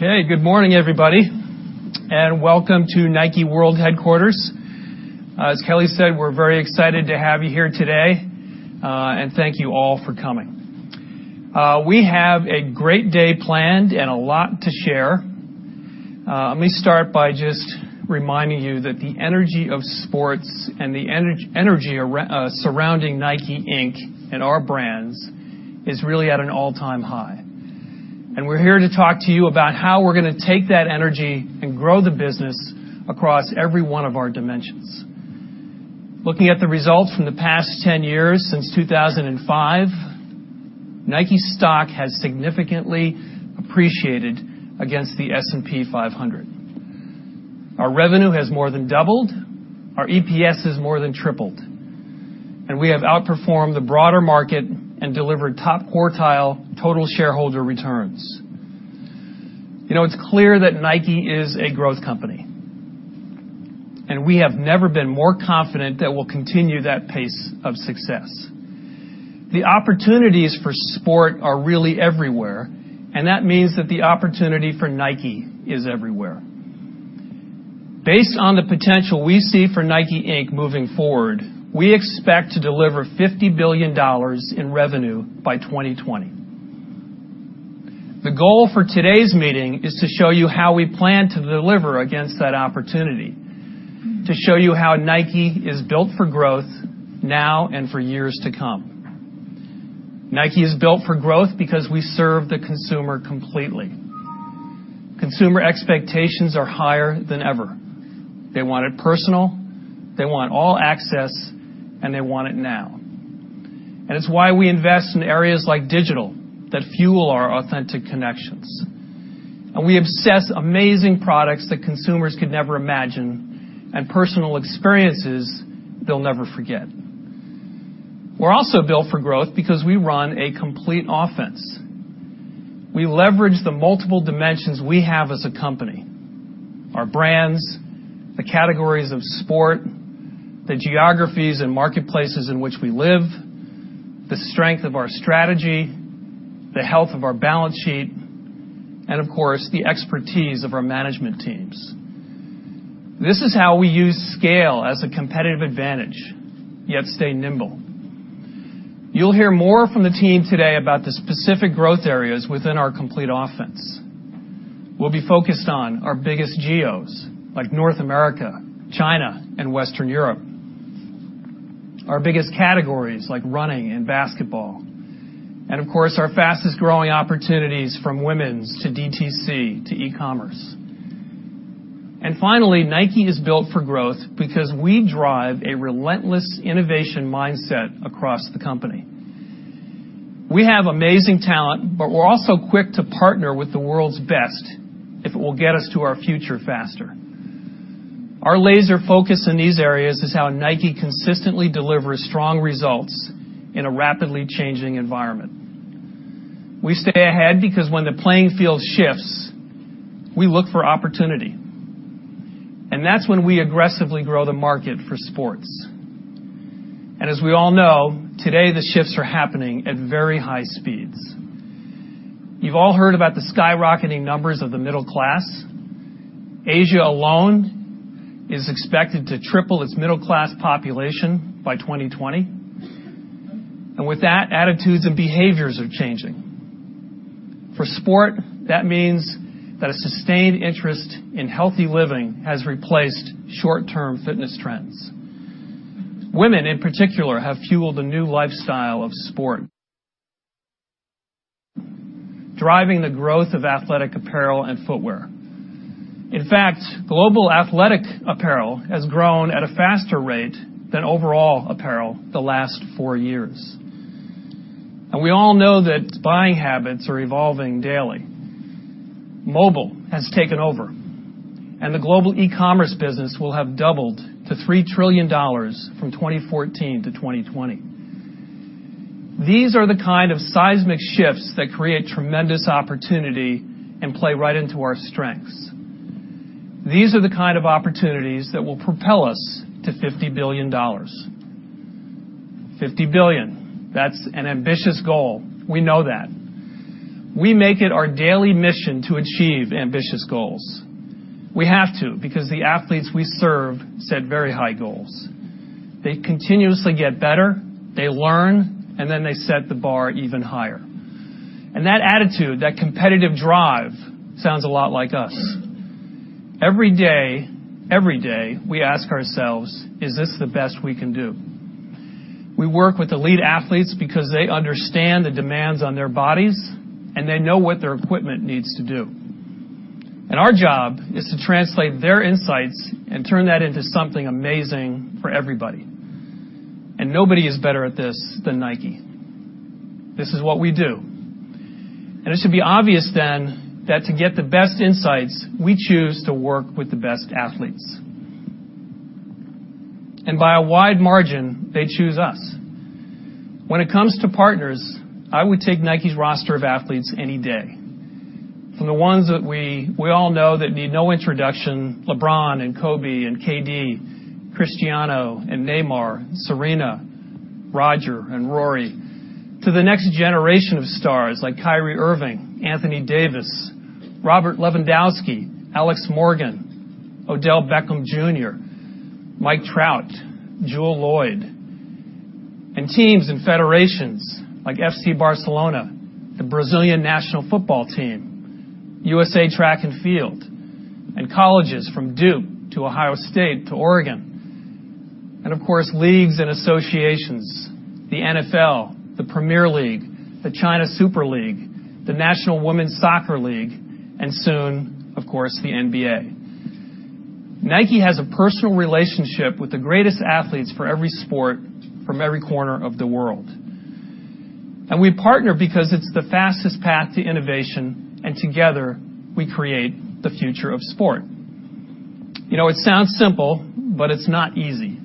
Good morning, everybody, and welcome to NIKE World Headquarters. As Kelley said, we're very excited to have you here today, and thank you all for coming. We have a great day planned and a lot to share. Let me start by just reminding you that the energy of sports and the energy surrounding NIKE, Inc. and our brands is really at an all-time high. We're here to talk to you about how we're gonna take that energy and grow the business across every one of our dimensions. Looking at the results from the past 10 years since 2005, NIKE stock has significantly appreciated against the S&P 500. Our revenue has more than doubled, our EPS has more than tripled, and we have outperformed the broader market and delivered top-quartile total shareholder returns. You know, it's clear that NIKE is a growth company, and we have never been more confident that we'll continue that pace of success. The opportunities for sport are really everywhere, and that means that the opportunity for NIKE is everywhere. Based on the potential we see for NIKE, Inc. moving forward, we expect to deliver $50 billion in revenue by 2020. The goal for today's meeting is to show you how we plan to deliver against that opportunity, to show you how NIKE is built for growth now and for years to come. NIKE is built for growth because we serve the consumer completely. Consumer expectations are higher than ever. They want it personal, they want all access, and they want it now. It's why we invest in areas like digital that fuel our authentic connections. We obsess amazing products that consumers could never imagine and personal experiences they'll never forget. We're also built for growth because we run a complete offense. We leverage the multiple dimensions we have as a company: our brands, the categories of sport, the geographies and marketplaces in which we live, the strength of our strategy, the health of our balance sheet, and of course, the expertise of our management teams. This is how we use scale as a competitive advantage, yet stay nimble. You'll hear more from the team today about the specific growth areas within our complete offense. We'll be focused on our biggest geos, like North America, China, and Western Europe. Our biggest categories, like running and basketball. Of course, our fastest-growing opportunities from women's to DTC to e-commerce. Finally, NIKE is built for growth because we drive a relentless innovation mindset across the company. We have amazing talent, but we're also quick to partner with the world's best if it will get us to our future faster. Our laser focus in these areas is how NIKE consistently delivers strong results in a rapidly changing environment. We stay ahead because when the playing field shifts, we look for opportunity, and that's when we aggressively grow the market for sports. As we all know, today the shifts are happening at very high speeds. You've all heard about the skyrocketing numbers of the middle class. Asia alone is expected to triple its middle class population by 2020. With that, attitudes and behaviors are changing. For sport, that means that a sustained interest in healthy living has replaced short-term fitness trends. Women, in particular, have fueled a new lifestyle of sport, driving the growth of athletic apparel and footwear. In fact, global athletic apparel has grown at a faster rate than overall apparel the last four years. We all know that buying habits are evolving daily. Mobile has taken over, and the global e-commerce business will have doubled to $3 trillion from 2014 to 2020. These are the kind of seismic shifts that create tremendous opportunity and play right into our strengths. These are the kind of opportunities that will propel us to $50 billion. $50 billion. That's an ambitious goal. We know that. We make it our daily mission to achieve ambitious goals. We have to because the athletes we serve set very high goals. They continuously get better, they learn, and then they set the bar even higher. That attitude, that competitive drive sounds a lot like us. Every day, every day we ask ourselves, "Is this the best we can do?" We work with elite athletes because they understand the demands on their bodies and they know what their equipment needs to do. Our job is to translate their insights and turn that into something amazing for everybody. Nobody is better at this than NIKE. This is what we do. It should be obvious then that to get the best insights, we choose to work with the best athletes. By a wide margin, they choose us. When it comes to partners, I would take NIKE's roster of athletes any day. From the ones that we all know that need no introduction, LeBron and Kobe and KD, Cristiano and Neymar, Serena, Roger and Rory, to the next generation of stars like Kyrie Irving, Anthony Davis, Robert Lewandowski, Alex Morgan, Odell Beckham Jr., Mike Trout, Jewell Loyd, and teams and federations like FC Barcelona, the Brazil national football team, USA Track & Field, and colleges from Duke to Ohio State to Oregon, and of course, leagues and associations, the NFL, the Premier League, the Chinese Super League, the National Women's Soccer League, and soon, of course, the NBA. NIKE has a personal relationship with the greatest athletes for every sport from every corner of the world. We partner because it's the fastest path to innovation, and together, we create the future of sport. You know, it sounds simple, but it's not easy.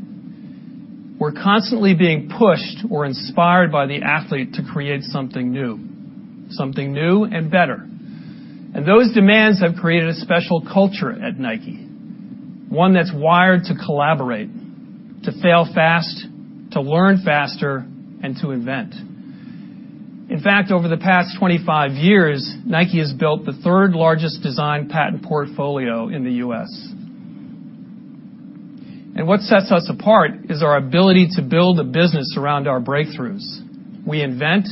We're constantly being pushed or inspired by the athlete to create something new, something new and better. Those demands have created a special culture at NIKE, one that's wired to collaborate, to fail fast, to learn faster, and to invent. In fact, over the past 25 years, NIKE has built the third-largest design patent portfolio in the U.S. What sets us apart is our ability to build a business around our breakthroughs. We invent,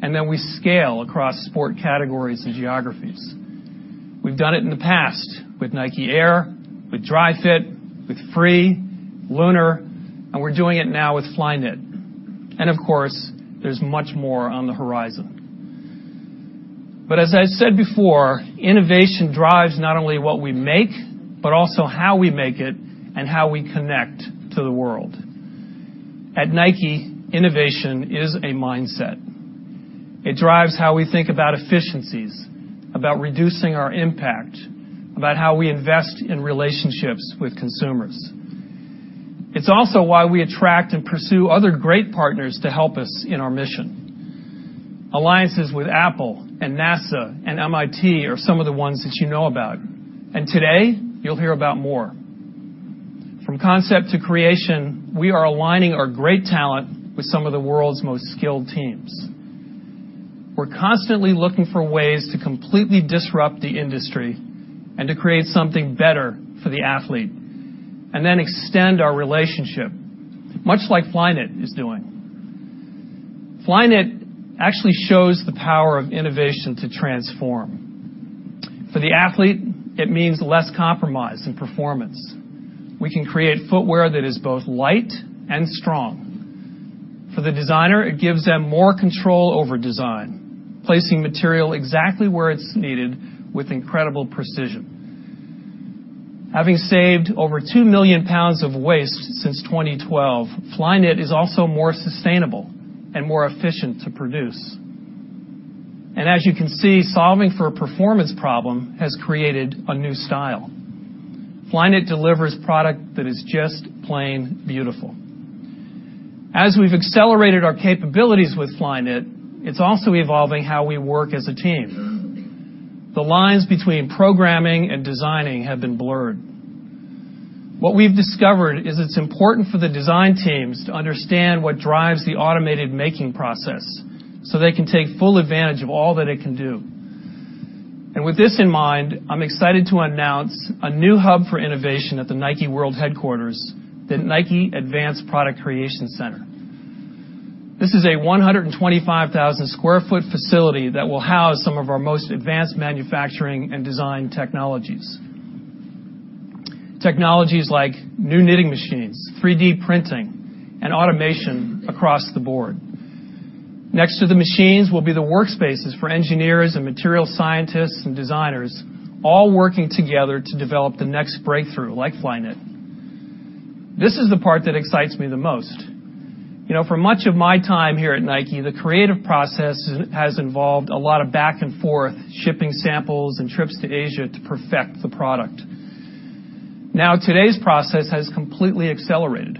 then we scale across sport categories and geographies. We've done it in the past with NIKE Air, with Dri-FIT, with Free, Lunarlon, and we're doing it now with Flyknit. Of course, there's much more on the horizon. As I said before, innovation drives not only what we make, but also how we make it and how we connect to the world. At NIKE, innovation is a mindset. It drives how we think about efficiencies, about reducing our impact, about how we invest in relationships with consumers. It's also why we attract and pursue other great partners to help us in our mission. Alliances with Apple and NASA and MIT are some of the ones that you know about. Today, you'll hear about more. From concept to creation, we are aligning our great talent with some of the world's most skilled teams. We're constantly looking for ways to completely disrupt the industry and to create something better for the athlete and then extend our relationship, much like Flyknit is doing. Flyknit actually shows the power of innovation to transform. For the athlete, it means less compromise in performance. We can create footwear that is both light and strong. For the designer, it gives them more control over design, placing material exactly where it's needed with incredible precision. Having saved over 2 million pounds of waste since 2012, Flyknit is also more sustainable and more efficient to produce. As you can see, solving for a performance problem has created a new style. Flyknit delivers product that is just plain beautiful. As we've accelerated our capabilities with Flyknit, it's also evolving how we work as a team. The lines between programming and designing have been blurred. What we've discovered is it's important for the design teams to understand what drives the automated making process, so they can take full advantage of all that it can do. With this in mind, I'm excited to announce a new hub for innovation at the NIKE World Headquarters, the NIKE Advanced Product Creation Center. This is a 125,000 sq ft facility that will house some of our most advanced manufacturing and design technologies. Technologies like new knitting machines, 3D printing, and automation across the board. Next to the machines will be the workspaces for engineers and material scientists and designers, all working together to develop the next breakthrough like Flyknit. This is the part that excites me the most. You know, for much of my time here at NIKE, the creative process has involved a lot of back and forth shipping samples and trips to Asia to perfect the product. Now, today's process has completely accelerated.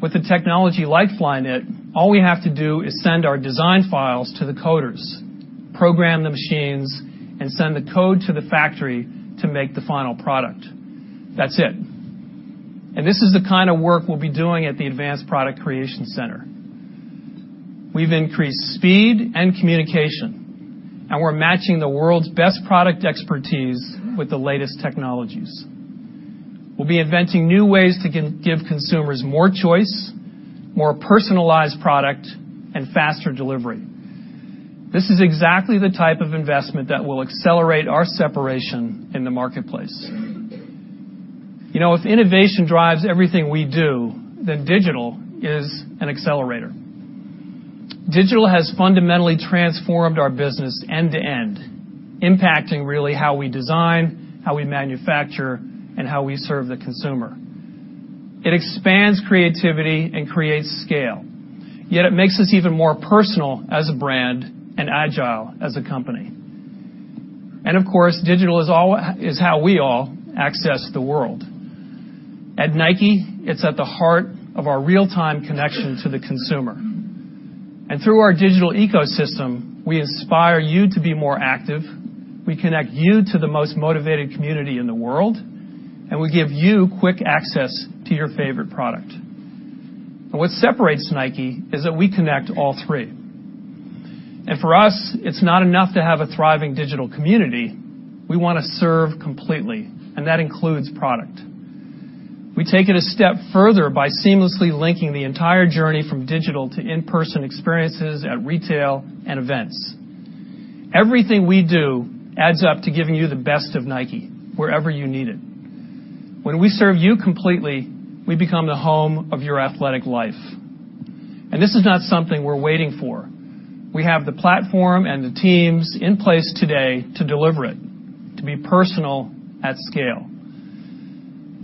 With the technology like Flyknit, all we have to do is send our design files to the coders, program the machines, and send the code to the factory to make the final product. That's it. This is the kind of work we'll be doing at the NIKE Advanced Product Creation Center. We've increased speed and communication, and we're matching the world's best product expertise with the latest technologies. We'll be inventing new ways to give consumers more choice, more personalized product, and faster delivery. This is exactly the type of investment that will accelerate our separation in the marketplace. You know, if innovation drives everything we do, then digital is an accelerator. Digital has fundamentally transformed our business end to end, impacting really how we design, how we manufacture, and how we serve the consumer. It expands creativity and creates scale. It makes us even more personal as a brand and agile as a company. Of course, digital is how we all access the world. At NIKE, it's at the heart of our real-time connection to the consumer. Through our digital ecosystem, we inspire you to be more active, we connect you to the most motivated community in the world, and we give you quick access to your favorite product. What separates NIKE is that we connect all three. For us, it's not enough to have a thriving digital community. We want to serve completely, and that includes product. We take it a step further by seamlessly linking the entire journey from digital to in-person experiences at retail and events. Everything we do adds up to giving you the best of NIKE wherever you need it. When we serve you completely, we become the home of your athletic life, and this is not something we're waiting for. We have the platform and the teams in place today to deliver it, to be personal at scale.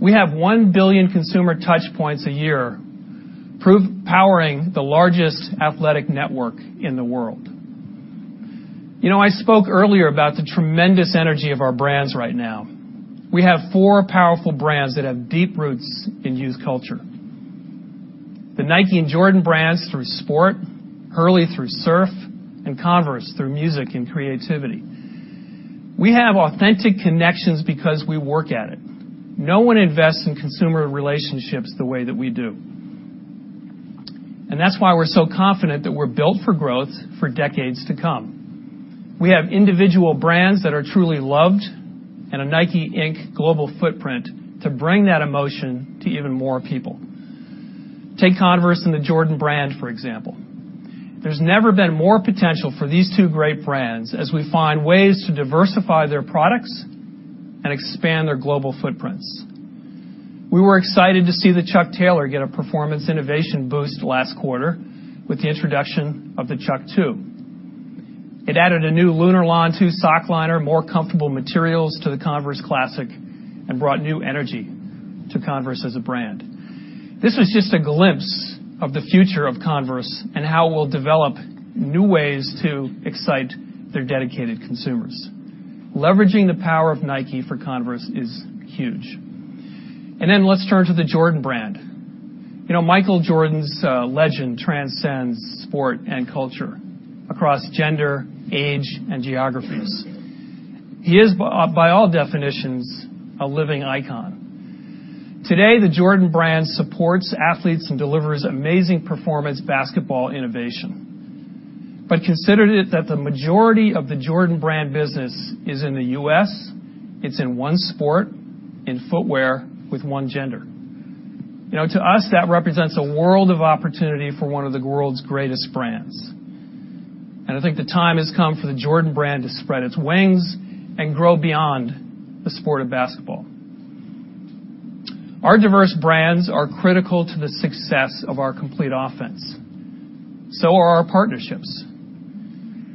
We have 1 billion consumer touch points a year, powering the largest athletic network in the world. You know, I spoke earlier about the tremendous energy of our brands right now. We have four powerful brands that have deep roots in youth culture. The NIKE and Jordan brands through sport, Hurley through surf, and Converse through music and creativity. We have authentic connections because we work at it. No one invests in consumer relationships the way that we do. That's why we're so confident that we're built for growth for decades to come. We have individual brands that are truly loved and a NIKE Inc. global footprint to bring that emotion to even more people. Take Converse and the Jordan Brand, for example. There's never been more potential for these two great brands as we find ways to diversify their products and expand their global footprints. We were excited to see the Chuck Taylor get a performance innovation boost last quarter with the introduction of the Chuck II. It added a new Lunarlon sockliner, more comfortable materials to the Converse classic, and brought new energy to Converse as a brand. This was just a glimpse of the future of Converse and how we'll develop new ways to excite their dedicated consumers. Leveraging the power of NIKE for Converse is huge. Then let's turn to the Jordan Brand. You know, Michael Jordan's legend transcends sport and culture across gender, age, and geographies. He is by all definitions, a living icon. Today, the Jordan Brand supports athletes and delivers amazing performance basketball innovation. Consider it that the majority of the Jordan Brand business is in the U.S., it's in one sport, in footwear, with one gender. You know, to us, that represents a world of opportunity for one of the world's greatest brands. I think the time has come for the Jordan Brand to spread its wings and grow beyond the sport of basketball. Our diverse brands are critical to the success of our complete offense. So are our partnerships.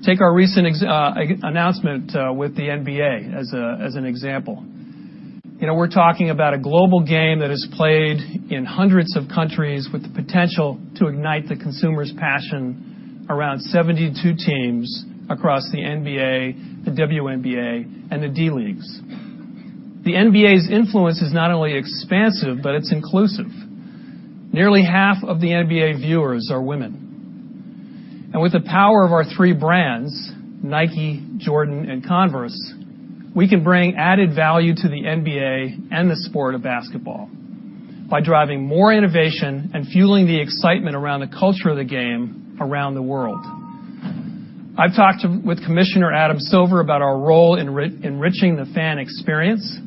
Take our recent announcement with the NBA as an example. You know, we're talking about a global game that is played in hundreds of countries with the potential to ignite the consumer's passion around 72 teams across the NBA, the WNBA, and the D-League. The NBA's influence is not only expansive, it's inclusive. Nearly half of the NBA viewers are women. With the power of our three brands, NIKE, Jordan, and Converse, we can bring added value to the NBA and the sport of basketball by driving more innovation and fueling the excitement around the culture of the game around the world. I've talked with Commissioner Adam Silver about our role in enriching the fan experience.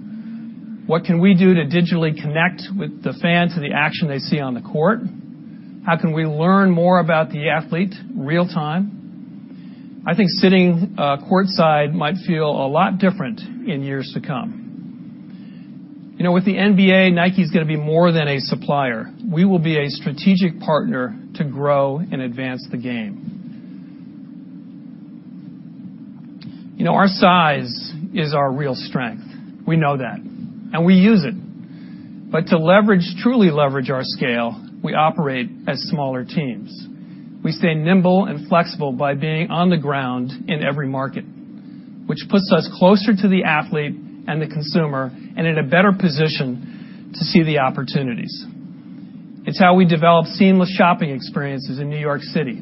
What can we do to digitally connect with the fan to the action they see on the court? How can we learn more about the athlete real time? I think sitting courtside might feel a lot different in years to come. You know, with the NBA, NIKE's gonna be more than a supplier. We will be a strategic partner to grow and advance the game. You know, our size is our real strength. We know that, and we use it. To truly leverage our scale, we operate as smaller teams. We stay nimble and flexible by being on the ground in every market, which puts us closer to the athlete and the consumer and in a better position to see the opportunities. It's how we develop seamless shopping experiences in New York City,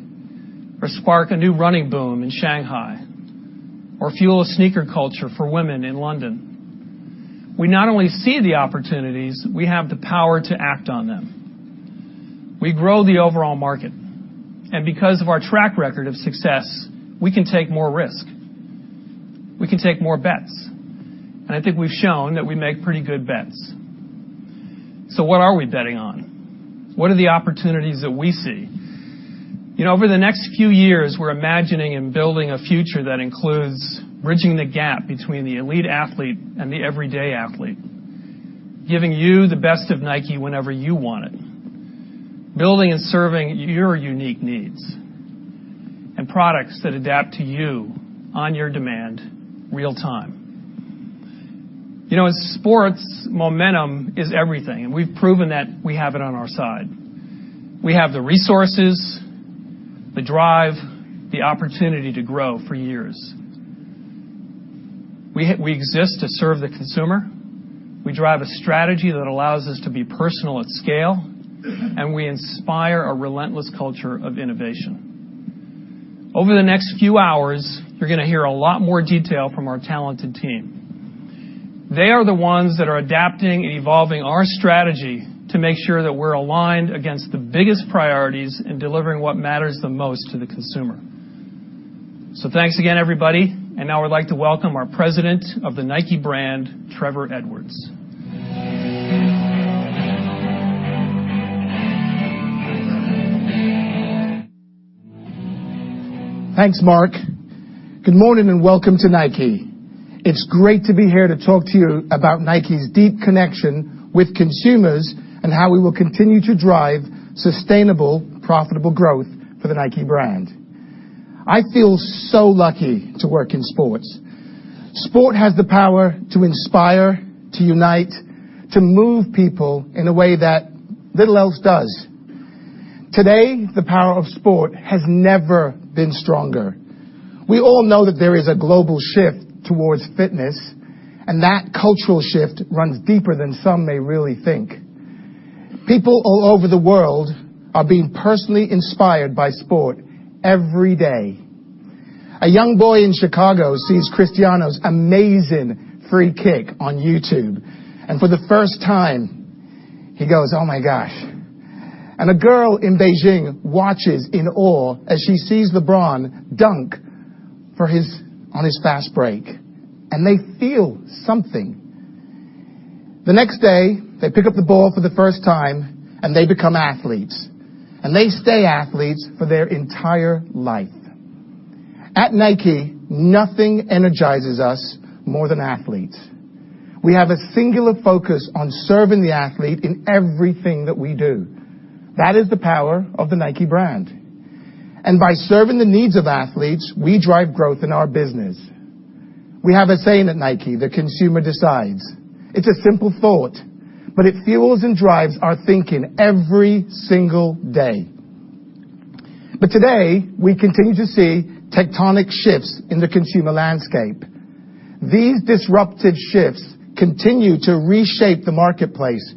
or spark a new running boom in Shanghai, or fuel a sneaker culture for women in London. We not only see the opportunities, we have the power to act on them. We grow the overall market, and because of our track record of success, we can take more risk. We can take more bets, and I think we've shown that we make pretty good bets. What are we betting on? What are the opportunities that we see? You know, over the next few years, we're imagining and building a future that includes bridging the gap between the elite athlete and the everyday athlete, giving you the best of NIKE whenever you want it, building and serving your unique needs, and products that adapt to you on your demand real time. You know, in sports, momentum is everything, and we've proven that we have it on our side. We have the resources, the drive, the opportunity to grow for years. We exist to serve the consumer. We drive a strategy that allows us to be personal at scale, and we inspire a relentless culture of innovation. Over the next few hours, you're gonna hear a lot more detail from our talented team. They are the ones that are adapting and evolving our strategy to make sure that we're aligned against the biggest priorities in delivering what matters the most to the consumer. Thanks again, everybody. Now I'd like to welcome our President of the NIKE Brand, Trevor Edwards. Thanks, Mark. Good morning, welcome to NIKE. It's great to be here to talk to you about NIKE's deep connection with consumers and how we will continue to drive sustainable, profitable growth for the NIKE brand. I feel so lucky to work in sports. Sport has the power to inspire, to unite, to move people in a way that little else does. Today, the power of sport has never been stronger. We all know that there is a global shift towards fitness, that cultural shift runs deeper than some may really think. People all over the world are being personally inspired by sport every day. A young boy in Chicago sees Cristiano's amazing free kick on YouTube, for the first time, he goes, "Oh, my gosh." A girl in Beijing watches in awe as she sees LeBron dunk on his fast break, they feel something. The next day, they pick up the ball for the first time, they become athletes, they stay athletes for their entire life. At NIKE, nothing energizes us more than athletes. We have a singular focus on serving the athlete in everything that we do. That is the power of the NIKE brand. By serving the needs of athletes, we drive growth in our business. We have a saying at NIKE: the consumer decides. It's a simple thought, it fuels and drives our thinking every single day. Today, we continue to see tectonic shifts in the consumer landscape. These disruptive shifts continue to reshape the marketplace,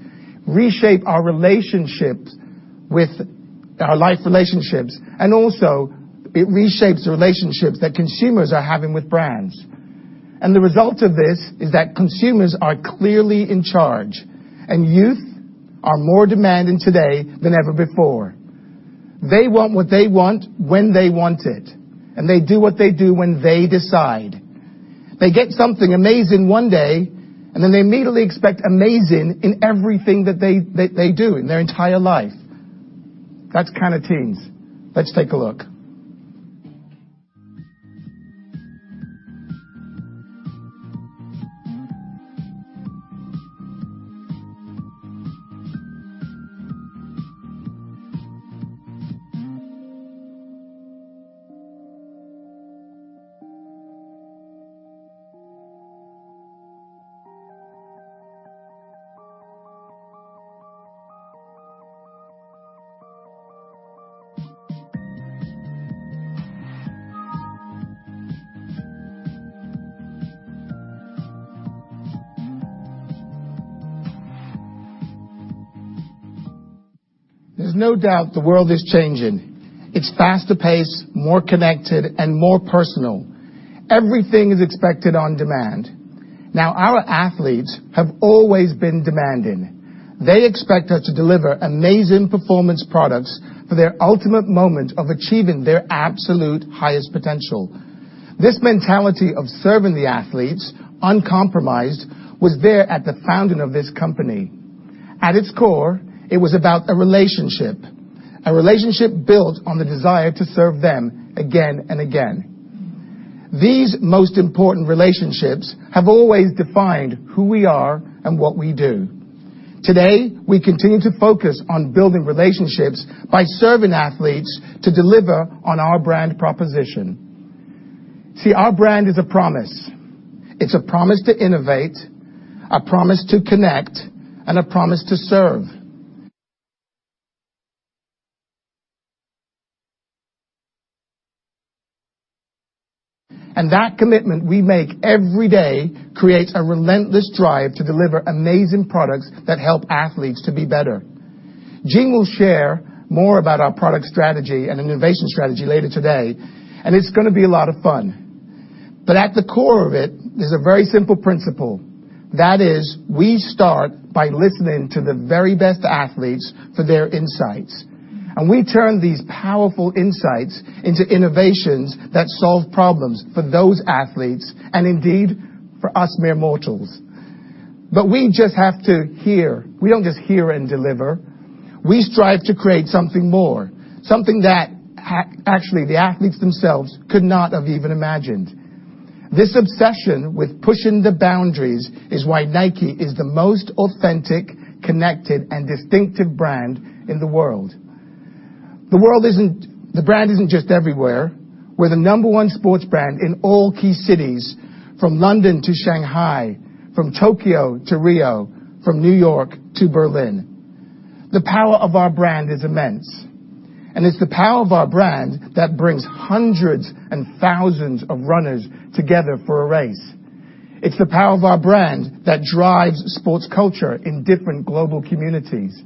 reshape our relationships with our life relationships, and also it reshapes relationships that consumers are having with brands. The result of this is that consumers are clearly in charge, and youth are more demanding today than ever before. They want what they want when they want it, and they do what they do when they decide. They get something amazing one day, and then they immediately expect amazing in everything that they do in their entire life. That's kind of teens. Let's take a look. There's no doubt the world is changing. It's faster pace, more connected, and more personal. Everything is expected on demand. Now, our athletes have always been demanding. They expect us to deliver amazing performance products for their ultimate moment of achieving their absolute highest potential. This mentality of serving the athletes uncompromised was there at the founding of this company. At its core, it was about a relationship, a relationship built on the desire to serve them again and again. These most important relationships have always defined who we are and what we do. Today, we continue to focus on building relationships by serving athletes to deliver on our brand proposition. See, our brand is a promise. It's a promise to innovate, a promise to connect, and a promise to serve. That commitment we make every day creates a relentless drive to deliver amazing products that help athletes to be better. Jeanne will share more about our product strategy and innovation strategy later today, and it's gonna be a lot of fun. At the core of it is a very simple principle. That is, we start by listening to the very best athletes for their insights, and we turn these powerful insights into innovations that solve problems for those athletes and indeed for us mere mortals. We just have to hear. We don't just hear and deliver. We strive to create something more, something that actually the athletes themselves could not have even imagined. This obsession with pushing the boundaries is why NIKE is the most authentic, connected, and distinctive brand in the world. The brand isn't just everywhere. We're the number one sports brand in all key cities, from London to Shanghai, from Tokyo to Rio, from New York to Berlin. The power of our brand is immense, and it's the power of our brand that brings hundreds and thousands of runners together for a race. It's the power of our brand that drives sports culture in different global communities,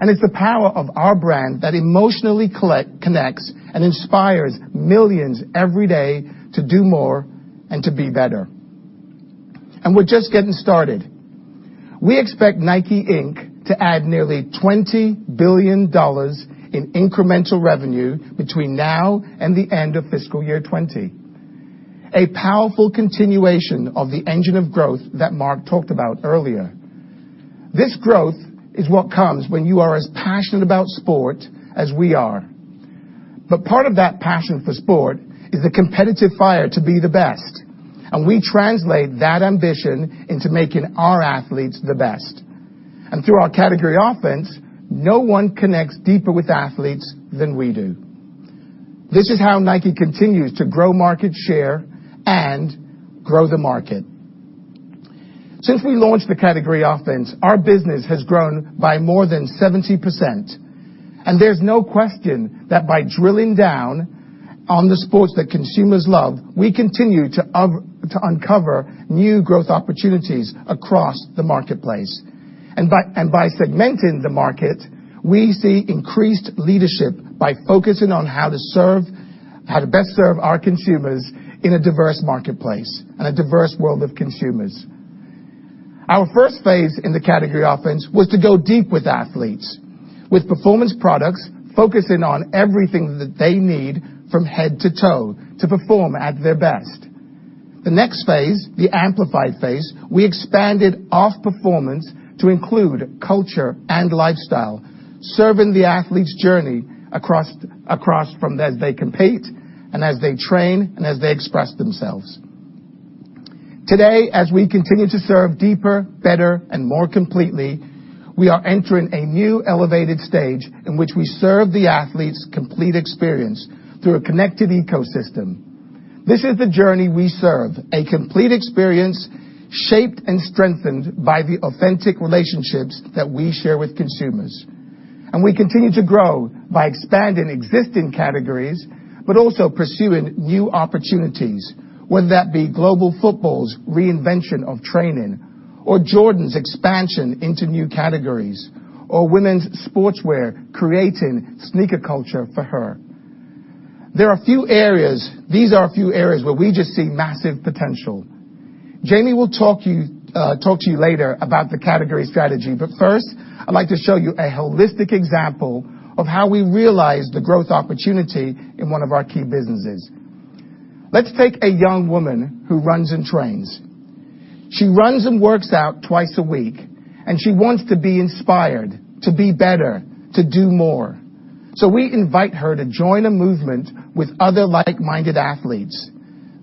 and it's the power of our brand that emotionally connects and inspires millions every day to do more and to be better. We're just getting started. We expect NIKE, Inc. to add nearly $20 billion in incremental revenue between now and the end of fiscal year 2020. A powerful continuation of the engine of growth that Mark talked about earlier. This growth is what comes when you are as passionate about sport as we are. Part of that passion for sport is the competitive fire to be the best, and we translate that ambition into making our athletes the best. Through our Category Offense, no one connects deeper with athletes than we do. This is how NIKE continues to grow market share and grow the market. Since we launched the Category Offense, our business has grown by more than 70%, there's no question that by drilling down on the sports that consumers love, we continue to uncover new growth opportunities across the marketplace. By segmenting the market, we see increased leadership by focusing on how to best serve our consumers in a diverse marketplace and a diverse world of consumers. Our first phase in the Category Offense was to go deep with athletes, with performance products, focusing on everything that they need from head to toe to perform at their best. The next phase, the amplified phase, we expanded off performance to include culture and lifestyle, serving the athlete's journey across from as they compete and as they train and as they express themselves. Today, as we continue to serve deeper, better, and more completely, we are entering a new elevated stage in which we serve the athlete's complete experience through a connected ecosystem. This is the journey we serve, a complete experience shaped and strengthened by the authentic relationships that we share with consumers. We continue to grow by expanding existing categories, but also pursuing new opportunities, whether that be global football's reinvention of training or Jordan's expansion into new categories or women's sportswear creating sneaker culture for her. These are a few areas where we just see massive potential. Jayme will talk to you later about the category strategy, but first, I'd like to show you a holistic example of how we realize the growth opportunity in one of our key businesses. Let's take a young woman who runs and trains. She runs and works out twice a week, she wants to be inspired, to be better, to do more. We invite her to join a movement with other like-minded athletes.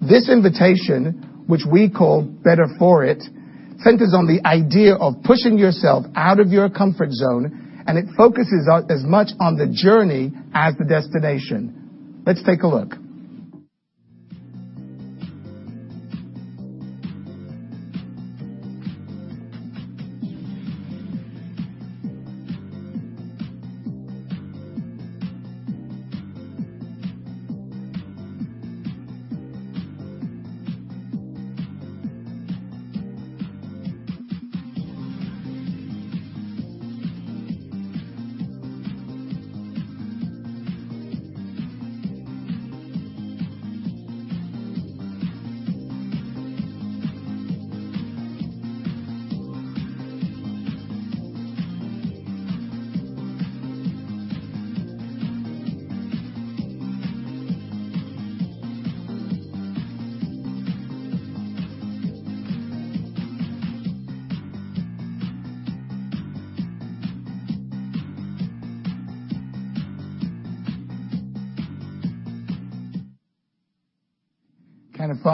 This invitation, which we call Better For It, centers on the idea of pushing yourself out of your comfort zone, it focuses out as much on the journey as the destination. Let's take a look.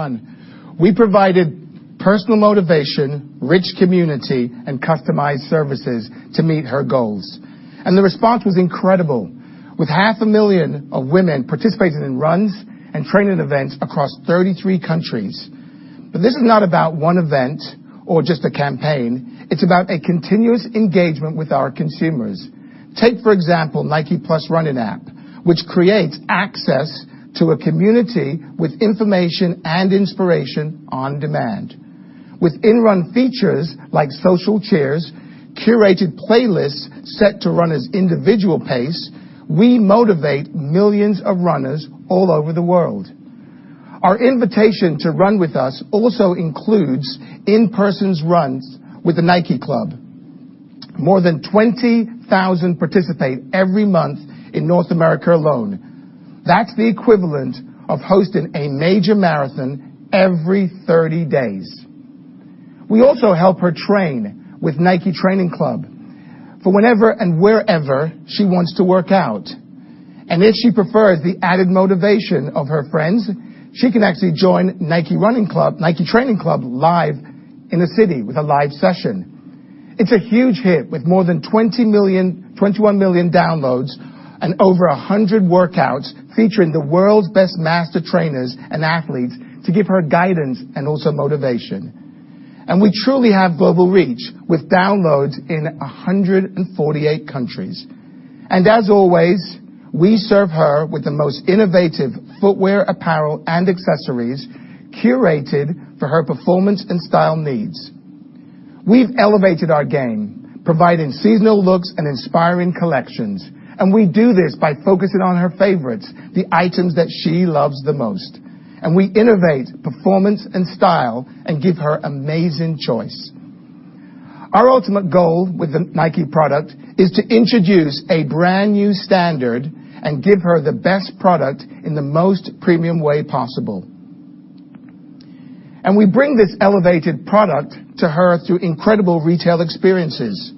Kind of fun. We provided personal motivation, rich community, and customized services to meet her goals. The response was incredible, with 500,000 women participating in runs and training events across 33 countries. This is not about one event or just a campaign. It's about a continuous engagement with our consumers. Take, for example, NIKE+ Running App, which creates access to a community with information and inspiration on demand. With in-run features like social shares, curated playlists set to runners' individual pace, we motivate millions of runners all over the world. Our invitation to run with us also includes in-person runs with the NIKE Club. More than 20,000 participate every month in North America alone. That's the equivalent of hosting a major marathon every 30 days. We also help her train with NIKE Training Club for whenever and wherever she wants to work out. If she prefers the added motivation of her friends, she can actually join NIKE Running Club, NIKE Training Club live in a city with a live session. It's a huge hit with more than 21 million downloads and over 100 workouts featuring the world's best master trainers and athletes to give her guidance and also motivation. We truly have global reach with downloads in 148 countries. As always, we serve her with the most innovative footwear, apparel, and accessories curated for her performance and style needs. We've elevated our game, providing seasonal looks and inspiring collections, and we do this by focusing on her favorites, the items that she loves the most. We innovate performance and style and give her amazing choice. Our ultimate goal with the NIKE product is to introduce a brand-new standard and give her the best product in the most premium way possible. We bring this elevated product to her through incredible retail experiences.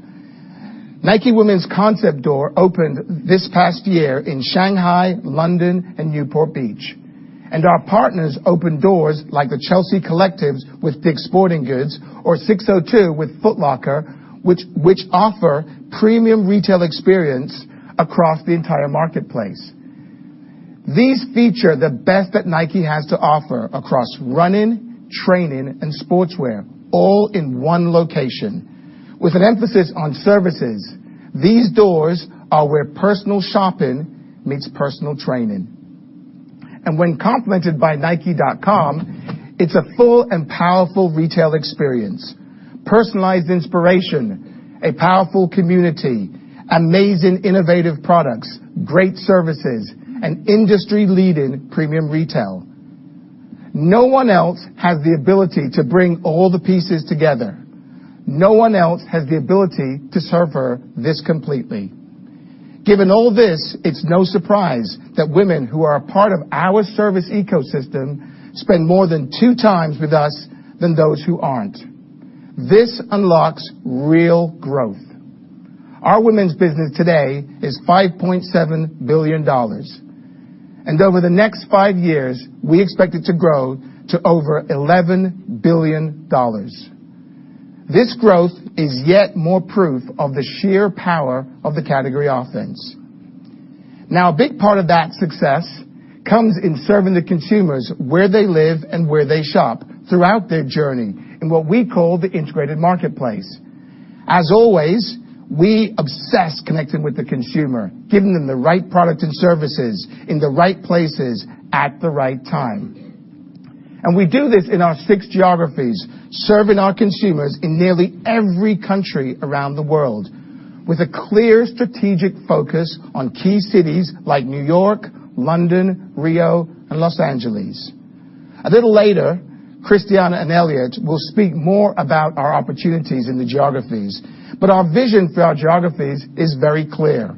NIKE Women's concept door opened this past year in Shanghai, London, and Newport Beach. Our partners opened doors like the Chelsea Collective with Dick's Sporting Goods or SIX:02 with Foot Locker, which offer premium retail experience across the entire marketplace. These feature the best that NIKE has to offer across running, training, and sportswear, all in one location. With an emphasis on services, these doors are where personal shopping meets personal training. When complemented by nike.com, it's a full and powerful retail experience. Personalized inspiration, a powerful community, amazing innovative products, great services, and industry-leading premium retail. No one else has the ability to bring all the pieces together. No one else has the ability to serve her this completely. Given all this, it's no surprise that women who are a part of our service ecosystem spend more than two times with us than those who aren't. This unlocks real growth. Our women's business today is $5.7 billion, and over the next five years, we expect it to grow to over $11 billion. This growth is yet more proof of the sheer power of the Category Offense. Now, a big part of that success comes in serving the consumers where they live and where they shop throughout their journey in what we call the integrated marketplace. As always, we obsess connecting with the consumer, giving them the right product and services in the right places at the right time. We do this in our six geographies, serving our consumers in nearly every country around the world with a clear strategic focus on key cities like New York, London, Rio, and Los Angeles. A little later, Christiana and Elliott will speak more about our opportunities in the geographies, but our vision for our geographies is very clear.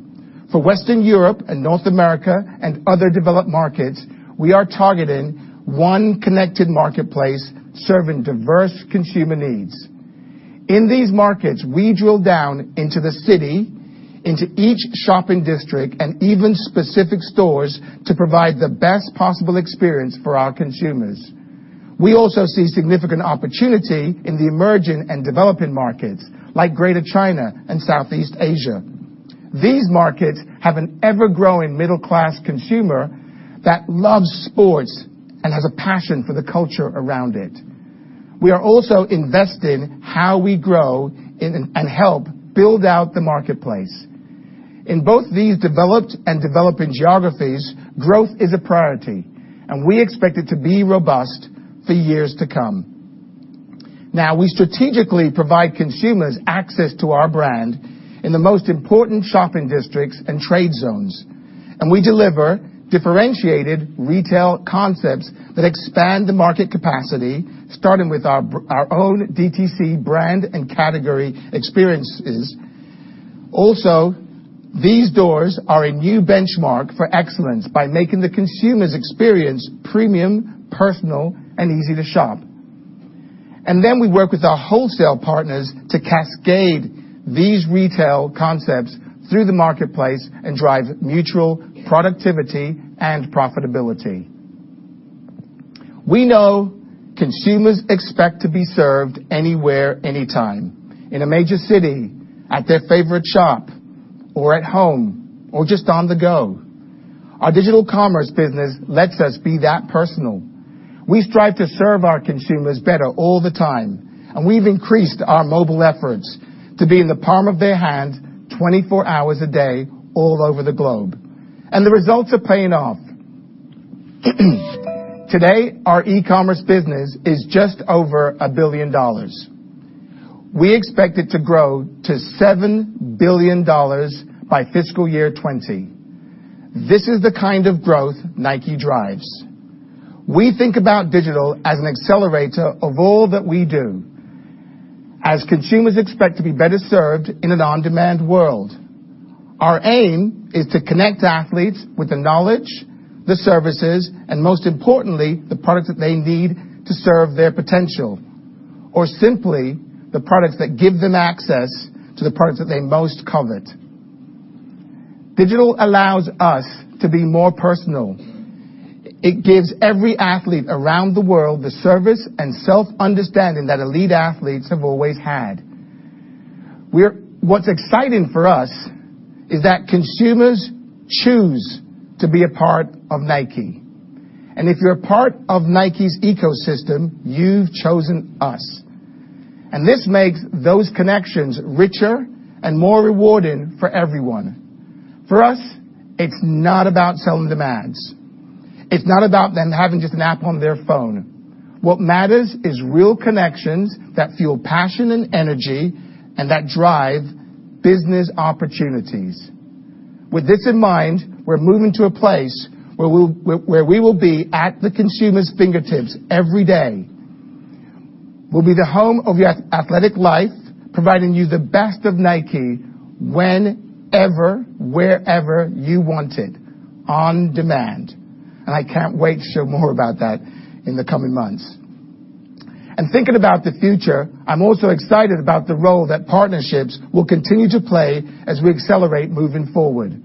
For Western Europe and North America and other developed markets, we are targeting one connected marketplace serving diverse consumer needs. In these markets, we drill down into the city, into each shopping district, and even specific stores to provide the best possible experience for our consumers. We also see significant opportunity in the emerging and developing markets like Greater China and Southeast Asia. These markets have an ever-growing middle-class consumer that loves sports and has a passion for the culture around it. We are also investing how we grow and help build out the marketplace. In both these developed and developing geographies, growth is a priority, and we expect it to be robust for years to come. We strategically provide consumers access to our brand in the most important shopping districts and trade zones, and we deliver differentiated retail concepts that expand the market capacity, starting with our own DTC brand and category experiences. These doors are a new benchmark for excellence by making the consumer's experience premium, personal, and easy to shop. We work with our wholesale partners to cascade these retail concepts through the marketplace and drive mutual productivity and profitability. We know consumers expect to be served anywhere, anytime, in a major city, at their favorite shop, or at home, or just on the go. Our digital commerce business lets us be that personal. We strive to serve our consumers better all the time, and we've increased our mobile efforts to be in the palm of their hand 24 hours a day, all over the globe. The results are paying off. Today, our e-commerce business is just over $1 billion. We expect it to grow to $7 billion by FY 2020. This is the kind of growth NIKE drives. We think about digital as an accelerator of all that we do as consumers expect to be better served in an on-demand world. Our aim is to connect athletes with the knowledge, the services, and most importantly, the products that they need to serve their potential, or simply the products that give them access to the products that they most covet. Digital allows us to be more personal. It gives every athlete around the world the service and self-understanding that elite athletes have always had. What's exciting for us is that consumers choose to be a part of NIKE. If you're a part of NIKE's ecosystem, you've chosen us. This makes those connections richer and more rewarding for everyone. For us, it's not about selling demands. It's not about them having just an app on their phone. What matters is real connections that fuel passion and energy and that drive business opportunities. With this in mind, we're moving to a place where we will be at the consumer's fingertips every day. We'll be the home of your athletic life, providing you the best of NIKE whenever, wherever you want it, on demand. I can't wait to show more about that in the coming months. Thinking about the future, I'm also excited about the role that partnerships will continue to play as we accelerate moving forward.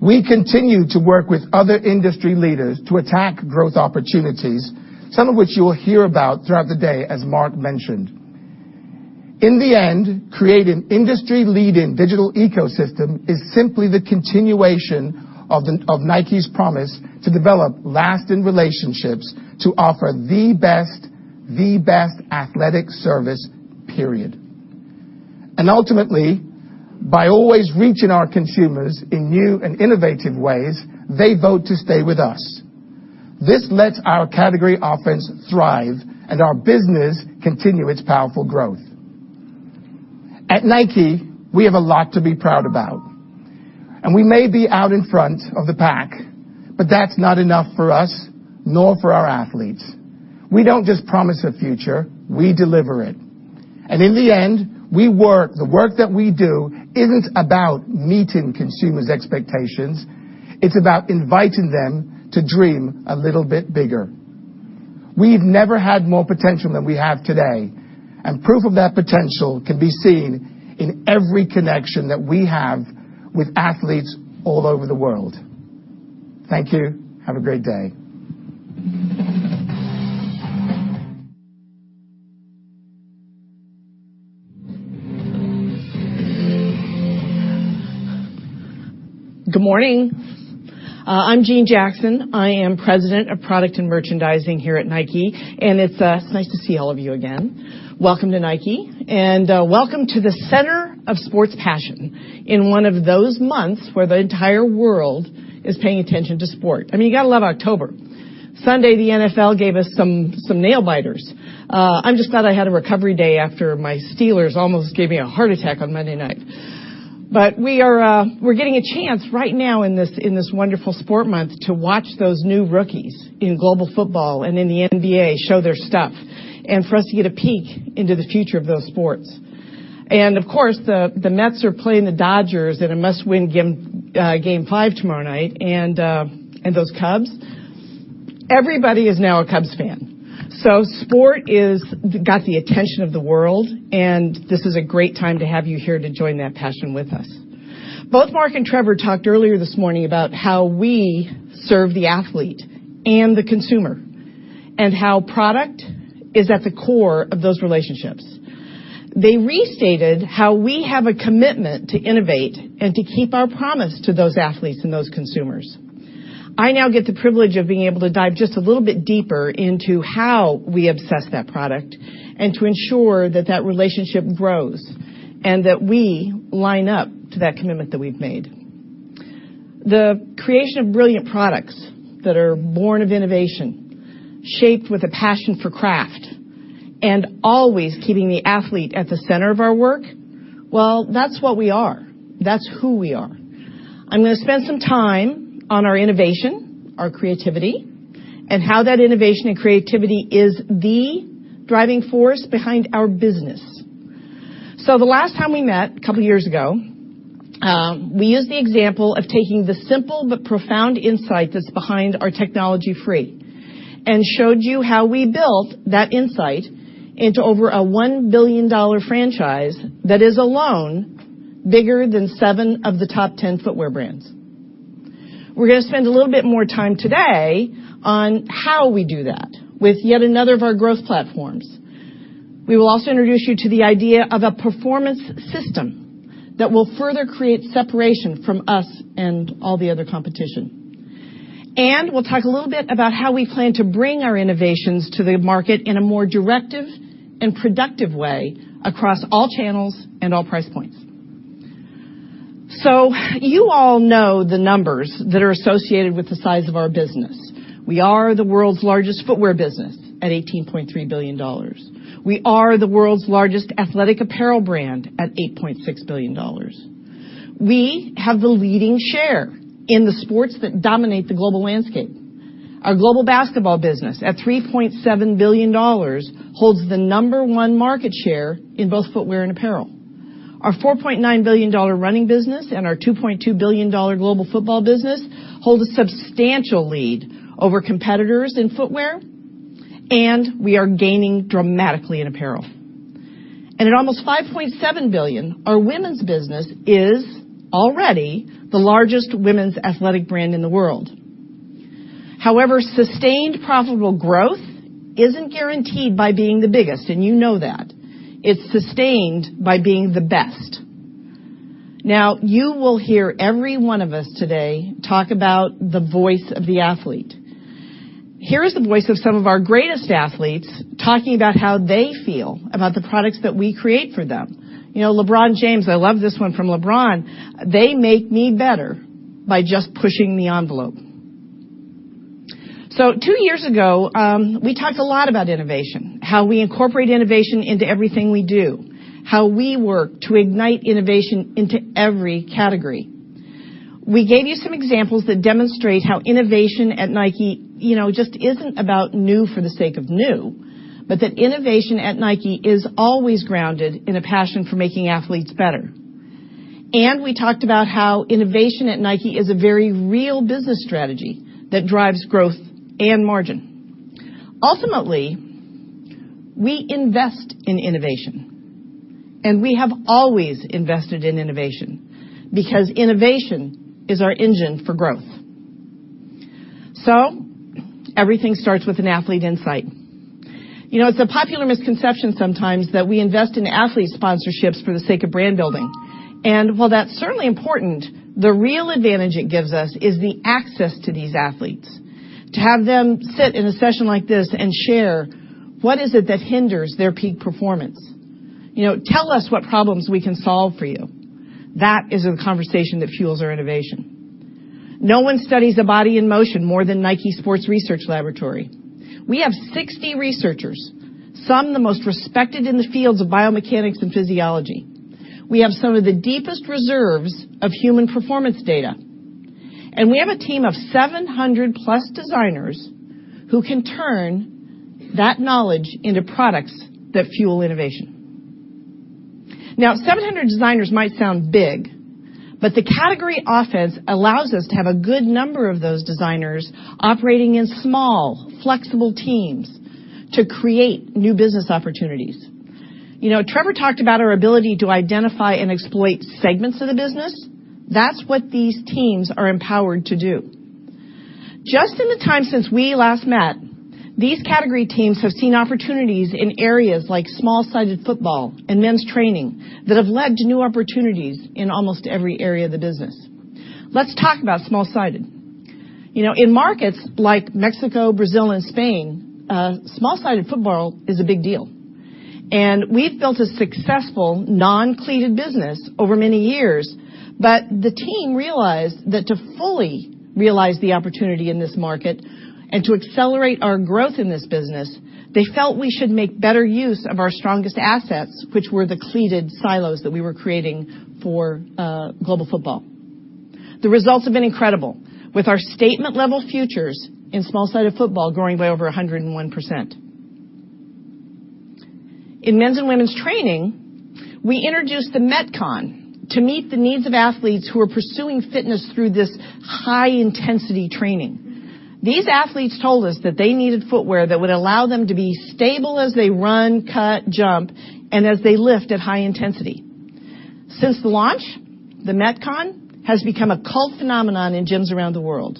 We continue to work with other industry leaders to attack growth opportunities, some of which you will hear about throughout the day, as Mark mentioned. In the end, creating industry-leading digital ecosystem is simply the continuation of NIKE's promise to develop lasting relationships to offer the best athletic service, period. Ultimately, by always reaching our consumers in new and innovative ways, they vote to stay with us. This lets our Category Offense thrive and our business continue its powerful growth. At NIKE, we have a lot to be proud about. We may be out in front of the pack, but that's not enough for us, nor for our athletes. We don't just promise a future, we deliver it. In the end, we work the work that we do isn't about meeting consumers' expectations. It's about inviting them to dream a little bit bigger. We've never had more potential than we have today, and proof of that potential can be seen in every connection that we have with athletes all over the world. Thank you. Have a great day. Good morning. I'm Jeanne Jackson. I am President of Product and Merchandising here at NIKE, and it's nice to see all of you again. Welcome to NIKE, welcome to the center of sports passion in one of those months where the entire world is paying attention to sport. I mean, you gotta love October. Sunday, the NFL gave us some nail biters. I'm just glad I had a recovery day after my Steelers almost gave me a heart attack on Monday night. We are getting a chance right now in this wonderful sport month to watch those new rookies in global football and in the NBA show their stuff, and for us to get a peek into the future of those sports. Of course, the Mets are playing the Dodgers in a must-win game 5 tomorrow night. Those Cubs? Everybody is now a Cubs fan. Sport got the attention of the world, and this is a great time to have you here to join that passion with us. Both Mark and Trevor talked earlier this morning about how we serve the athlete and the consumer and how product is at the core of those relationships. They restated how we have a commitment to innovate and to keep our promise to those athletes and those consumers. I now get the privilege of being able to dive just a little bit deeper into how we obsess that product and to ensure that that relationship grows and that we line up to that commitment that we've made. The creation of brilliant products that are born of innovation, shaped with a passion for craft, and always keeping the athlete at the center of our work, well, that's what we are. That's who we are. I'm gonna spend some time on our innovation, our creativity, and how that innovation and creativity is the driving force behind our business. The last time we met, couple years ago, we used the example of taking the simple but profound insight that's behind our technology Free and showed you how we built that insight into over a $1 billion franchise that is alone bigger than seven of the top 10 footwear brands. We're gonna spend a little bit more time today on how we do that with yet another of our growth platforms. We will also introduce you to the idea of a performance system that will further create separation from us and all the other competition. We'll talk a little bit about how we plan to bring our innovations to the market in a more directive and productive way across all channels and all price points. You all know the numbers that are associated with the size of our business. We are the world's largest footwear business at $18.3 billion. We are the world's largest athletic apparel brand at $8.6 billion. We have the leading share in the sports that dominate the global landscape. Our global basketball business at $3.7 billion holds the number one market share in both footwear and apparel. Our $4.9 billion running business and our $2.2 billion global football business hold a substantial lead over competitors in footwear. We are gaining dramatically in apparel. At almost $5.7 billion, our women's business is already the largest women's athletic brand in the world. However, sustained profitable growth isn't guaranteed by being the biggest, and you know that. It's sustained by being the best. Now, you will hear every one of us today talk about the voice of the athlete. Here is the voice of some of our greatest athletes talking about how they feel about the products that we create for them. You know, LeBron James, I love this one from LeBron, "They make me better by just pushing the envelope." Two years ago, we talked a lot about innovation, how we incorporate innovation into everything we do, how we work to ignite innovation into every category. We gave you some examples that demonstrate how innovation at NIKE, you know, just isn't about new for the sake of new, but that innovation at NIKE is always grounded in a passion for making athletes better. We talked about how innovation at NIKE is a very real business strategy that drives growth and margin. Ultimately, we invest in innovation, and we have always invested in innovation because innovation is our engine for growth. Everything starts with an athlete insight. You know, it's a popular misconception sometimes that we invest in athlete sponsorships for the sake of brand building, and while that's certainly important, the real advantage it gives us is the access to these athletes. To have them sit in a session like this and share what is it that hinders their peak performance. You know, tell us what problems we can solve for you. That is a conversation that fuels our innovation. No one studies the body in motion more than NIKE Sport Research Laboratory. We have 60 researchers, some of the most respected in the fields of biomechanics and physiology. We have some of the deepest reserves of human performance data, and we have a team of 700+ designers who can turn that knowledge into products that fuel innovation. Now, 700 designers might sound big, but the Category Offense allows us to have a good number of those designers operating in small, flexible teams to create new business opportunities. You know, Trevor talked about our ability to identify and exploit segments of the business. That's what these teams are empowered to do. Just in the time since we last met, these category teams have seen opportunities in areas like small-sided football and men's training that have led to new opportunities in almost every area of the business. Let's talk about small-sided. You know, in markets like Mexico, Brazil, and Spain, small-sided football is a big deal, and we've built a successful non-cleated business over many years. The team realized that to fully realize the opportunity in this market and to accelerate our growth in this business, they felt we should make better use of our strongest assets, which were the cleated silos that we were creating for global football. The results have been incredible. With our statement level futures in small-sided football growing by over 101%. In men's and women's training, we introduced the Metcon to meet the needs of athletes who are pursuing fitness through this high-intensity training. These athletes told us that they needed footwear that would allow them to be stable as they run, cut, jump, and as they lift at high intensity. Since the launch, the Metcon has become a cult phenomenon in gyms around the world.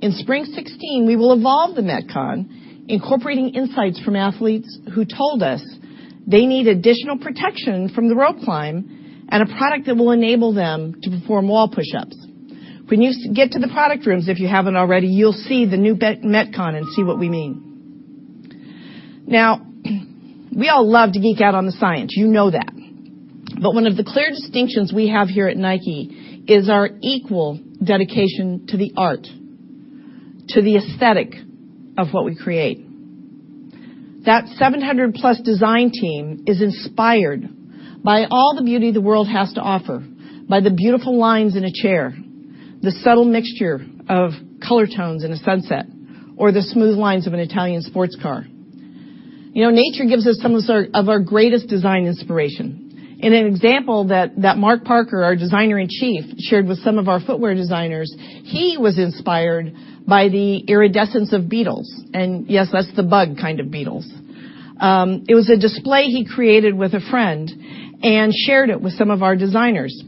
In spring 2016, we will evolve the Metcon, incorporating insights from athletes who told us they need additional protection from the rope climb and a product that will enable them to perform wall pushups. When you get to the product rooms, if you haven't already, you'll see the new Metcon and see what we mean. We all love to geek out on the science, you know that, but one of the clear distinctions we have here at NIKE is our equal dedication to the art, to the aesthetic of what we create. That 700+ design team is inspired by all the beauty the world has to offer, by the beautiful lines in a chair, the subtle mixture of color tones in a sunset or the smooth lines of an Italian sports car. You know, nature gives us some sort of our greatest design inspiration. In an example that Mark Parker, our Designer-in-Chief, shared with some of our footwear designers, he was inspired by the iridescence of beetles. Yes, that's the bug kind of beetles. It was a display he created with a friend and shared it with some of our designers.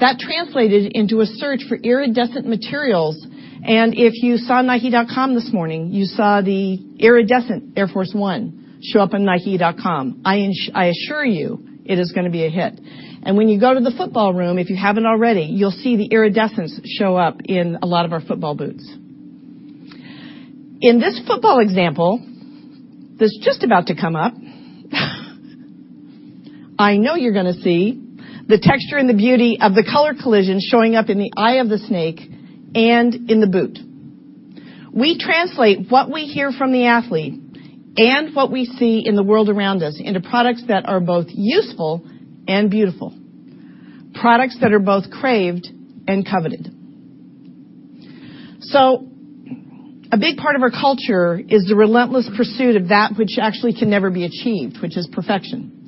That translated into a search for iridescent materials, and if you saw nike.com this morning, you saw the iridescent Air Force 1 show up on nike.com. I assure you it is gonna be a hit. When you go to the football room, if you haven't already, you'll see the iridescence show up in a lot of our football boots. In this football example that's just about to come up, I know you're gonna see the texture and the beauty of the color collision showing up in the eye of the snake and in the boot. We translate what we hear from the athlete and what we see in the world around us into products that are both useful and beautiful, products that are both craved and coveted. A big part of our culture is the relentless pursuit of that which actually can never be achieved, which is perfection.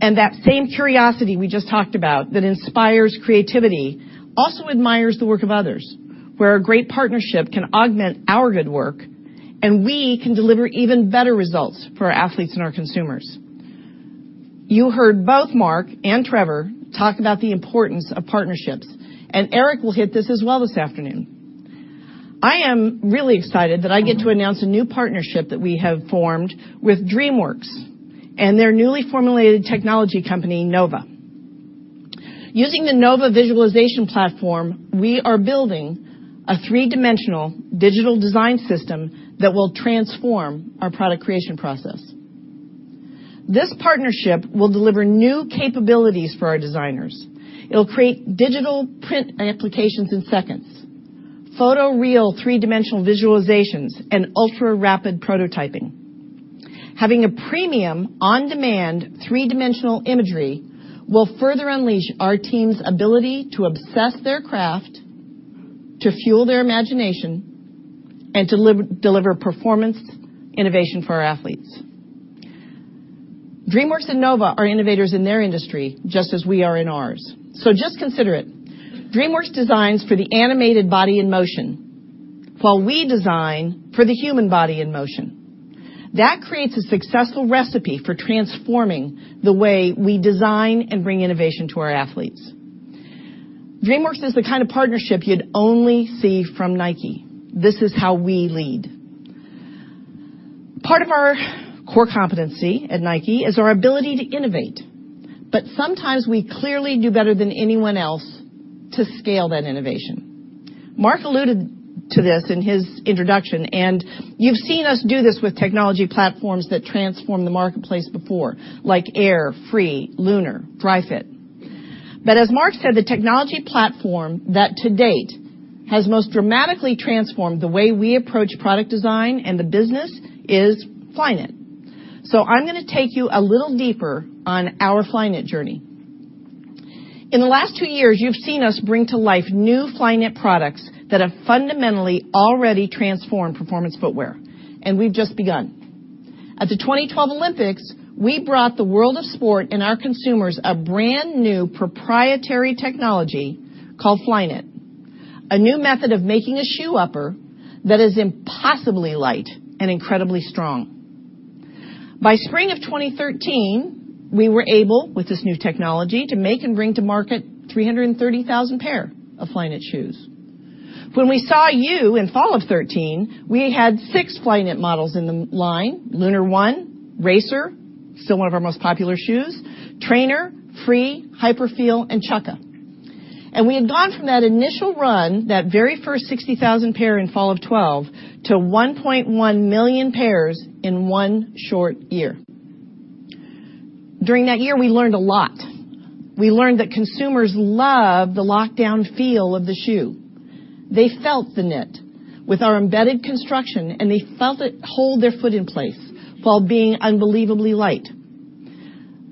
That same curiosity we just talked about that inspires creativity, also admires the work of others, where a great partnership can augment our good work, and we can deliver even better results for our athletes and our consumers. You heard both Mark and Trevor talk about the importance of partnerships, and Eric will hit this as well this afternoon. I am really excited that I get to announce a new partnership that we have formed with DreamWorks and their newly formulated technology company, NOVA. Using the DreamWorks NOVA visualization platform, we are building a three-dimensional digital design system that will transform our product creation process. This partnership will deliver new capabilities for our designers. It'll create digital print applications in seconds, photoreal three-dimensional visualizations, and ultra-rapid prototyping. Having a premium on-demand three-dimensional imagery will further unleash our team's ability to obsess their craft, to fuel their imagination, and deliver performance innovation for our athletes. DreamWorks and DreamWorks NOVA are innovators in their industry, just as we are in ours. Just consider it. DreamWorks designs for the animated body in motion, while we design for the human body in motion. That creates a successful recipe for transforming the way we design and bring innovation to our athletes. DreamWorks is the kind of partnership you'd only see from NIKE. This is how we lead. Part of our core competency at NIKE is our ability to innovate. Sometimes we clearly do better than anyone else to scale that innovation. Mark alluded to this in his introduction, and you've seen us do this with technology platforms that transform the marketplace before, like NIKE Air, NIKE Free, Lunar, Dri-FIT. As Mark said, the technology platform that to date has most dramatically transformed the way we approach product design and the business is Flyknit. I'm gonna take you a little deeper on our Flyknit journey. In the last two years, you've seen us bring to life new Flyknit products that have fundamentally already transformed performance footwear, and we've just begun. At the 2012 Olympics, we brought the world of sport and our consumers a brand-new proprietary technology called Flyknit, a new method of making a shoe upper that is impossibly light and incredibly strong. By spring of 2013, we were able, with this new technology, to make and bring to market 330,000 pair of Flyknit shoes. When we saw you in fall of 2013, we had six Flyknit models in the line, Lunar1, Racer, still one of our most popular shoes, Trainer, Free, Hyperfeel, and Chukka. We had gone from that initial run, that very first 60,000 pair in fall of 2012, to 1.1 million pairs in one short year. During that year, we learned a lot. We learned that consumers love the locked-down feel of the shoe. They felt the knit with our embedded construction, and they felt it hold their foot in place while being unbelievably light.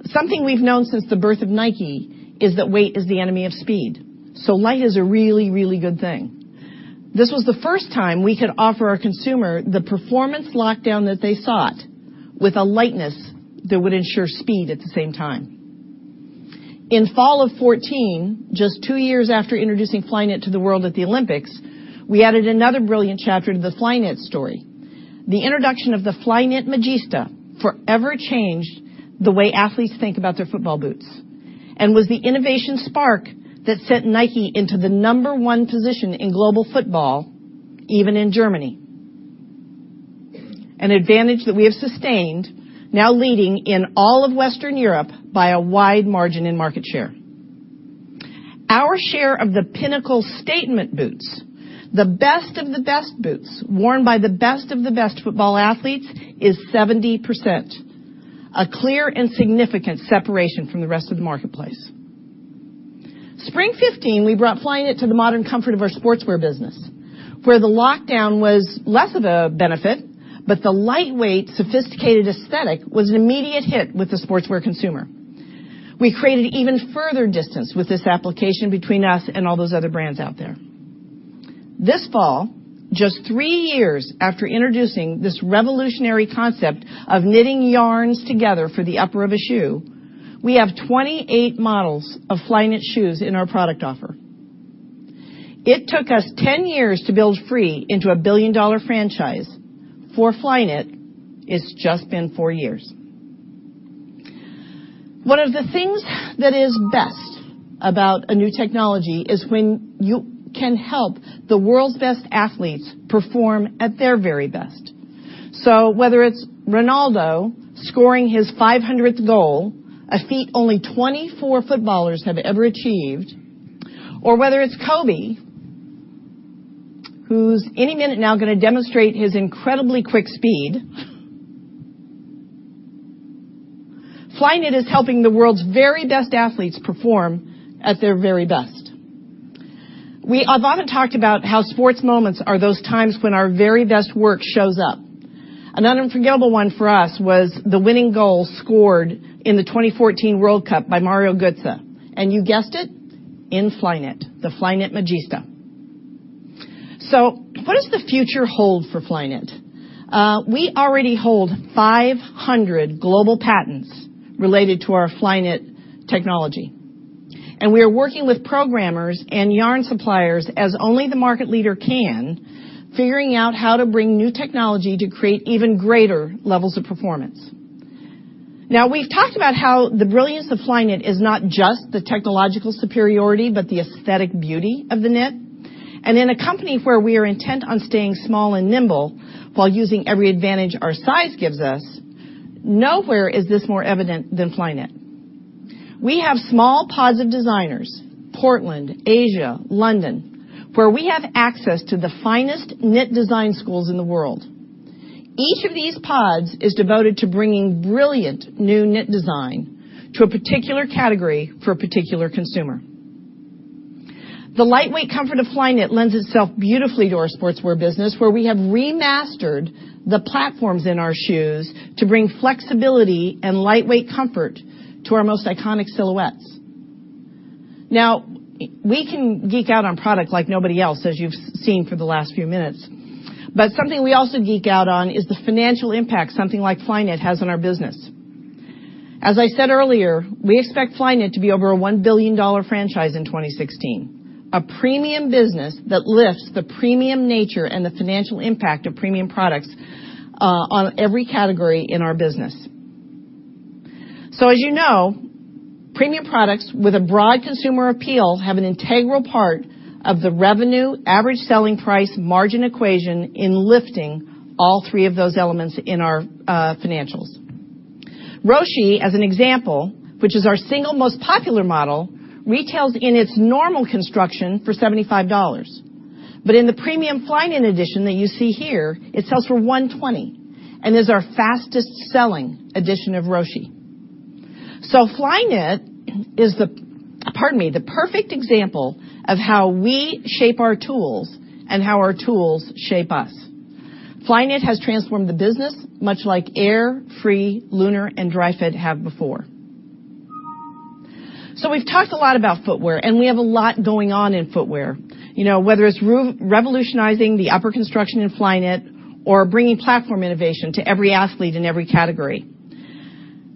Something we've known since the birth of NIKE is that weight is the enemy of speed, so light is a really, really good thing. This was the first time we could offer our consumer the performance lockdown that they sought with a lightness that would ensure speed at the same time. In fall of 2014, just two years after introducing Flyknit to the world at the Olympics, we added another brilliant chapter to the Flyknit story. The introduction of the Flyknit Magista forever changed the way athletes think about their football boots and was the innovation spark that sent NIKE into the number one position in global football, even in Germany, an advantage that we have sustained, now leading in all of Western Europe by a wide margin in market share. Our share of the pinnacle statement boots, the best of the best boots worn by the best of the best football athletes, is 70%, a clear and significant separation from the rest of the marketplace. Spring 2015, we brought Flyknit to the modern comfort of our sportswear business, where the lockdown was less of a benefit, but the lightweight, sophisticated aesthetic was an immediate hit with the sportswear consumer. We created even further distance with this application between us and all those other brands out there. This fall, just three years after introducing this revolutionary concept of knitting yarns together for the upper of a shoe, we have 28 models of Flyknit shoes in our product offer. It took us 10 years to build Free into a billion-dollar franchise. For Flyknit, it's just been four years. One of the things that is best about a new technology is when you can help the world's best athletes perform at their very best. Whether it's Ronaldo scoring his 500th goal, a feat only 24 footballers have ever achieved, or whether it's Kobe, who's any minute now gonna demonstrate his incredibly quick speed, Flyknit is helping the world's very best athletes perform at their very best. We talked about how sports moments are those times when our very best work shows up. An unforgettable one for us was the winning goal scored in the 2014 World Cup by Mario Götze, and you guessed it, in Flyknit, the Flyknit Magista. What does the future hold for Flyknit? We already hold 500 global patents related to our Flyknit technology. We are working with programmers and yarn suppliers as only the market leader can, figuring out how to bring new technology to create even greater levels of performance. We've talked about how the brilliance of Flyknit is not just the technological superiority, but the aesthetic beauty of the knit. In a company where we are intent on staying small and nimble while using every advantage our size gives us, nowhere is this more evident than Flyknit. We have small pods of designers, Portland, Asia, London, where we have access to the finest knit design schools in the world. Each of these pods is devoted to bringing brilliant new knit design to a particular category for a particular consumer. The lightweight comfort of Flyknit lends itself beautifully to our sportswear business, where we have remastered the platforms in our shoes to bring flexibility and lightweight comfort to our most iconic silhouettes. We can geek out on product like nobody else, as you've seen for the last few minutes. Something we also geek out on is the financial impact something like Flyknit has on our business. As I said earlier, we expect Flyknit to be over a $1 billion franchise in 2016, a premium business that lifts the premium nature and the financial impact of premium products on every category in our business. As you know, premium products with a broad consumer appeal have an integral part of the revenue, average selling price, margin equation in lifting all three of those elements in our financials. Roshe, as an example, which is our single most popular model, retails in its normal construction for $75. In the premium Flyknit edition that you see here, it sells for $120 and is our fastest-selling edition of Roshe. Flyknit is the, pardon me, the perfect example of how we shape our tools and how our tools shape us. Flyknit has transformed the business, much like Air, Free, Lunar, and Dri-FIT have before. We've talked a lot about footwear, and we have a lot going on in footwear, you know, whether it's re-revolutionizing the upper construction in Flyknit or bringing platform innovation to every athlete in every category.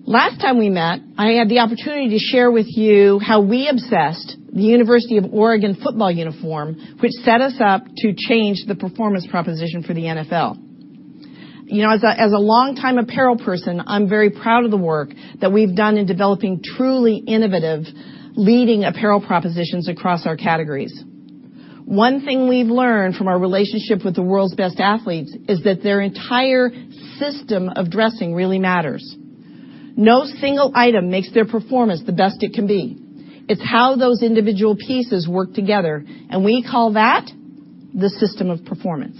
Last time we met, I had the opportunity to share with you how we obsessed the University of Oregon football uniform, which set us up to change the performance proposition for the NFL. You know, as a longtime apparel person, I'm very proud of the work that we've done in developing truly innovative, leading apparel propositions across our categories. One thing we've learned from our relationship with the world's best athletes is that their entire system of dressing really matters. No single item makes their performance the best it can be. It's how those individual pieces work together, and we call that the system of performance.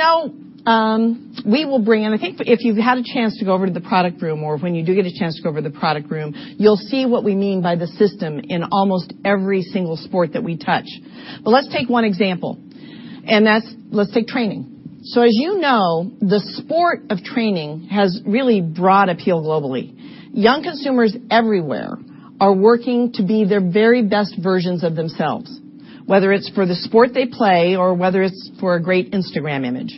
As you know, we will bring in I think if you've had a chance to go over to the product room, or when you do get a chance to go over to the product room, you'll see what we mean by the system in almost every single sport that we touch. Let's take one example, and that's, let's take training. As you know, the sport of training has really broad appeal globally. Young consumers everywhere are working to be their very best versions of themselves, whether it's for the sport they play or whether it's for a great Instagram image.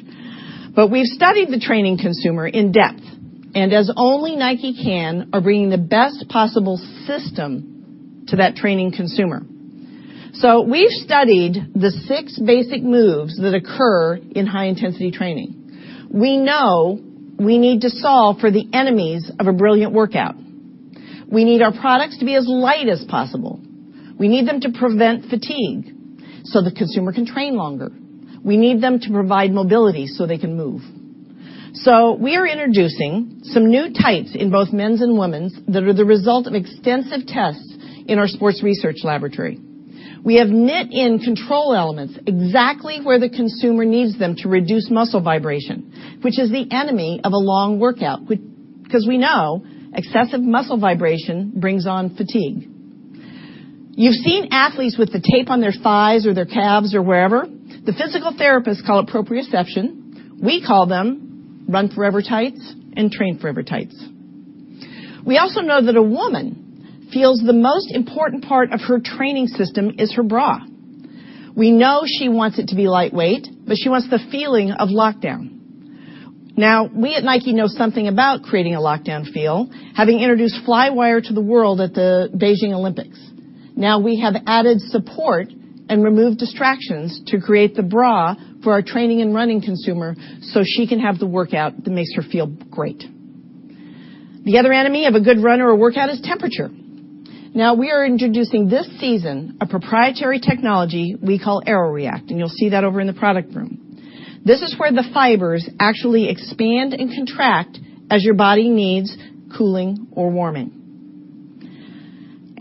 We've studied the training consumer in depth, and as only NIKE can, are bringing the best possible system to that training consumer. We've studied the six basic moves that occur in high-intensity training. We know we need to solve for the enemies of a brilliant workout. We need our products to be as light as possible. We need them to prevent fatigue, so the consumer can train longer. We need them to provide mobility, so they can move. We are introducing some new tights in both men's and women's that are the result of extensive tests in our Sport Research Laboratory. We have knit in control elements exactly where the consumer needs them to reduce muscle vibration, which is the enemy of a long workout, because we know excessive muscle vibration brings on fatigue. You've seen athletes with the tape on their thighs or their calves or wherever. The physical therapists call it proprioception. We call them Run Forever Tights and Train Forever Tights. We also know that a woman feels the most important part of her training system is her bra. She wants it to be lightweight, but she wants the feeling of lockdown. We at NIKE know something about creating a lockdown feel, having introduced Flywire to the world at the Beijing Olympics. We have added support and removed distractions to create the bra for our training and running consumer, so she can have the workout that makes her feel great. The other enemy of a good runner or workout is temperature. We are introducing this season a proprietary technology we call AeroReact, and you'll see that over in the product room. This is where the fibers actually expand and contract as your body needs cooling or warming.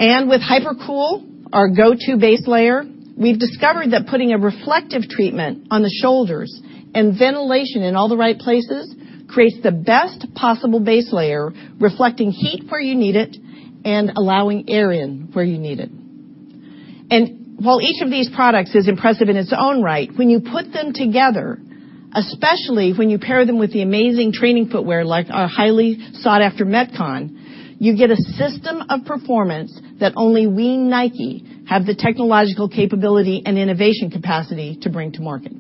With HyperCool, our go-to base layer, we've discovered that putting a reflective treatment on the shoulders and ventilation in all the right places creates the best possible base layer, reflecting heat where you need it and allowing air in where you need it. While each of these products is impressive in its own right, when you put them together, especially when you pair them with the amazing training footwear like our highly sought-after Metcon, you get a system of performance that only we, NIKE, have the technological capability and innovation capacity to bring to market.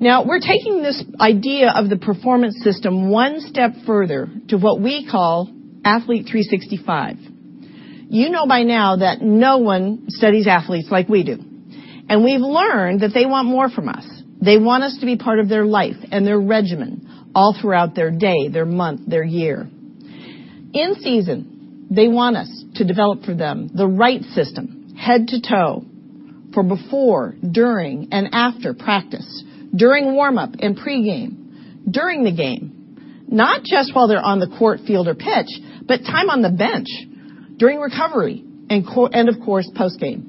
We're taking this idea of the performance system one step further to what we call Athlete 365. You know by now that no one studies athletes like we do, and we've learned that they want more from us. They want us to be part of their life and their regimen all throughout their day, their month, their year. In season, they want us to develop for them the right system, head to toe, for before, during, and after practice, during warm-up and pregame, during the game, not just while they're on the court, field, or pitch, but time on the bench, during recovery and, of course, post-game.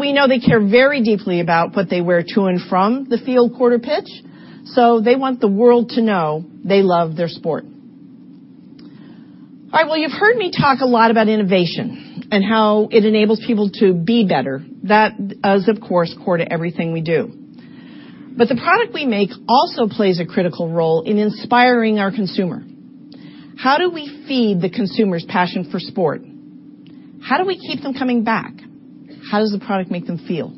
We know they care very deeply about what they wear to and from the field, court, or pitch, so they want the world to know they love their sport. All right, well, you've heard me talk a lot about innovation and how it enables people to be better. That is, of course, core to everything we do. The product we make also plays a critical role in inspiring our consumer. How do we feed the consumer's passion for sport? How do we keep them coming back? How does the product make them feel?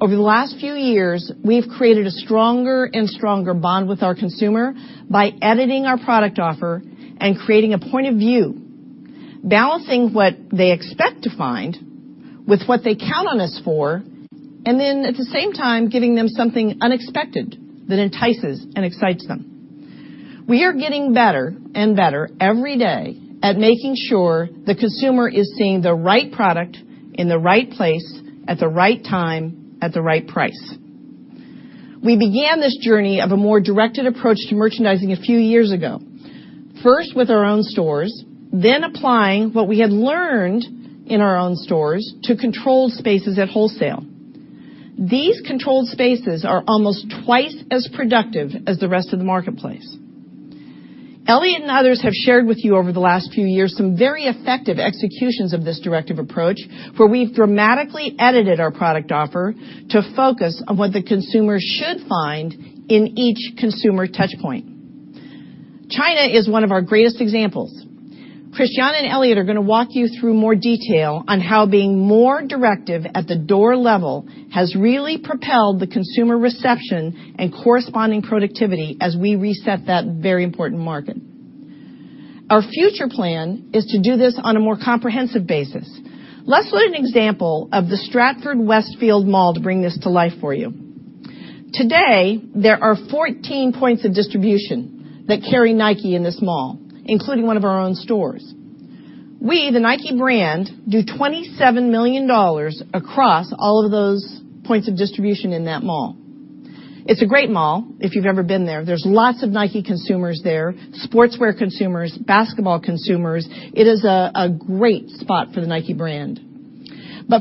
Over the last few years, we've created a stronger and stronger bond with our consumer by editing our product offer and creating a point of view, balancing what they expect to find with what they count on us for and then at the same time giving them something unexpected that entices and excites them. We are getting better and better every day at making sure the consumer is seeing the right product in the right place at the right time at the right price. We began this journey of a more directed approach to merchandising a few years ago, first with our own stores, then applying what we had learned in our own stores to controlled spaces at wholesale. These controlled spaces are almost twice as productive as the rest of the marketplace. Elliott and others have shared with you over the last few years some very effective executions of this directive approach, where we've dramatically edited our product offer to focus on what the consumer should find in each consumer touchpoint. China is one of our greatest examples. Christiana and Elliott are gonna walk you through more detail on how being more directive at the door level has really propelled the consumer reception and corresponding productivity as we reset that very important market. Our future plan is to do this on a more comprehensive basis. Let's look at an example of the Stratford Westfield mall to bring this to life for you. Today, there are 14 points of distribution that carry NIKE in this mall, including one of our own stores. We, the NIKE brand, do $27 million across all of those points of distribution in that mall. It's a great mall, if you've ever been there. There's lots of NIKE consumers there, sportswear consumers, basketball consumers. It is a great spot for the NIKE brand.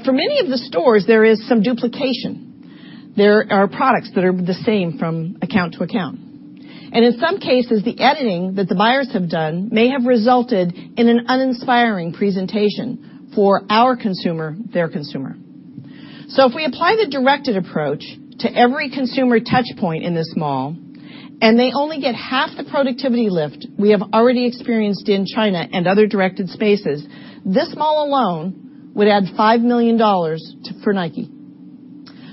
For many of the stores, there is some duplication. There are products that are the same from account to account. In some cases, the editing that the buyers have done may have resulted in an uninspiring presentation for our consumer, their consumer. If we apply the directed approach to every consumer touchpoint in this mall, and they only get half the productivity lift we have already experienced in China and other directed spaces, this mall alone would add $5 million for NIKE.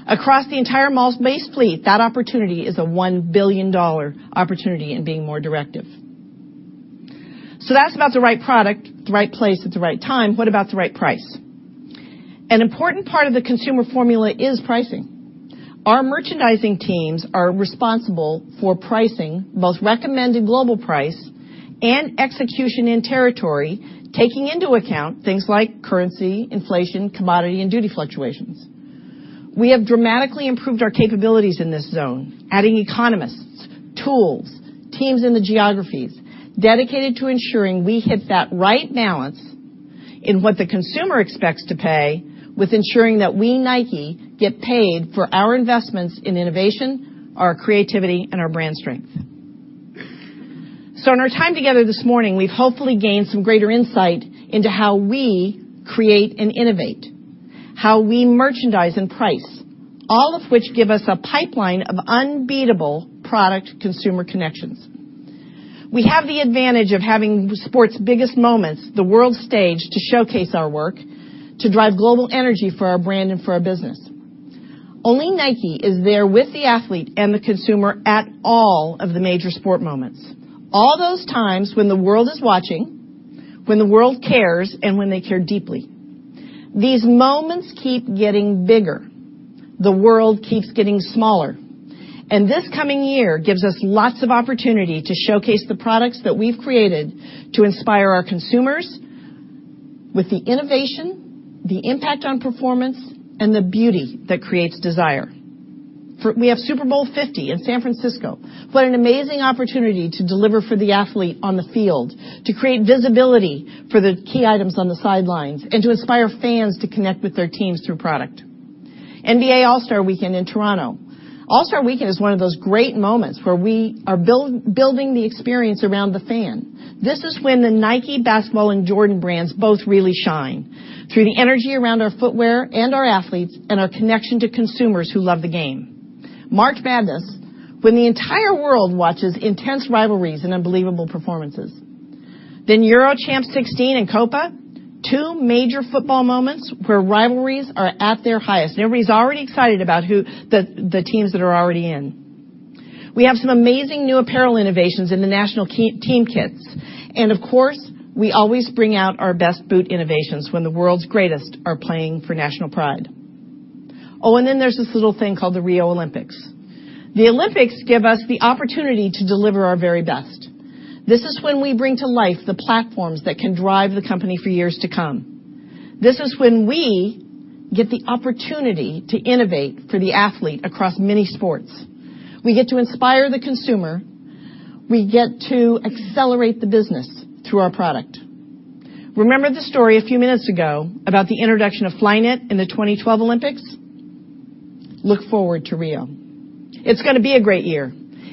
Across the entire mall's base fleet, that opportunity is a $1 billion opportunity in being more directive. That's about the right product at the right place at the right time. What about the right price? An important part of the consumer formula is pricing. Our merchandising teams are responsible for pricing both recommended global price and execution in territory, taking into account things like currency, inflation, commodity, and duty fluctuations. We have dramatically improved our capabilities in this zone, adding economists, tools, teams in the geographies dedicated to ensuring we hit that right balance in what the consumer expects to pay with ensuring that we, NIKE, get paid for our investments in innovation, our creativity, and our brand strength. In our time together this morning, we've hopefully gained some greater insight into how we create and innovate. How we merchandise and price, all of which give us a pipeline of unbeatable product consumer connections. We have the advantage of having sport's biggest moments, the world stage, to showcase our work, to drive global energy for our brand and for our business. Only NIKE is there with the athlete and the consumer at all of the major sport moments. All those times when the world is watching, when the world cares, and when they care deeply. These moments keep getting bigger. The world keeps getting smaller. This coming year gives us lots of opportunity to showcase the products that we've created to inspire our consumers with the innovation, the impact on performance, and the beauty that creates desire. We have Super Bowl 50 in San Francisco. What an amazing opportunity to deliver for the athlete on the field, to create visibility for the key items on the sidelines, and to inspire fans to connect with their teams through product. NBA All-Star Weekend in Toronto. All-Star Weekend is one of those great moments where we are building the experience around the fan. This is when the NIKE Basketball and Jordan Brand both really shine through the energy around our footwear and our athletes and our connection to consumers who love the game. March Madness, when the entire world watches intense rivalries and unbelievable performances. Euro 2016 and Copa América, two major football moments where rivalries are at their highest and everybody's already excited about who the teams that are already in. We have some amazing new apparel innovations in the national team kits. Of course, we always bring out our best boot innovations when the world's greatest are playing for national pride. There's this little thing called the Rio Olympics. The Olympics give us the opportunity to deliver our very best. This is when we bring to life the platforms that can drive the company for years to come. This is when we get the opportunity to innovate for the athlete across many sports. We get to inspire the consumer. We get to accelerate the business through our product. Remember the story a few minutes ago about the introduction of Flyknit in the 2012 Olympics? Look forward to Rio. It's gonna be a great year.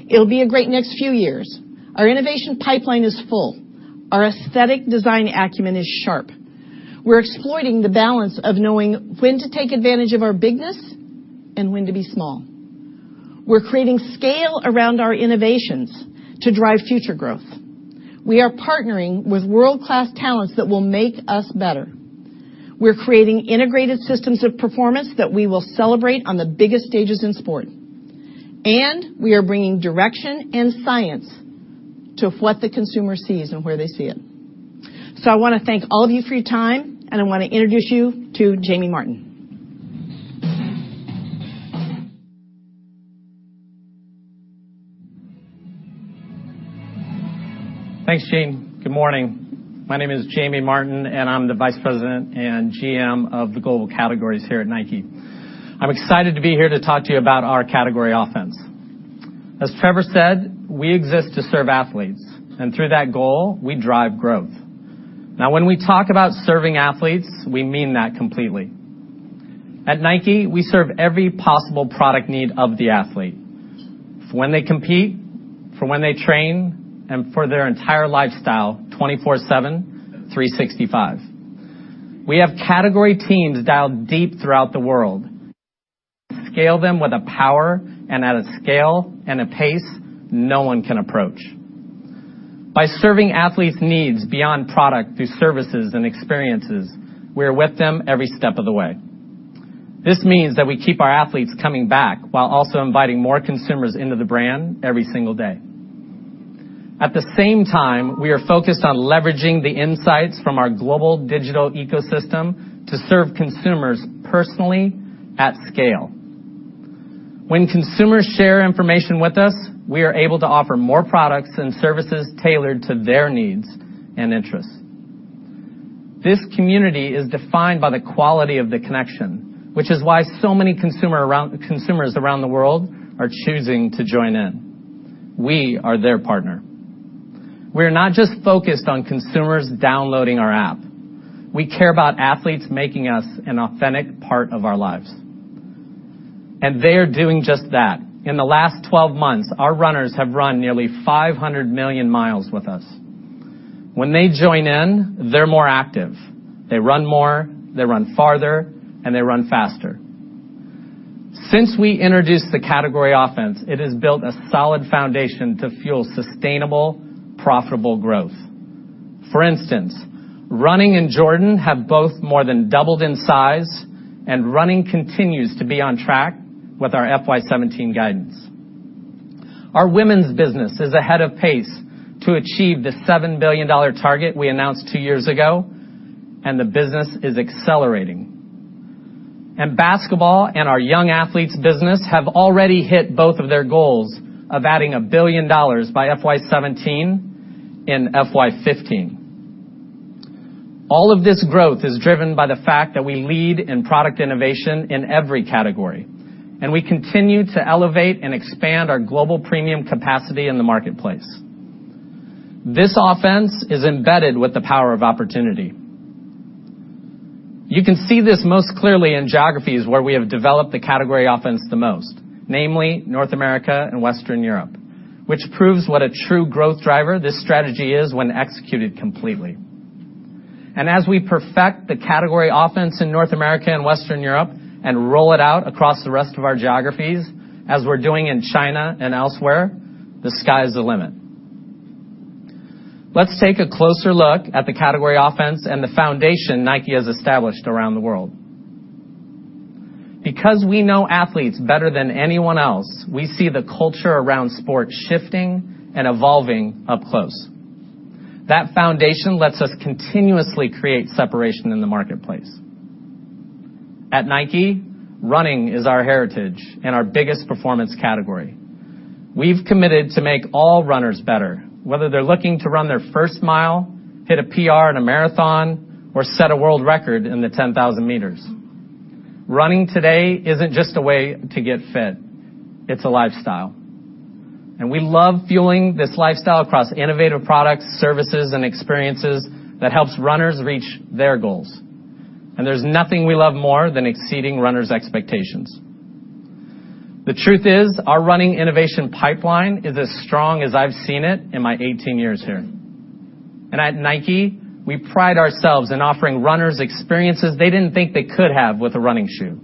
It'll be a great next few years. Our innovation pipeline is full. Our aesthetic design acumen is sharp. We're exploiting the balance of knowing when to take advantage of our bigness and when to be small. We're creating scale around our innovations to drive future growth. We are partnering with world-class talents that will make us better. We're creating integrated systems of performance that we will celebrate on the biggest stages in sport. We are bringing direction and science to what the consumer sees and where they see it. I wanna thank all of you for your time, and I wanna introduce you to Jayme Martin. Thanks, Jeanne. Good morning. My name is Jayme Martin, and I'm the Vice President and GM of the Global Categories here at NIKE. I'm excited to be here to talk to you about our Category Offense. As Trevor said, we exist to serve athletes. Through that goal, we drive growth. When we talk about serving athletes, we mean that completely. At NIKE, we serve every possible product need of the athlete for when they compete, for when they train, and for their entire lifestyle, 24/7, 365. We have category teams dialed deep throughout the world. Scale them with a power and at a scale and a pace no one can approach. By serving athletes' needs beyond product through services and experiences, we are with them every step of the way. This means that we keep our athletes coming back while also inviting more consumers into the brand every single day. At the same time, we are focused on leveraging the insights from our global digital ecosystem to serve consumers personally at scale. When consumers share information with us, we are able to offer more products and services tailored to their needs and interests. This community is defined by the quality of the connection, which is why so many consumers around the world are choosing to join in. We are their partner. We are not just focused on consumers downloading our app. We care about athletes making us an authentic part of our lives. They are doing just that. In the last 12 months, our runners have run nearly 500 million mi with us. When they join in, they're more active. They run more, they run farther, and they run faster. Since we introduced the Category Offense, it has built a solid foundation to fuel sustainable, profitable growth. For instance, Running and Jordan have both more than doubled in size, and Running continues to be on track with our FY 2017 guidance. Our women's business is ahead of pace to achieve the $7 billion target we announced two years ago. The business is accelerating. Basketball and our young athletes business have already hit both of their goals of adding $1 billion by FY 2017 in FY 2015. All of this growth is driven by the fact that we lead in product innovation in every category, and we continue to elevate and expand our global premium capacity in the marketplace. This offense is embedded with the power of opportunity. You can see this most clearly in geographies where we have developed the Category Offense the most, namely North America and Western Europe. Which proves what a true growth driver this strategy is when executed completely. As we perfect the Category Offense in North America and Western Europe and roll it out across the rest of our geographies, as we're doing in China and elsewhere, the sky's the limit. Let's take a closer look at the Category Offense and the foundation NIKE has established around the world. Because we know athletes better than anyone else, we see the culture around sports shifting and evolving up close. That foundation lets us continuously create separation in the marketplace. At NIKE, running is our heritage and our biggest performance category. We've committed to make all runners better, whether they're looking to run their first mile, hit a PR in a marathon, or set a world record in the 10,000m. Running today isn't just a way to get fit. It's a lifestyle. We love fueling this lifestyle across innovative products, services, and experiences that helps runners reach their goals. There's nothing we love more than exceeding runners' expectations. The truth is, our running innovation pipeline is as strong as I've seen it in my 18 years here. At NIKE, we pride ourselves in offering runners experiences they didn't think they could have with a running shoe.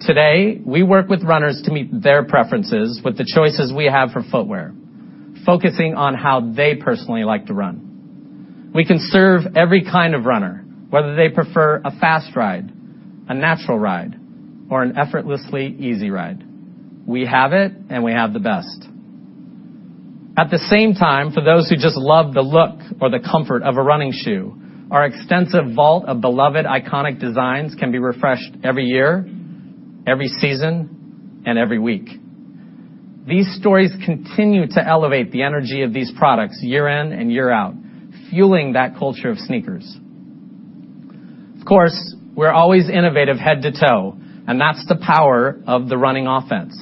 Today, we work with runners to meet their preferences with the choices we have for footwear, focusing on how they personally like to run. We can serve every kind of runner, whether they prefer a fast ride, a natural ride, or an effortlessly easy ride. We have it and we have the best. At the same time, for those who just love the look or the comfort of a running shoe, our extensive vault of beloved iconic designs can be refreshed every year, every season, and every week. These stories continue to elevate the energy of these products year in and year out, fueling that culture of sneakers. Of course, we're always innovative head to toe, and that's the power of the running offense.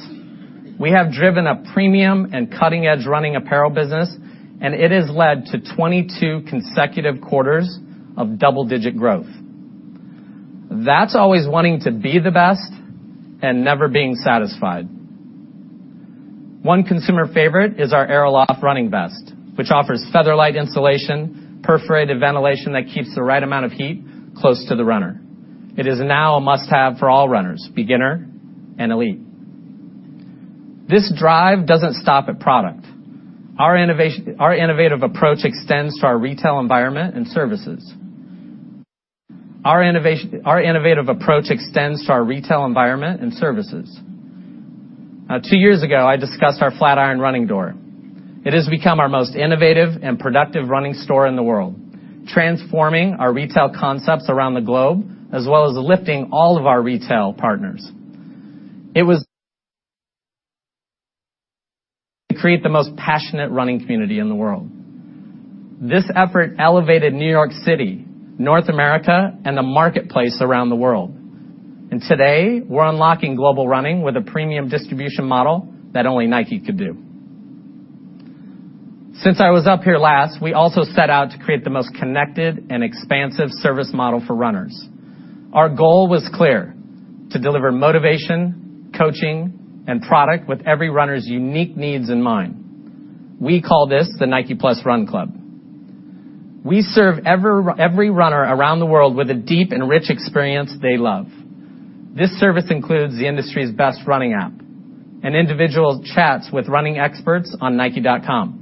We have driven a premium and cutting-edge running apparel business, and it has led to 22 consecutive quarters of double-digit growth. That's always wanting to be the best and never being satisfied. One consumer favorite is our AeroLoft Running Vest, which offers feather-light insulation, perforated ventilation that keeps the right amount of heat close to the runner. It is now a must-have for all runners, beginner and elite. This drive doesn't stop at product. Our innovative approach extends to our retail environment and services. Now two years ago, I discussed our Flatiron running door. It has become our most innovative and productive running store in the world, transforming our retail concepts around the globe, as well as lifting all of our retail partners. To create the most passionate running community in the world. This effort elevated New York City, North America, and the marketplace around the world. Today, we're unlocking global running with a premium distribution model that only NIKE could do. Since I was up here last, we also set out to create the most connected and expansive service model for runners. Our goal was clear: to deliver motivation, coaching, and product with every runner's unique needs in mind. We call this the NIKE+ Run Club. We serve every runner around the world with a deep and rich experience they love. This service includes the industry's best running app and individual chats with running experts on nike.com.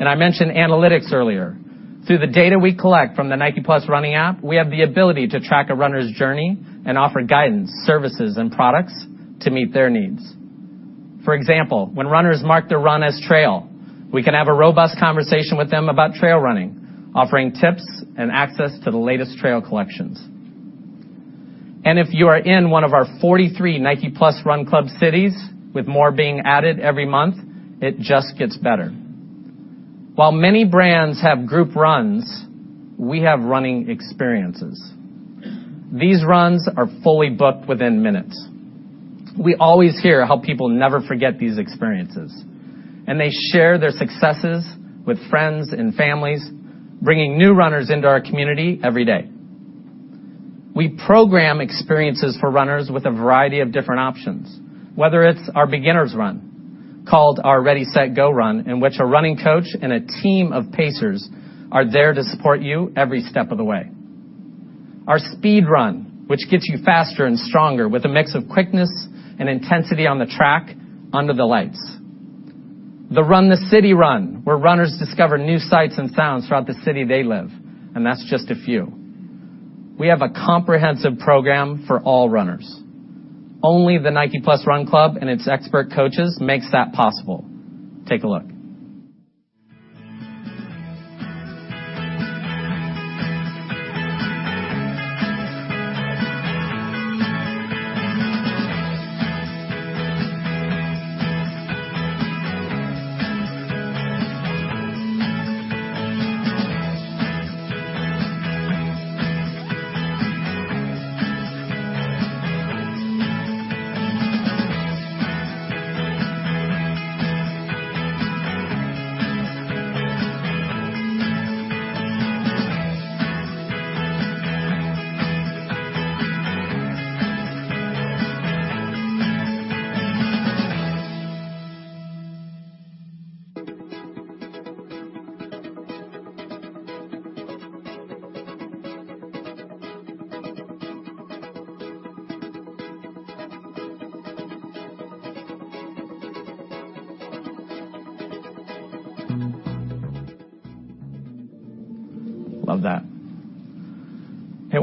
I mentioned analytics earlier. Through the data we collect from the NIKE+ Running App, we have the ability to track a runner's journey and offer guidance, services, and products to meet their needs. For example, when runners mark their run as trail, we can have a robust conversation with them about trail running, offering tips and access to the latest trail collections. If you are in one of our 43 NIKE+ Run Club cities, with more being added every month, it just gets better. While many brands have group runs, we have running experiences. These runs are fully booked within minutes. We always hear how people never forget these experiences, and they share their successes with friends and families, bringing new runners into our community every day. We program experiences for runners with a variety of different options, whether it's our beginner's run, called our Ready, Set, Go run, in which a running coach and a team of pacers are there to support you every step of the way. Our speed run, which gets you faster and stronger with a mix of quickness and intensity on the track under the lights. The Run the City run, where runners discover new sights and sounds throughout the city they live. That's just a few. We have a comprehensive program for all runners. Only the NIKE+ Run Club and its expert coaches makes that possible. Take a look.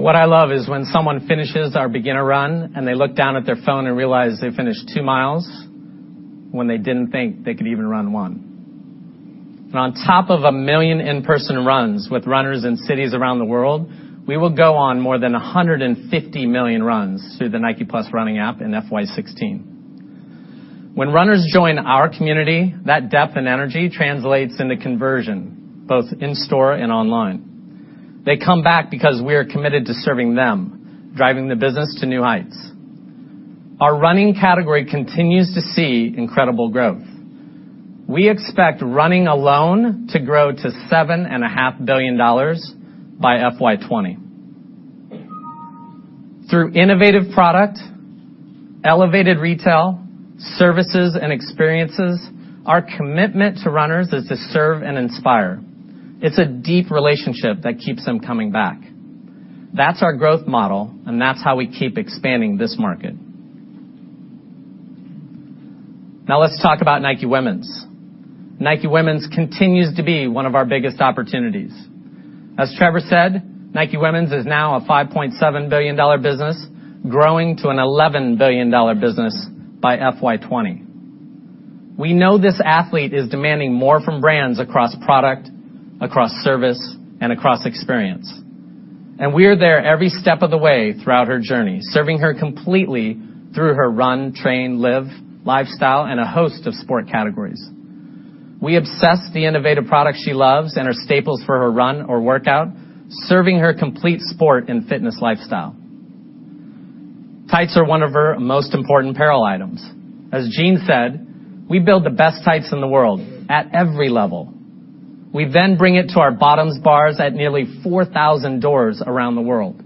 Love that. What I love is when someone finishes our beginner run and they look down at their phone and realize they finished 2mi when they didn't think they could even run 1mi. On top of 1 million in-person runs with runners in cities around the world, we will go on more than 150 million runs through the NIKE+ Running App in FY 2016. When runners join our community, that depth and energy translates into conversion, both in-store and online. They come back because we are committed to serving them, driving the business to new heights. Our running category continues to see incredible growth. We expect running alone to grow to $7.5 billion by FY 2020. Through innovative product, elevated retail, services and experiences, our commitment to runners is to serve and inspire. It's a deep relationship that keeps them coming back. That's our growth model, and that's how we keep expanding this market. Now let's talk about NIKE Women. NIKE Women continues to be one of our biggest opportunities. As Trevor said, NIKE Women is now a $5.7 billion business, growing to an $11 billion business by FY 2020. We know this athlete is demanding more from brands across product, across service, and across experience. And we are there every step of the way throughout her journey, serving her completely through her run, train, live, lifestyle, and a host of sport categories. We obsess the innovative product she loves and are staples for her run or workout, serving her complete sport and fitness lifestyle. Tights are one of her most important apparel items. As Jeanne said, we build the best tights in the world at every level. We bring it to our bottoms bars at nearly 4,000 doors around the world.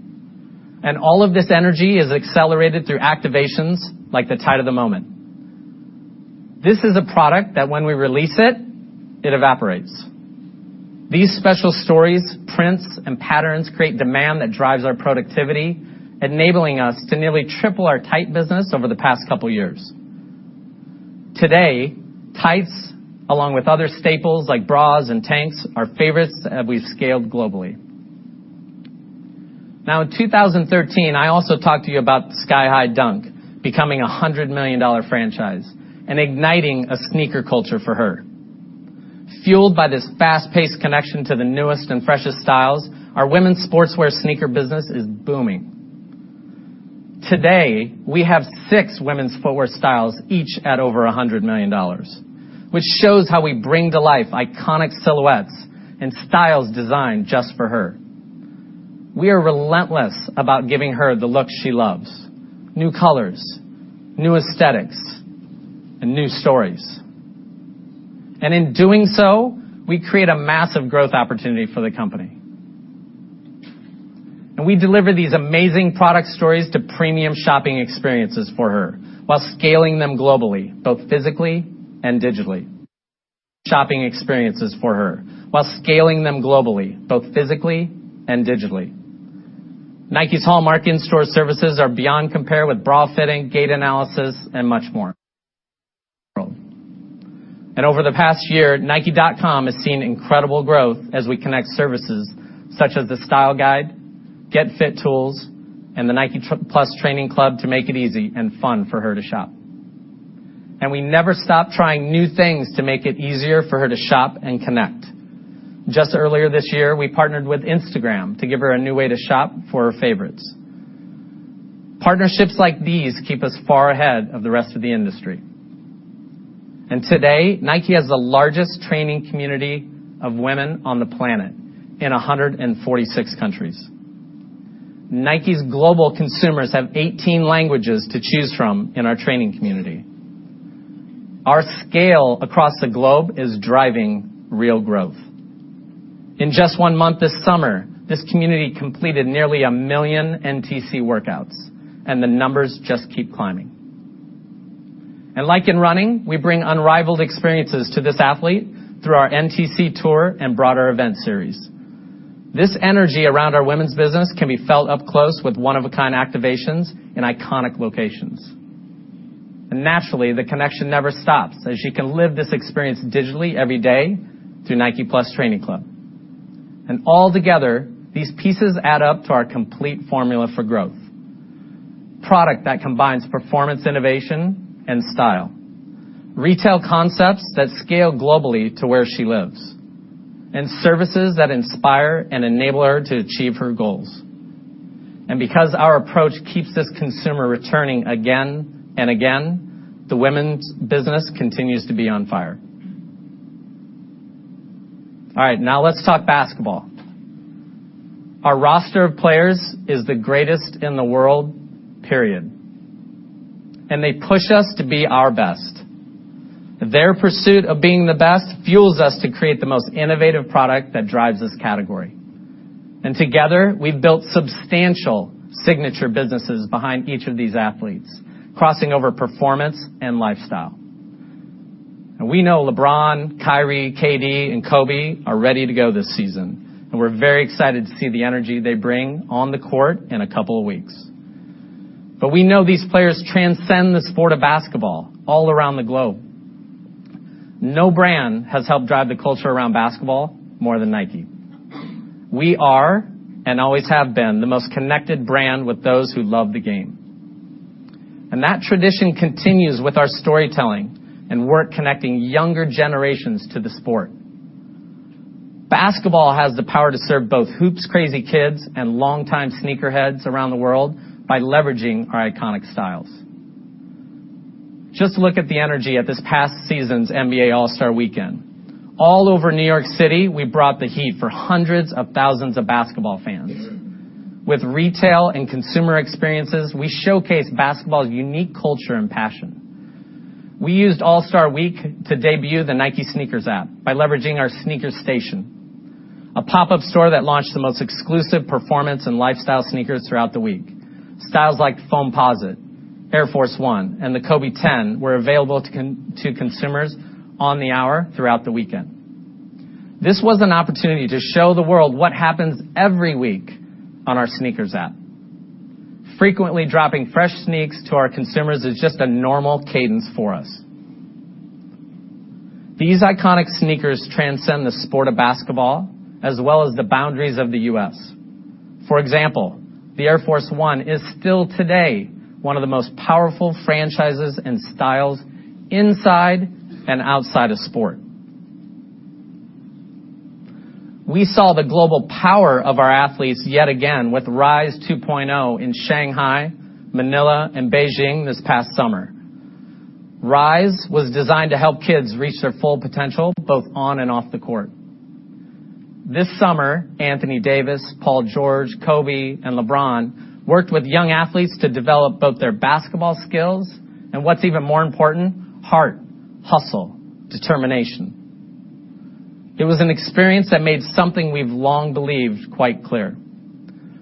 All of this energy is accelerated through activations like the Tight of the Moment. This is a product that when we release it, it evaporates. These special stories, prints, and patterns create demand that drives our productivity, enabling us to nearly triple our tight business over the past couple years. Today, tights, along with other staples like bras and tanks, are favorites that we've scaled globally. In 2013, I also talked to you about Dunk Sky Hi becoming a $100 million franchise and igniting a sneaker culture for her. Fueled by this fast-paced connection to the newest and freshest styles, our women's sportswear sneaker business is booming. Today, we have six women's footwear styles, each at over $100 million, which shows how we bring to life iconic silhouettes and styles designed just for her. We are relentless about giving her the look she loves, new colors, new aesthetics, and new stories. In doing so, we create a massive growth opportunity for the company. We deliver these amazing product stories to premium shopping experiences for her while scaling them globally, both physically and digitally. NIKE's hallmark in-store services are beyond compare with bra fitting, gait analysis, and much more. Over the past year, nike.com has seen incredible growth as we connect services such as the Style Guide, Get Fit tools, and the NIKE+ Training Club to make it easy and fun for her to shop. We never stop trying new things to make it easier for her to shop and connect. Just earlier this year, we partnered with Instagram to give her a new way to shop for her favorites. Partnerships like these keep us far ahead of the rest of the industry. Today, NIKE has the largest training community of women on the planet in 146 countries. NIKE's global consumers have 18 languages to choose from in our training community. Our scale across the globe is driving real growth. In just one month this summer, this community completed nearly 1 million NTC workouts. The numbers just keep climbing. Like in running, we bring unrivaled experiences to this athlete through our NTC Tour and broader event series. This energy around our women's business can be felt up close with one-of-a-kind activations in iconic locations. Naturally, the connection never stops as she can live this experience digitally every day through NIKE+ Training Club. All together, these pieces add up to our complete formula for growth. Product that combines performance innovation and style, retail concepts that scale globally to where she lives, and services that inspire and enable her to achieve her goals. Because our approach keeps this consumer returning again and again, the women's business continues to be on fire. All right, now let's talk basketball. Our roster of players is the greatest in the world, period. They push us to be our best. Their pursuit of being the best fuels us to create the most innovative product that drives this category. Together, we've built substantial signature businesses behind each of these athletes, crossing over performance and lifestyle. We know LeBron, Kyrie, KD, and Kobe are ready to go this season, and we're very excited to see the energy they bring on the court in a couple of weeks. We know these players transcend the sport of basketball all around the globe. No brand has helped drive the culture around basketball more than NIKE. We are, and always have been, the most connected brand with those who love the game. That tradition continues with our storytelling and work connecting younger generations to the sport. Basketball has the power to serve both hoops crazy kids and longtime sneakerheads around the world by leveraging our iconic styles. Just look at the energy at this past season's NBA All-Star Weekend. All over New York City, we brought the heat for hundreds of thousands of basketball fans. With retail and consumer experiences, we showcased basketball's unique culture and passion. We used All-Star Week to debut the NIKE SNKRS app by leveraging our SNKRS Station, a pop-up store that launched the most exclusive performance and lifestyle sneakers throughout the week. Styles like Foamposite, Air Force 1, and the Kobe X were available to consumers on the hour throughout the weekend. This was an opportunity to show the world what happens every week on our SNKRS app. Frequently dropping fresh sneaks to our consumers is just a normal cadence for us. These iconic sneakers transcend the sport of basketball, as well as the boundaries of the U.S. For example, the Air Force 1 is still today one of the most powerful franchises and styles inside and outside of sport. We saw the global power of our athletes yet again with Rise 2.0 in Shanghai, Manila, and Beijing this past summer. Rise was designed to help kids reach their full potential, both on and off the court. This summer, Anthony Davis, Paul George, Kobe, and LeBron worked with young athletes to develop both their basketball skills and, what's even more important, heart, hustle, determination. It was an experience that made something we've long believed quite clear.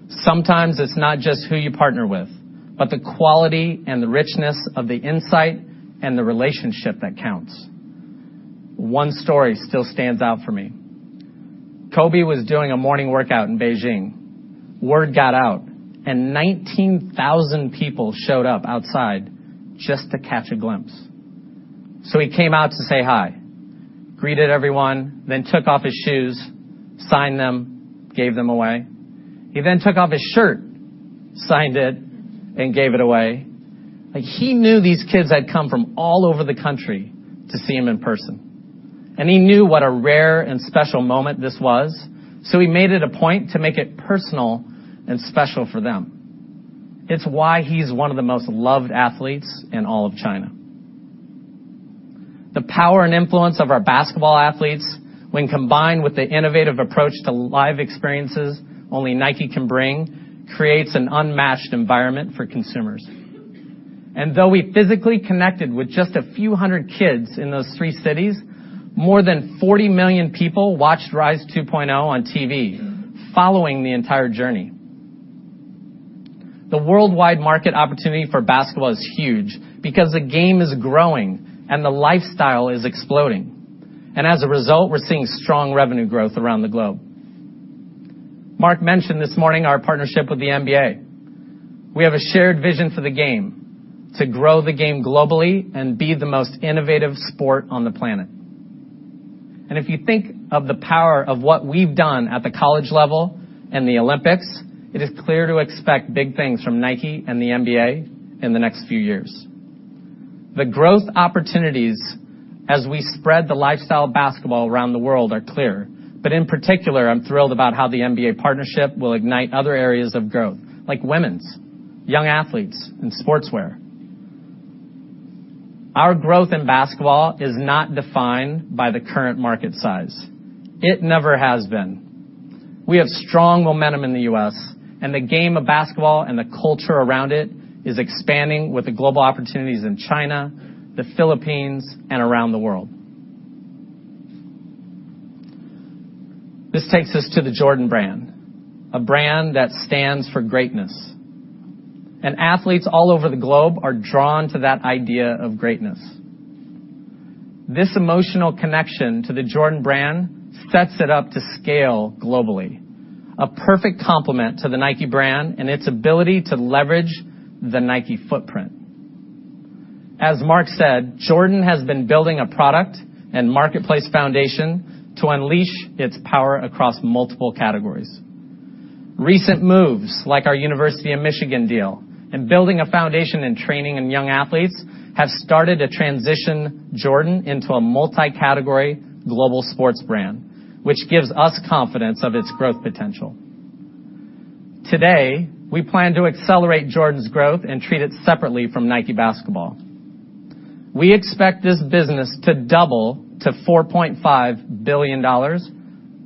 Sometimes it's not just who you partner with, but the quality and the richness of the insight and the relationship that counts. One story still stands out for me. Kobe was doing a morning workout in Beijing. Word got out, 19,000 people showed up outside just to catch a glimpse. He came out to say hi, greeted everyone, took off his shoes, signed them, gave them away. He took off his shirt, signed it, gave it away. Like, he knew these kids had come from all over the country to see him in person, he knew what a rare and special moment this was, he made it a point to make it personal and special for them. It's why he's one of the most loved athletes in all of China. The power and influence of our basketball athletes when combined with the innovative approach to live experiences only NIKE can bring, creates an unmatched environment for consumers. Though we physically connected with just a few 100 kids in those three cities, more than 40 million people watched Rise 2.0 on TV following the entire journey. The worldwide market opportunity for basketball is huge because the game is growing and the lifestyle is exploding. As a result, we're seeing strong revenue growth around the globe. Mark mentioned this morning our partnership with the NBA. We have a shared vision for the game, to grow the game globally and be the most innovative sport on the planet. If you think of the power of what we've done at the college level and the Olympics, it is clear to expect big things from NIKE and the NBA in the next few years. The growth opportunities as we spread the lifestyle of basketball around the world are clear. In particular, I'm thrilled about how the NBA partnership will ignite other areas of growth, like women's, young athletes, and sportswear. Our growth in basketball is not defined by the current market size. It never has been. We have strong momentum in the U.S. The game of basketball and the culture around it is expanding with the global opportunities in China, the Philippines, and around the world. This takes us to the Jordan Brand, a brand that stands for greatness. Athletes all over the globe are drawn to that idea of greatness. This emotional connection to the Jordan Brand sets it up to scale globally. A perfect complement to the NIKE brand and its ability to leverage the NIKE footprint. As Mark said, Jordan has been building a product and marketplace foundation to unleash its power across multiple categories. Recent moves, like our University of Michigan deal and building a foundation in training and young athletes, have started to transition Jordan into a multi-category global sports brand, which gives us confidence of its growth potential. Today, we plan to accelerate Jordan's growth and treat it separately from NIKE Basketball. We expect this business to double to $4.5 billion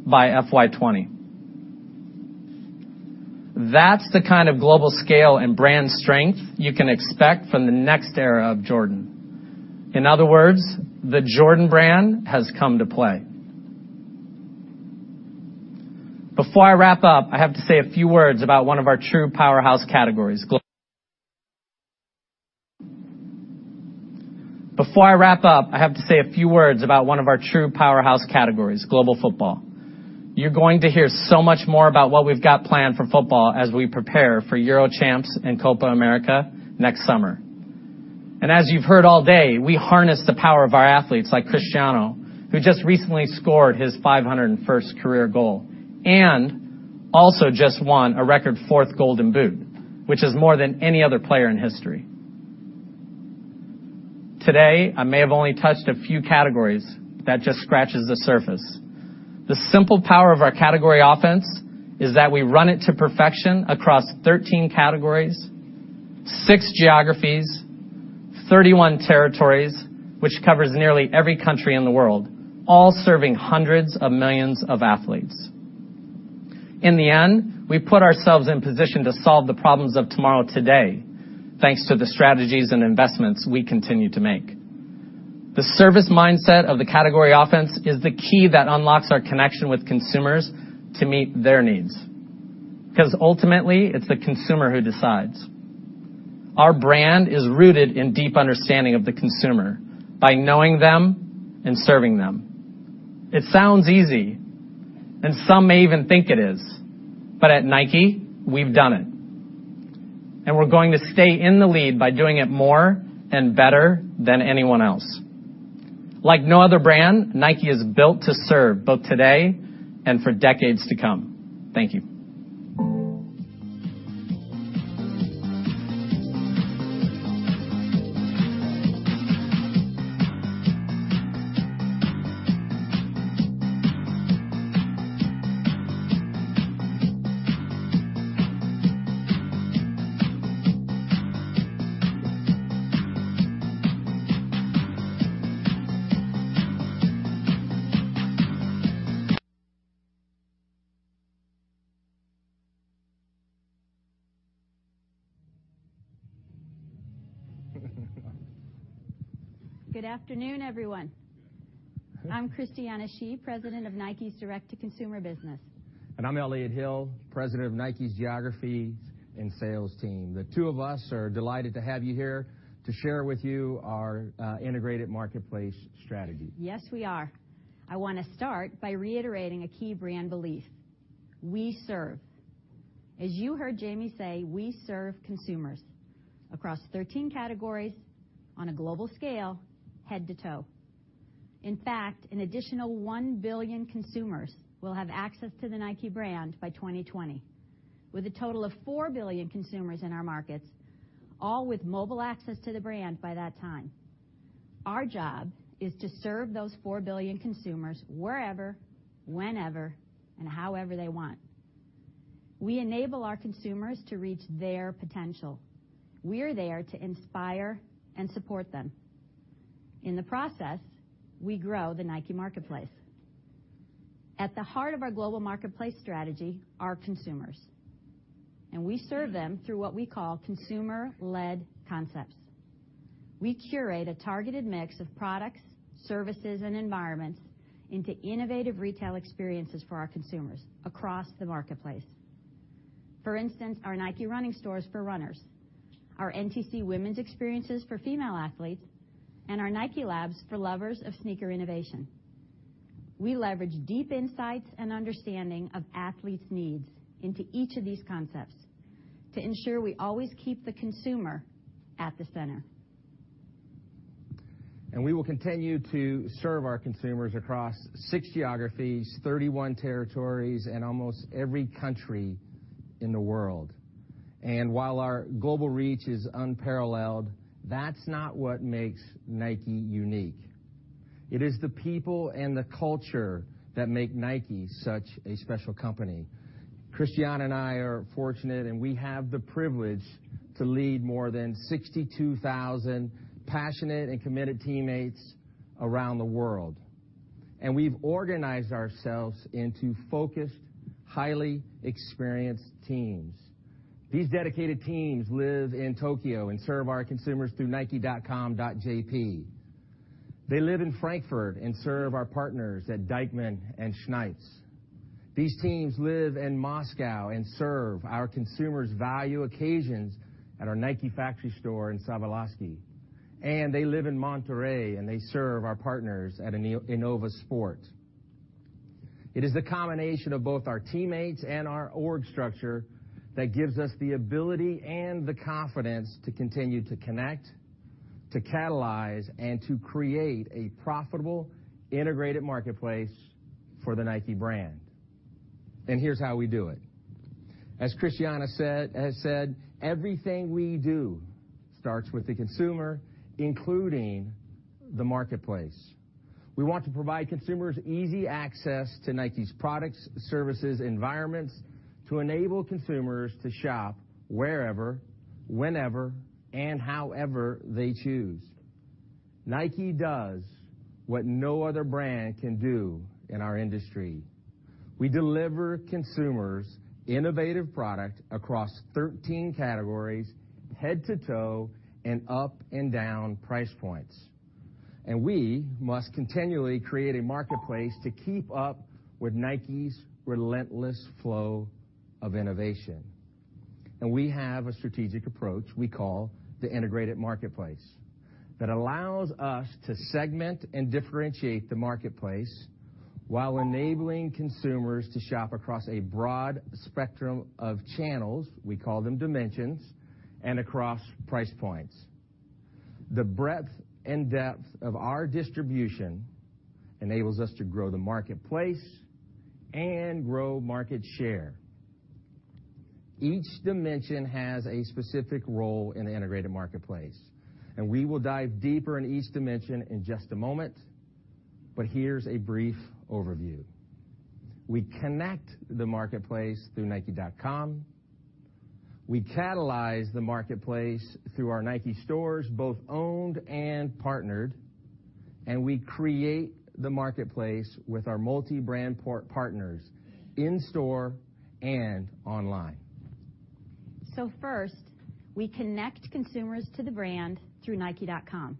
by FY 2020. That's the kind of global scale and brand strength you can expect from the next era of Jordan. In other words, the Jordan brand has come to play. Before I wrap up, I have to say a few words about one of our true powerhouse categories, global football. You're going to hear so much more about what we've got planned for football as we prepare for Euro Champs and Copa América next summer. As you've heard all day, we harness the power of our athletes like Cristiano, who just recently scored his 501st career goal, and also just won a record fourth Golden Boot, which is more than any other player in history. Today, I may have only touched a few categories that just scratches the surface. The simple power of our Category Offense is that we run it to perfection across 13 categories, six geographies, 31 territories, which covers nearly every country in the world, all serving hundreds of millions of athletes. In the end, we put ourselves in position to solve the problems of tomorrow today, thanks to the strategies and investments we continue to make. The service mindset of the Category Offense is the key that unlocks our connection with consumers to meet their needs, because ultimately, it's the consumer who decides. Our brand is rooted in deep understanding of the consumer by knowing them and serving them. It sounds easy, and some may even think it is, but at NIKE, we've done it. We're going to stay in the lead by doing it more and better than anyone else. Like no other brand, NIKE is built to serve both today and for decades to come. Thank you. Good afternoon, everyone. I'm Christiana Shi, President of NIKE's Direct to Consumer business. I'm Elliott Hill, President of NIKE's Geographies and Sales team. The two of us are delighted to have you here to share with you our integrated marketplace strategy. Yes, we are. I wanna start by reiterating a key brand belief. We serve. As you heard Jayme say, we serve consumers across 13 categories on a global scale, head to toe. In fact, an additional 1 billion consumers will have access to the NIKE brand by 2020, with a total of 4 billion consumers in our markets, all with mobile access to the brand by that time. Our job is to serve those 4 billion consumers wherever, whenever, and however they want. We enable our consumers to reach their potential. We are there to inspire and support them. In the process, we grow the NIKE marketplace. At the heart of our global marketplace strategy are consumers, and we serve them through what we call consumer-led concepts. We curate a targeted mix of products, services, and environments into innovative retail experiences for our consumers across the marketplace. For instance, our NIKE Running stores for runners, our NTC women's experiences for female athletes, and our NIKELab for lovers of sneaker innovation. We leverage deep insights and understanding of athletes' needs into each of these concepts to ensure we always keep the consumer at the center. We will continue to serve our consumers across six geographies, 31 territories, and almost every country in the world. While our global reach is unparalleled, that's not what makes NIKE unique. It is the people and the culture that make NIKE such a special company. Christiana and I are fortunate, and we have the privilege to lead more than 62,000 passionate and committed teammates around the world. We've organized ourselves into focused, highly experienced teams. These dedicated teams live in Tokyo and serve our consumers through nike.com.jp. They live in Frankfurt and serve our partners at Deichmann and Snipes. These teams live in Moscow and serve our consumers' value occasions at our NIKE factory store in Savelovsky. They live in Monterrey, and they serve our partners at Innovasport. It is the combination of both our teammates and our org structure that gives us the ability and the confidence to continue to connect, to catalyze, and to create a profitable, integrated marketplace for the NIKE brand. Here's how we do it. As Christiana said, everything we do starts with the consumer, including the marketplace. We want to provide consumers easy access to NIKE's products, services, environments to enable consumers to shop wherever, whenever, and however they choose. NIKE does what no other brand can do in our industry. We deliver consumers innovative product across 13 categories, head to toe and up and down price points. We must continually create a marketplace to keep up with NIKE's relentless flow of innovation. We have a strategic approach we call the Integrated Marketplace that allows us to segment and differentiate the marketplace while enabling consumers to shop across a broad spectrum of channels, we call them dimensions, and across price points. The breadth and depth of our distribution enables us to grow the marketplace and grow market share. Each dimension has a specific role in the Integrated Marketplace, and we will dive deeper in each dimension in just a moment, but here's a brief overview. We connect the marketplace through nike.com. We catalyze the marketplace through our NIKE stores, both owned and partnered. We create the marketplace with our multibrand partners in store and online. First, we connect consumers to the brand through nike.com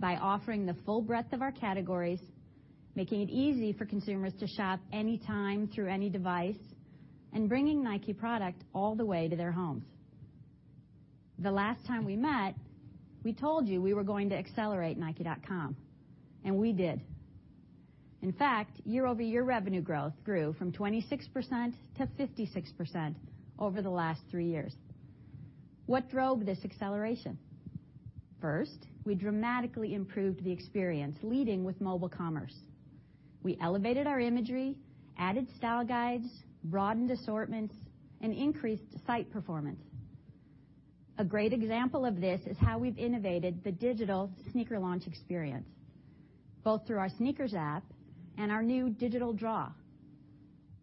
by offering the full breadth of our categories, making it easy for consumers to shop anytime through any device, and bringing NIKE product all the way to their homes. The last time we met, we told you we were going to accelerate nike.com, and we did. In fact, year-over-year revenue growth grew from 26% to 56% over the last three years. What drove this acceleration? First, we dramatically improved the experience leading with mobile commerce. We elevated our imagery, added style guides, broadened assortments, and increased site performance. A great example of this is how we've innovated the digital sneaker launch experience, both through our SNKRS app and our new digital draw,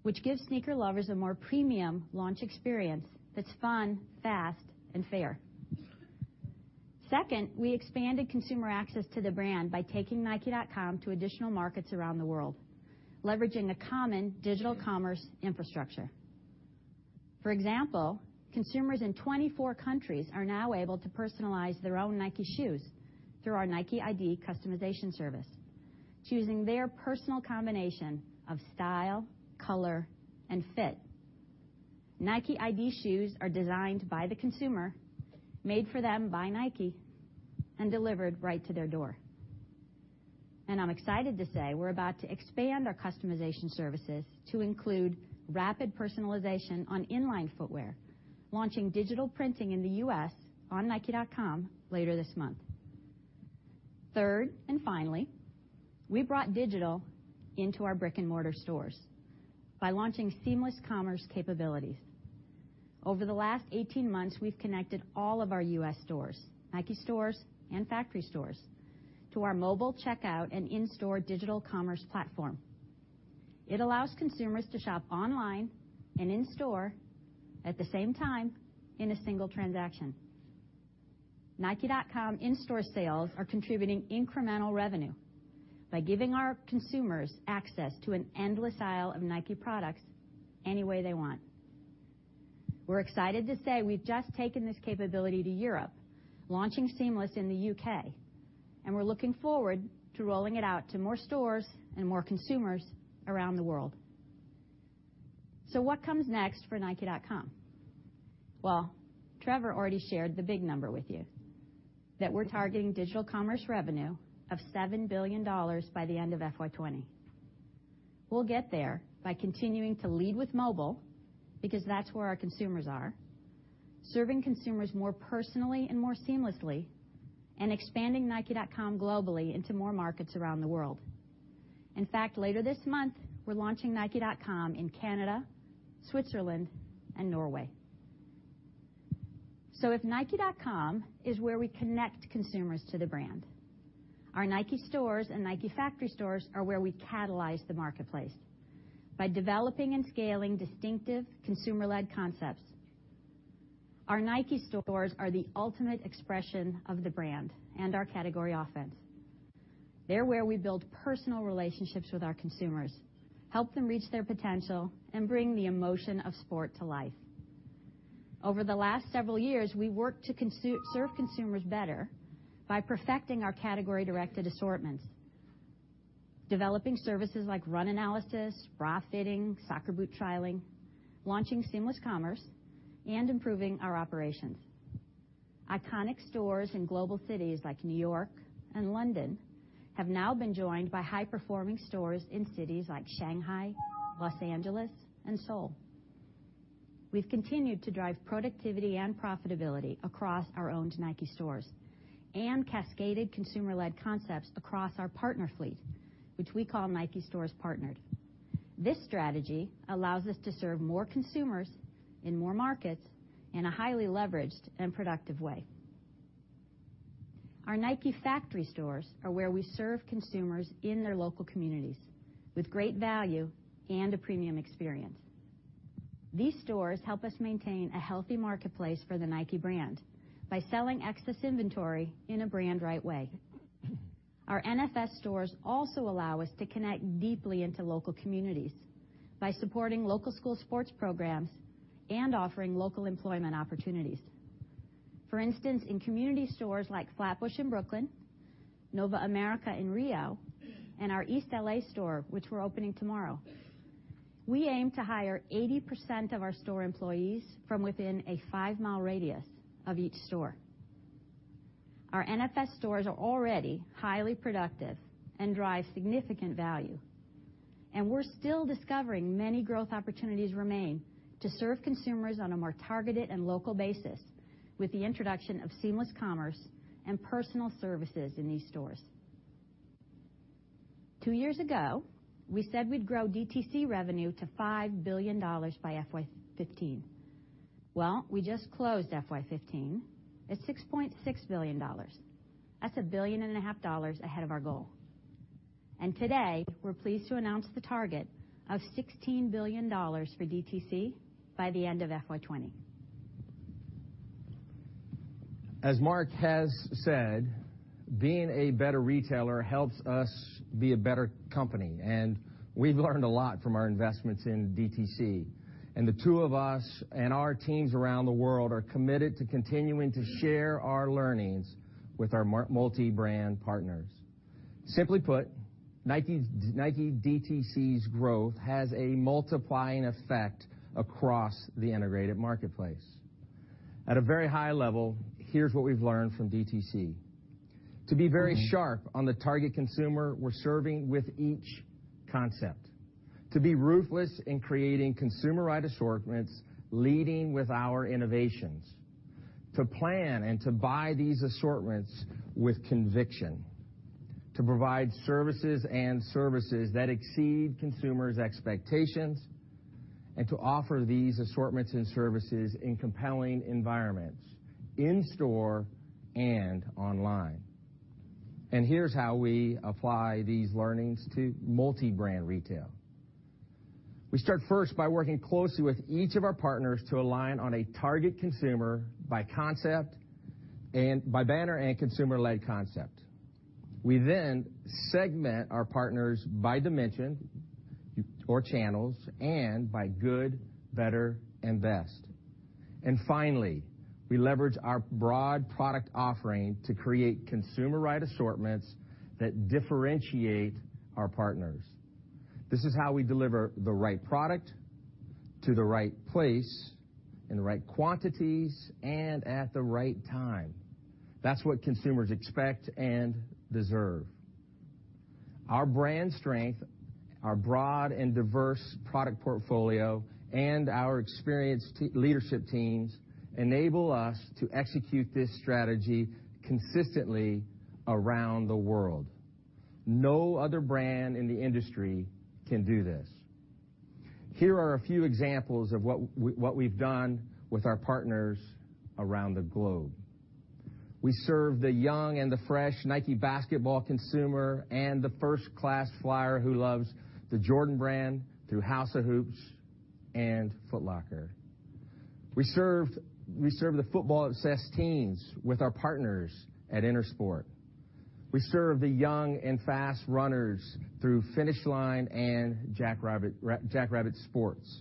which gives sneaker lovers a more premium launch experience that's fun, fast, and fair. Second, we expanded consumer access to the brand by taking nike.com to additional markets around the world, leveraging a common digital commerce infrastructure. For example, consumers in 24 countries are now able to personalize their own NIKE shoes through our NIKEiD customization service, choosing their personal combination of style, color, and fit. NIKEiD shoes are designed by the consumer, made for them by NIKE, and delivered right to their door. I'm excited to say we're about to expand our customization services to include rapid personalization on in-line footwear, launching digital printing in the U.S. on nike.com later this month. We brought digital into our brick-and-mortar stores by launching seamless commerce capabilities. Over the last 18 months, we've connected all of our U.S. stores, NIKE stores and factory stores, to our mobile checkout and in-store digital commerce platform. It allows consumers to shop online and in-store at the same time in a single transaction. nike.com in-store sales are contributing incremental revenue by giving our consumers access to an endless aisle of NIKE products any way they want. We're excited to say we've just taken this capability to Europe, launching Seamless in the U.K., and we're looking forward to rolling it out to more stores and more consumers around the world. What comes next for nike.com? Trevor already shared the big number with you, that we're targeting digital commerce revenue of $7 billion by the end of FY 2020. We'll get there by continuing to lead with mobile, because that's where our consumers are, serving consumers more personally and more seamlessly, and expanding nike.com globally into more markets around the world. In fact, later this month, we're launching nike.com in Canada, Switzerland, and Norway. If nike.com is where we connect consumers to the brand, our NIKE stores and NIKE factory stores are where we catalyze the marketplace by developing and scaling distinctive consumer-led concepts. Our NIKE stores are the ultimate expression of the brand and our Category Offense. They're where we build personal relationships with our consumers, help them reach their potential, and bring the emotion of sport to life. Over the last several years, we worked to serve consumers better by perfecting our category-directed assortments, developing services like run analysis, bra fitting, soccer boot trialing, launching seamless commerce, and improving our operations. Iconic stores in global cities like New York and London have now been joined by high-performing stores in cities like Shanghai, Los Angeles, and Seoul. We've continued to drive productivity and profitability across our owned NIKE stores and cascaded consumer-led concepts across our partner fleet, which we call NIKE Stores Partnered. This strategy allows us to serve more consumers in more markets in a highly leveraged and productive way. Our NIKE Factory Stores are where we serve consumers in their local communities with great value and a premium experience. These stores help us maintain a healthy marketplace for the NIKE brand by selling excess inventory in a brand right way. Our NFS stores also allow us to connect deeply into local communities by supporting local school sports programs and offering local employment opportunities. For instance, in community stores like Flatbush in Brooklyn, Nova América in Rio, and our East L.A. store, which we're opening tomorrow, we aim to hire 80% of our store employees from within a 5mi radius of each store. Our NFS stores are already highly productive and drive significant value, and we're still discovering many growth opportunities remain to serve consumers on a more targeted and local basis with the introduction of seamless commerce and personal services in these stores. Two years ago, we said we'd grow DTC revenue to $5 billion by FY 2015. We just closed FY 2015 at $6.6 billion. That's a $1.5 billion ahead of our goal. Today, we're pleased to announce the target of $16 billion for DTC by the end of FY 2020. As Mark has said, being a better retailer helps us be a better company. We've learned a lot from our investments in DTC. The two of us and our teams around the world are committed to continuing to share our learnings with our multibrand partners. Simply put, NIKE DTC's growth has a multiplying effect across the integrated marketplace. At a very high level, here's what we've learned from DTC: to be very sharp on the target consumer we're serving with each concept, to be ruthless in creating consumer-right assortments leading with our innovations, to plan and to buy these assortments with conviction, to provide services that exceed consumers' expectations, to offer these assortments and services in compelling environments in store and online. Here's how we apply these learnings to multibrand retail. We start first by working closely with each of our partners to align on a target consumer by concept and by banner and consumer-led concept. We then segment our partners by dimension or channels and by good, better, and best. Finally, we leverage our broad product offering to create consumer right assortments that differentiate our partners. This is how we deliver the right product to the right place in the right quantities and at the right time. That's what consumers expect and deserve. Our brand strength, our broad and diverse product portfolio, and our experienced leadership teams enable us to execute this strategy consistently around the world. No other brand in the industry can do this. Here are a few examples of what we've done with our partners around the globe. We serve the young and the fresh NIKE basketball consumer and the first-class flyer who loves the Jordan Brand through House of Hoops and Foot Locker. We serve the football-obsessed teens with our partners at Intersport. We serve the young and fast runners through Finish Line and JackRabbit Sports.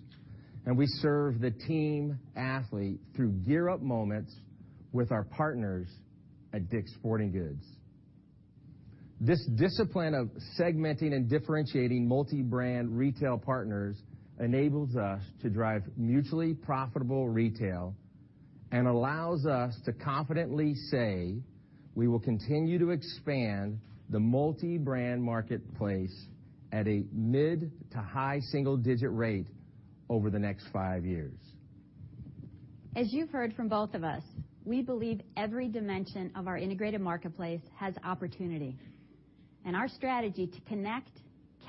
We serve the team athlete through Gear Up moments with our partners at Dick's Sporting Goods. This discipline of segmenting and differentiating multibrand retail partners enables us to drive mutually profitable retail and allows us to confidently say we will continue to expand the multibrand marketplace at a mid to high single-digit rate over the next five years. As you've heard from both of us, we believe every dimension of our integrated marketplace has opportunity, and our strategy to connect,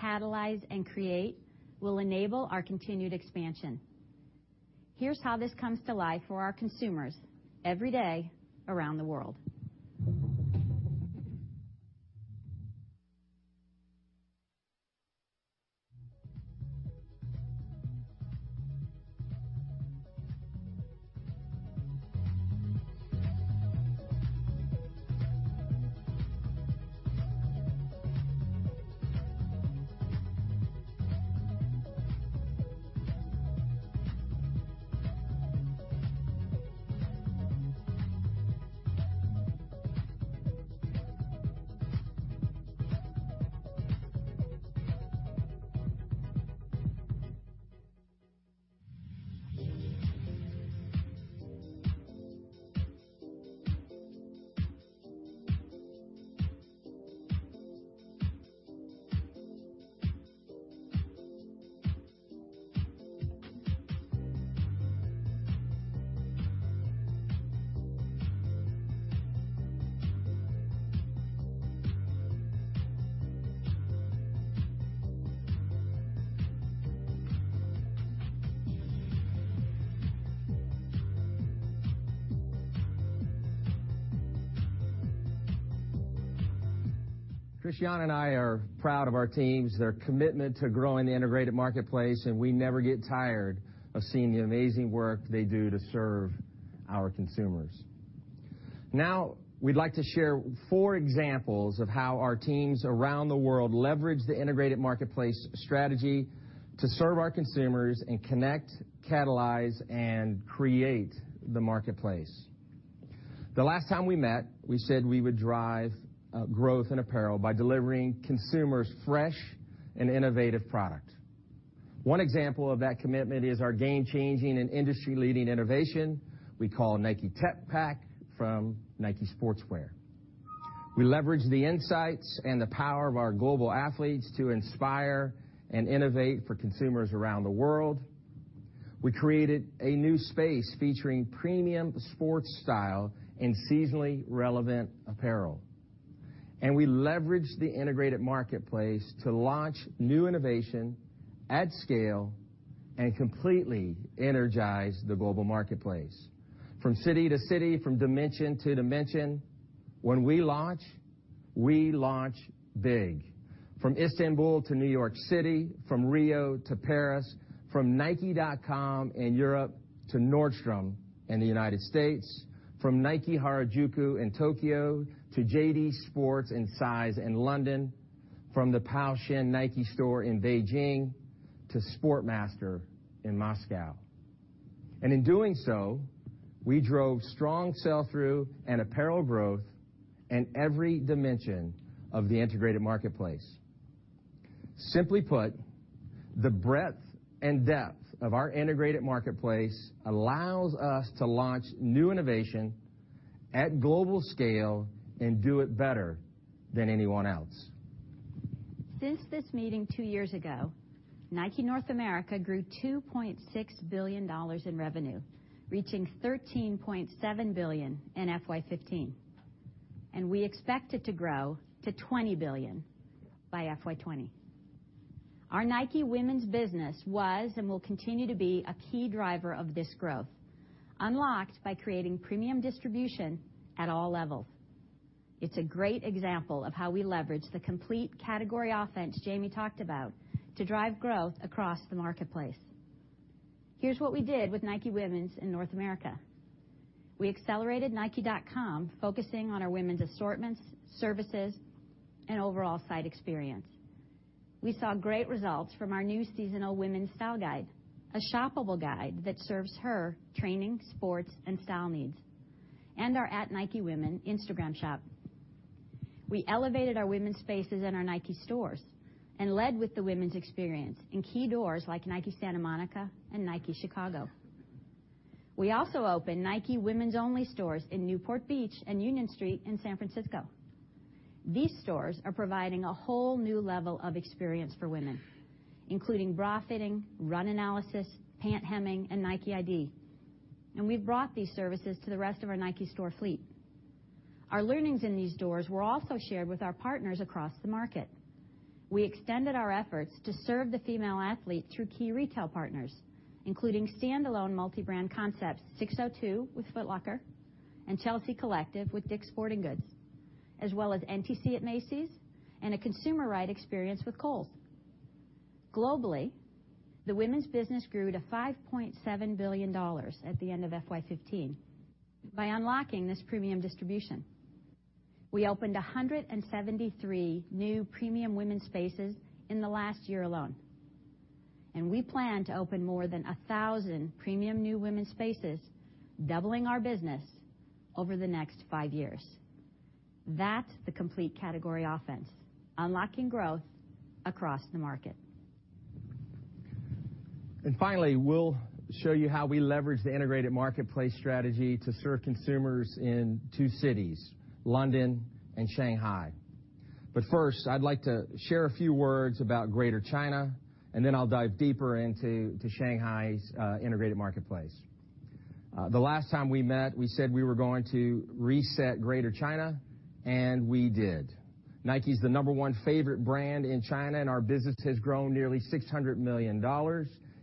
catalyze, and create will enable our continued expansion. Here's how this comes to life for our consumers every day around the world. Christiana and I are proud of our teams, their commitment to growing the integrated marketplace, and we never get tired of seeing the amazing work they do to serve our consumers. Now we'd like to share four examples of how our teams around the world leverage the integrated marketplace strategy to serve our consumers and connect, catalyze, and create the marketplace. The last time we met, we said we would drive growth in apparel by delivering consumers fresh and innovative product. One example of that commitment is our game-changing and industry-leading innovation we call NIKE Tech Pack from NIKE Sportswear. We leverage the insights and the power of our global athletes to inspire and innovate for consumers around the world. We created a new space featuring premium sports style and seasonally relevant apparel. We leveraged the integrated marketplace to launch new innovation at scale and completely energize the global marketplace. From city to city, from dimension to dimension, when we launch, we launch big. From Istanbul to New York City, from Rio to Paris, from nike.com in Europe to Nordstrom in the U.S., from NIKE Harajuku in Tokyo to JD Sports and size? in London, from the Pou Sheng NIKE store in Beijing to Sportmaster in Moscow. In doing so, we drove strong sell-through and apparel growth in every dimension of the integrated marketplace. Simply put, the breadth and depth of our integrated marketplace allows us to launch new innovation at global scale and do it better than anyone else. Since this meeting two years ago, NIKE North America grew $2.6 billion in revenue, reaching $13.7 billion in FY 2015. We expect it to grow to $20 billion by FY 2020. Our NIKE women's business was and will continue to be a key driver of this growth, unlocked by creating premium distribution at all levels. It's a great example of how we leverage the complete Category Offense Jayme talked about to drive growth across the marketplace. Here's what we did with NIKE Women in North America. We accelerated nike.com, focusing on our women's assortments, services, and overall site experience. We saw great results from our new seasonal women's style guide, a shoppable guide that serves her training, sports, and style needs, and our @nikewomen Instagram shop. We elevated our women's spaces in our NIKE stores and led with the women's experience in key doors like NIKE Santa Monica and NIKE Chicago. We also opened NIKE women's-only stores in Newport Beach and Union Street in San Francisco. These stores are providing a whole new level of experience for women, including bra fitting, run analysis, pant hemming, and NIKEiD. We've brought these services to the rest of our NIKE store fleet. Our learnings in these stores were also shared with our partners across the market. We extended our efforts to serve the female athlete through key retail partners, including standalone multibrand concepts, SIX:02 with Foot Locker and Chelsea Collective with Dick's Sporting Goods, as well as NTC at Macy's and a consumer-right experience with Kohl's. Globally, the women's business grew to $5.7 billion at the end of FY 2015 by unlocking this premium distribution. We opened 173 new premium women's spaces in the last year alone, we plan to open more than 1,000 premium new women's spaces, doubling our business over the next five years. That's the complete Category Offense, unlocking growth across the market. Finally, we'll show you how we leverage the integrated marketplace strategy to serve consumers in two cities, London and Shanghai. First, I'd like to share a few words about Greater China, then I'll dive deeper into Shanghai's integrated marketplace. The last time we met, we said we were going to reset Greater China, and we did. NIKE's the number one favorite brand in China, and our business has grown nearly $600 million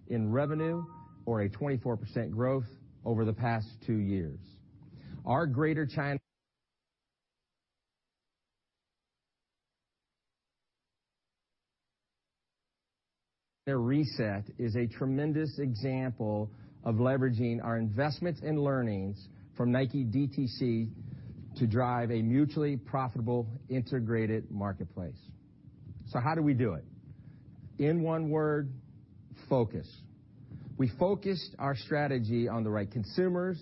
in revenue or a 24% growth over the past two years. Our Greater China reset is a tremendous example of leveraging our investments and learnings from NIKE DTC to drive a mutually profitable integrated marketplace. How do we do it? In one word, focus. We focused our strategy on the right consumers,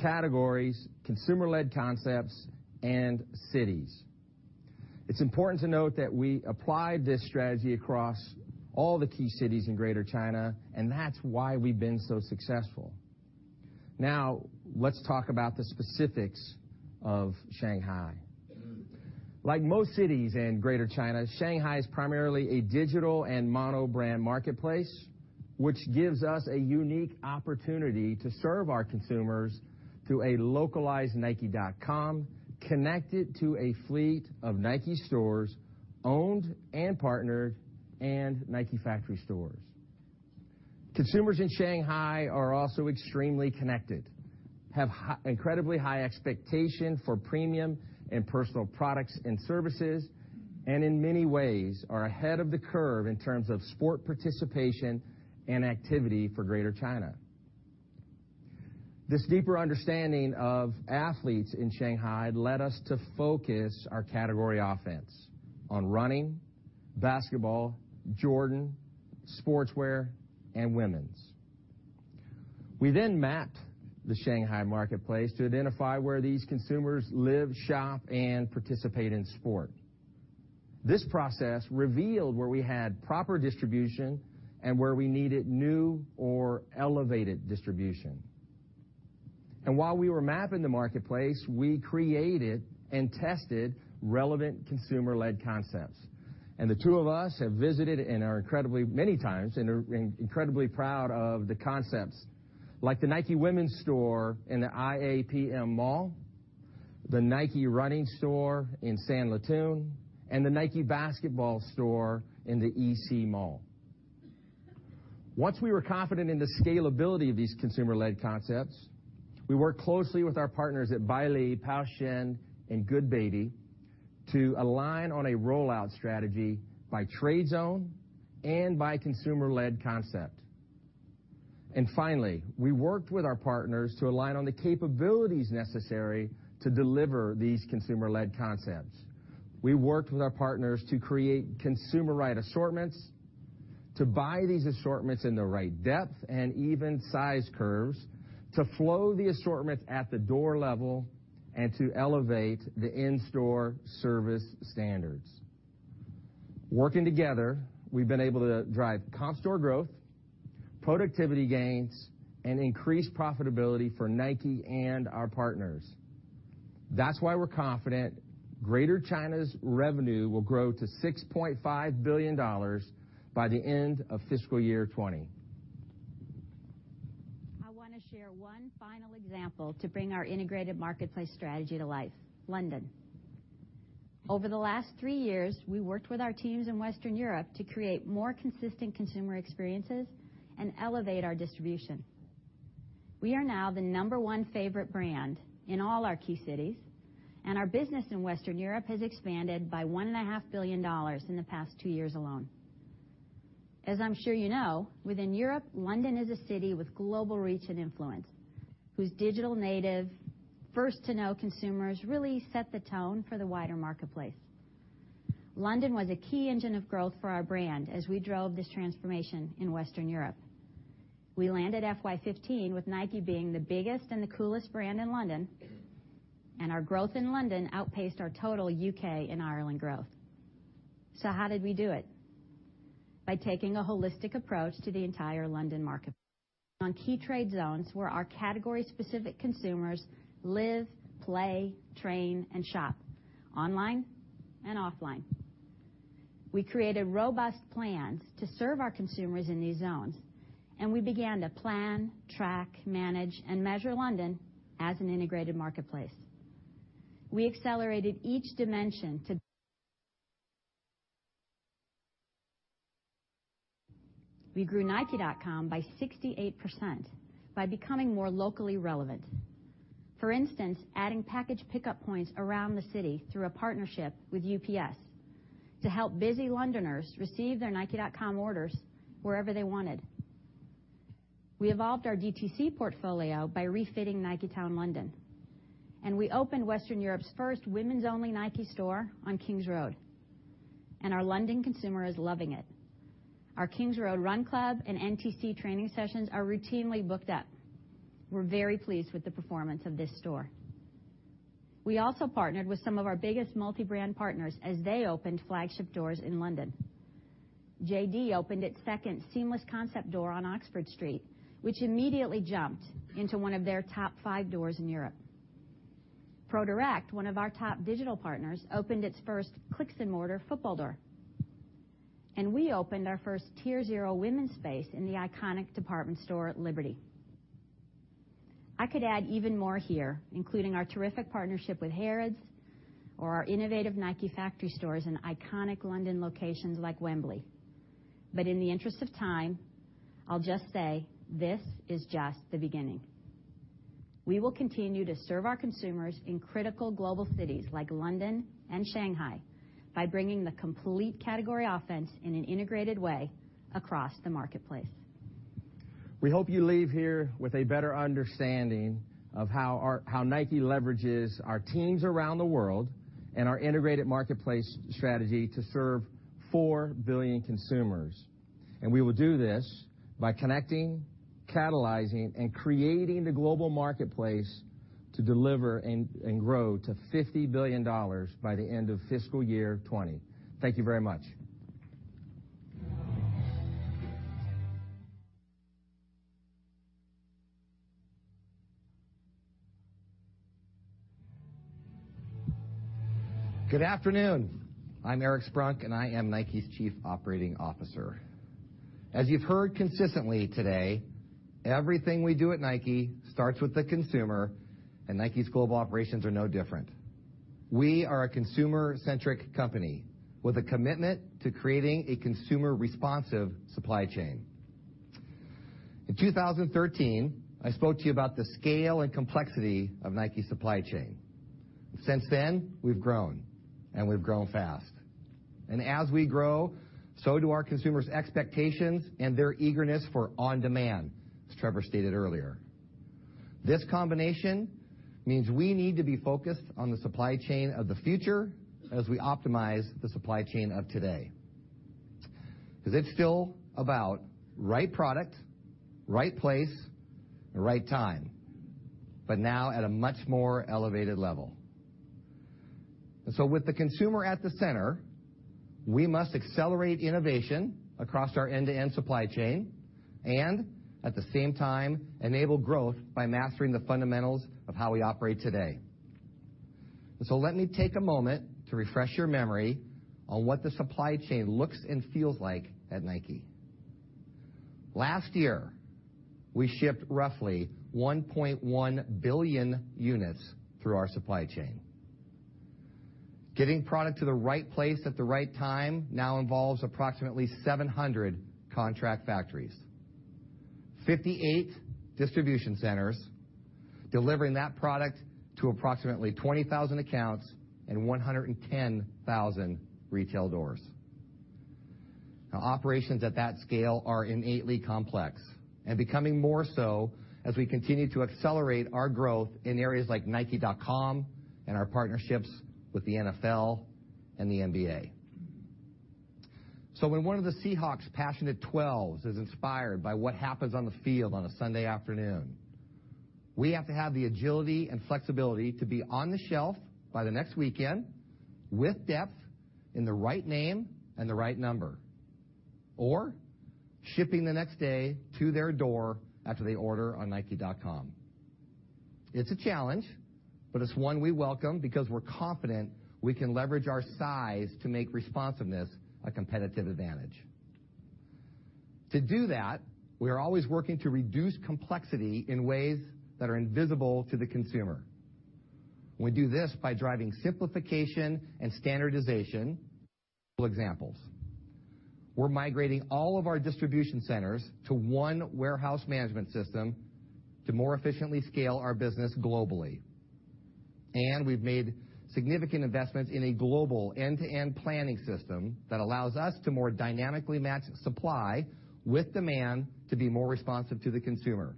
categories, consumer-led concepts, and cities. It's important to note that we applied this strategy across all the key cities in Greater China. That's why we've been so successful. Let's talk about the specifics of Shanghai. Like most cities in Greater China, Shanghai is primarily a digital and mono-brand marketplace, which gives us a unique opportunity to serve our consumers through a localized nike.com connected to a fleet of NIKE stores, owned and partnered, and NIKE Factory Stores. Consumers in Shanghai are also extremely connected, have incredibly high expectation for premium and personal products and services, and in many ways are ahead of the curve in terms of sport participation and activity for Greater China. This deeper understanding of athletes in Shanghai led us to focus our Category Offense on Running, Basketball, Jordan, Sportswear, and Women's. We mapped the Shanghai marketplace to identify where these consumers live, shop, and participate in sport. This process revealed where we had proper distribution and where we needed new or elevated distribution. While we were mapping the marketplace, we created and tested relevant consumer-led concepts. The two of us have visited and are incredibly many times and are incredibly proud of the concepts, like the NIKE Women's store in the IAPM mall, the NIKE Running store in Sanlitun, and the NIKE Basketball store in the EC Mall. Once we were confident in the scalability of these consumer-led concepts, we worked closely with our partners at Belle, Pou Sheng, and Goodbaby to align on a rollout strategy by trade zone and by consumer-led concept. Finally, we worked with our partners to align on the capabilities necessary to deliver these consumer-led concepts. We worked with our partners to create consumer right assortments, to buy these assortments in the right depth and even size curves, to flow the assortments at the door level, and to elevate the in-store service standards. Working together, we've been able to drive comp store growth, productivity gains, and increased profitability for NIKE and our partners. That's why we're confident Greater China's revenue will grow to $6.5 billion by the end of fiscal year 2020. I want to share one final example to bring our integrated marketplace strategy to life, London. Over the last three years, we worked with our teams in Western Europe to create more consistent consumer experiences and elevate our distribution. We are now the number one favorite brand in all our key cities, and our business in Western Europe has expanded by $1.5 billion in the past two years alone. As I'm sure you know, within Europe, London is a city with global reach and influence, whose digital native, first-to-know consumers really set the tone for the wider marketplace. London was a key engine of growth for our brand as we drove this transformation in Western Europe. We landed FY 2015 with NIKE being the biggest and the coolest brand in London, and our growth in London outpaced our total U.K. and Ireland growth. How did we do it? By taking a holistic approach to the entire London market. On key trade zones where our category-specific consumers live, play, train, and shop online and offline. We created robust plans to serve our consumers in these zones, and we began to plan, track, manage, and measure London as an integrated marketplace. We grew nike.com by 68% by becoming more locally relevant. For instance, adding package pickup points around the city through a partnership with UPS to help busy Londoners receive their nike.com orders wherever they wanted. We evolved our DTC portfolio by refitting NikeTown London, and we opened Western Europe's first women's only NIKE store on Kings Road, and our London consumer is loving it. Our Kings Road Run Club and NTC training sessions are routinely booked up. We're very pleased with the performance of this store. We also partnered with some of our biggest multibrand partners as they opened flagship doors in London. JD opened its second seamless concept door on Oxford Street, which immediately jumped into one of their top five doors in Europe. Pro:Direct, one of our top digital partners, opened its first clicks and mortar football door. We opened our first Tier 0 women's space in the iconic department store at Liberty. I could add even more here, including our terrific partnership with Harrods or our innovative NIKE Factory Stores in iconic London locations like Wembley. In the interest of time, I'll just say this is just the beginning. We will continue to serve our consumers in critical global cities like London and Shanghai by bringing the complete Category Offense in an integrated way across the marketplace. We hope you leave here with a better understanding of how NIKE leverages our teams around the world and our integrated marketplace strategy to serve 4 billion consumers. We will do this by connecting, catalyzing, and creating the global marketplace to deliver and grow to $50 billion by the end of fiscal year 2020. Thank you very much. Good afternoon. I'm Eric Sprunk, and I am NIKE's Chief Operating Officer. As you've heard consistently today, everything we do at NIKE starts with the consumer, and NIKE's global operations are no different. We are a consumer-centric company with a commitment to creating a consumer-responsive supply chain. In 2013, I spoke to you about the scale and complexity of NIKE's supply chain. Since then, we've grown, we've grown fast. As we grow, so do our consumers' expectations and their eagerness for on-demand, as Trevor stated earlier. This combination means we need to be focused on the supply chain of the future as we optimize the supply chain of today. 'Cause it's still about right product, right place, and right time, but now at a much more elevated level. With the consumer at the center, we must accelerate innovation across our end-to-end supply chain and at the same time enable growth by mastering the fundamentals of how we operate today. Let me take a moment to refresh your memory on what the supply chain looks and feels like at NIKE. Last year, we shipped roughly 1.1 billion units through our supply chain. Getting product to the right place at the right time now involves approximately 700 contract factories, 58 distribution centers delivering that product to approximately 20,000 accounts and 110,000 retail doors. Operations at that scale are innately complex and becoming more so as we continue to accelerate our growth in areas like nike.com and our partnerships with the NFL and the NBA. When one of the Seahawks passionate 12s is inspired by what happens on the field on a Sunday afternoon, we have to have the agility and flexibility to be on the shelf by the next weekend with depth in the right name and the right number or shipping the next day to their door after they order on nike.com. It's a challenge, but it's one we welcome because we're confident we can leverage our size to make responsiveness a competitive advantage. To do that, we are always working to reduce complexity in ways that are invisible to the consumer. We do this by driving simplification and standardization. Examples. We're migrating all of our distribution centers to one warehouse management system to more efficiently scale our business globally. We've made significant investments in a global end-to-end planning system that allows us to more dynamically match supply with demand to be more responsive to the consumer.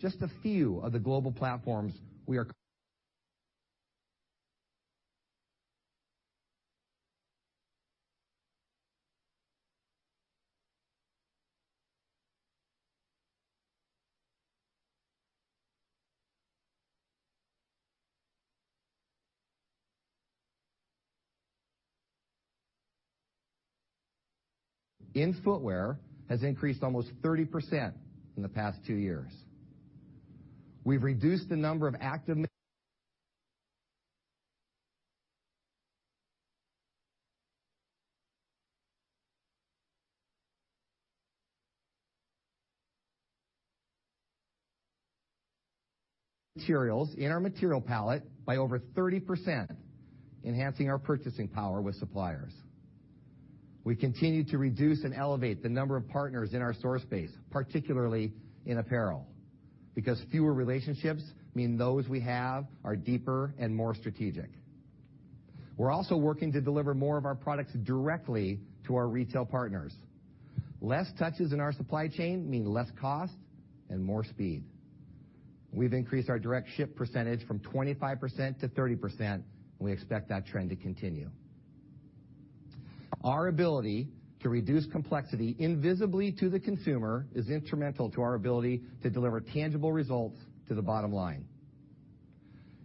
Just a few of the global platforms...In footwear has increased almost 30% in the past two years. We've reduced the number of active materials in our material palette by over 30%, enhancing our purchasing power with suppliers. We continue to reduce and elevate the number of partners in our source base, particularly in apparel, because fewer relationships mean those we have are deeper and more strategic. We're also working to deliver more of our products directly to our retail partners. Less touches in our supply chain mean less cost and more speed. We've increased our direct ship percentage from 25% to 30%, and we expect that trend to continue. Our ability to reduce complexity invisibly to the consumer is instrumental to our ability to deliver tangible results to the bottom line.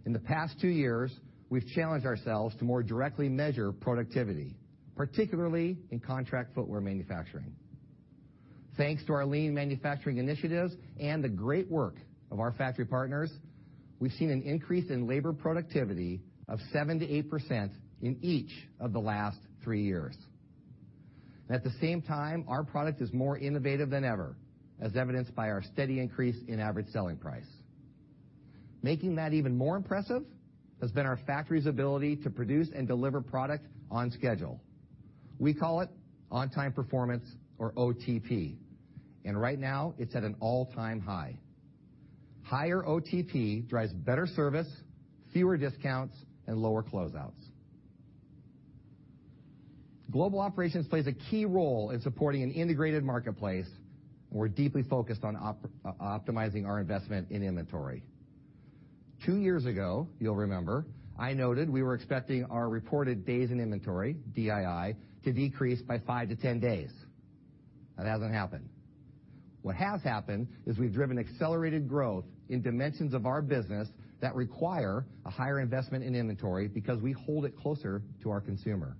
In the past two years, we've challenged ourselves to more directly measure productivity, particularly in contract footwear manufacturing. Thanks to our lean manufacturing initiatives and the great work of our factory partners, we've seen an increase in labor productivity of 7%-8% in each of the last three years. At the same time, our product is more innovative than ever, as evidenced by our steady increase in average selling price. Making that even more impressive has been our factory's ability to produce and deliver product on schedule. We call it On-Time Performance or OTP, and right now it's at an all-time high. Higher OTP drives better service, fewer discounts, and lower closeouts. Global operations plays a key role in supporting an integrated marketplace. We're deeply focused on optimizing our investment in inventory. Two years ago, you'll remember, I noted we were expecting our reported Days in Inventory, DII, to decrease by five to 10 days. That hasn't happened. What has happened is we've driven accelerated growth in dimensions of our business that require a higher investment in inventory because we hold it closer to our consumer.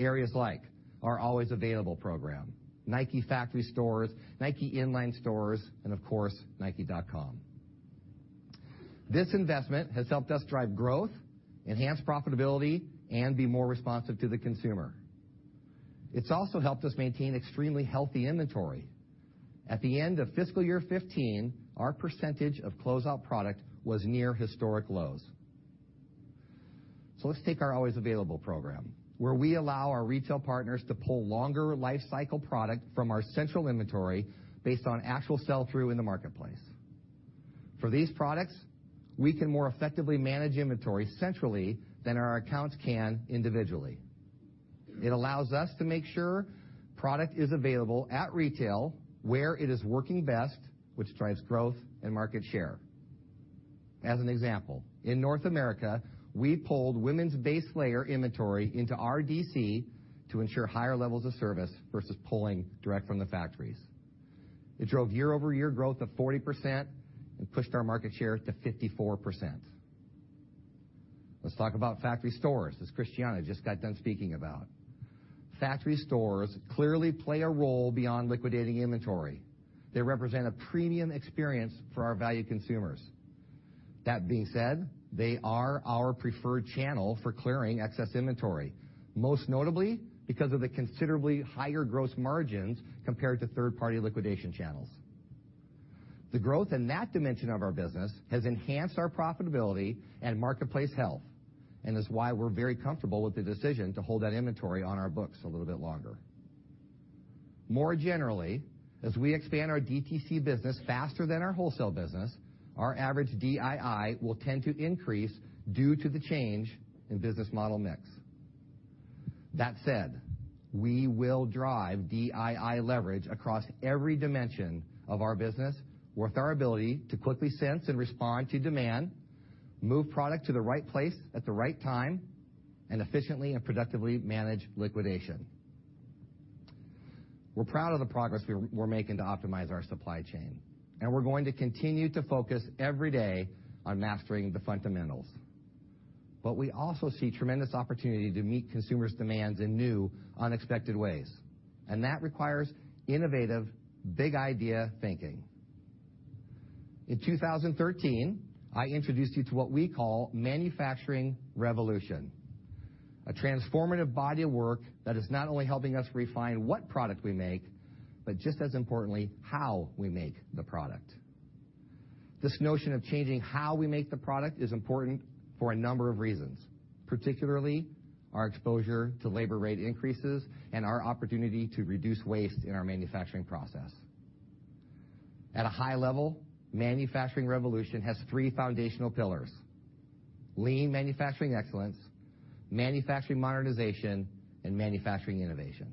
Areas like our Always Available program, NIKE Factory Stores, NIKE inline stores, and of course, nike.com. This investment has helped us drive growth, enhance profitability, and be more responsive to the consumer. It's also helped us maintain extremely healthy inventory. At the end of fiscal year 2015, our percentage of closeout product was near historic lows. Let's take our Always Available program, where we allow our retail partners to pull longer life cycle product from our central inventory based on actual sell-through in the marketplace. For these products, we can more effectively manage inventory centrally than our accounts can individually. It allows us to make sure product is available at retail where it is working best, which drives growth and market share. As an example, in North America, we pulled women's base layer inventory into our DC to ensure higher levels of service versus pulling direct from the factories. It drove year-over-year growth of 40% and pushed our market share to 54%. Let's talk about factory stores, as Christiana just got done speaking about. Factory stores clearly play a role beyond liquidating inventory. They represent a premium experience for our value consumers. That being said, they are our preferred channel for clearing excess inventory, most notably because of the considerably higher gross margins compared to third-party liquidation channels. The growth in that dimension of our business has enhanced our profitability and marketplace health, and is why we're very comfortable with the decision to hold that inventory on our books a little bit longer. More generally, as we expand our DTC business faster than our wholesale business, our average DII will tend to increase due to the change in business model mix. That said, we will drive DII leverage across every dimension of our business with our ability to quickly sense and respond to demand, move product to the right place at the right time, and efficiently and productively manage liquidation. We're proud of the progress we're making to optimize our supply chain, and we're going to continue to focus every day on mastering the fundamentals. We also see tremendous opportunity to meet consumers' demands in new, unexpected ways, and that requires innovative, big idea thinking. In 2013, I introduced you to what we call Manufacturing Revolution, a transformative body of work that is not only helping us refine what product we make, but just as importantly, how we make the product. This notion of changing how we make the product is important for a number of reasons, particularly our exposure to labor rate increases and our opportunity to reduce waste in our manufacturing process. At a high level, Manufacturing Revolution has three foundational pillars: lean manufacturing excellence, manufacturing modernization, and manufacturing innovation.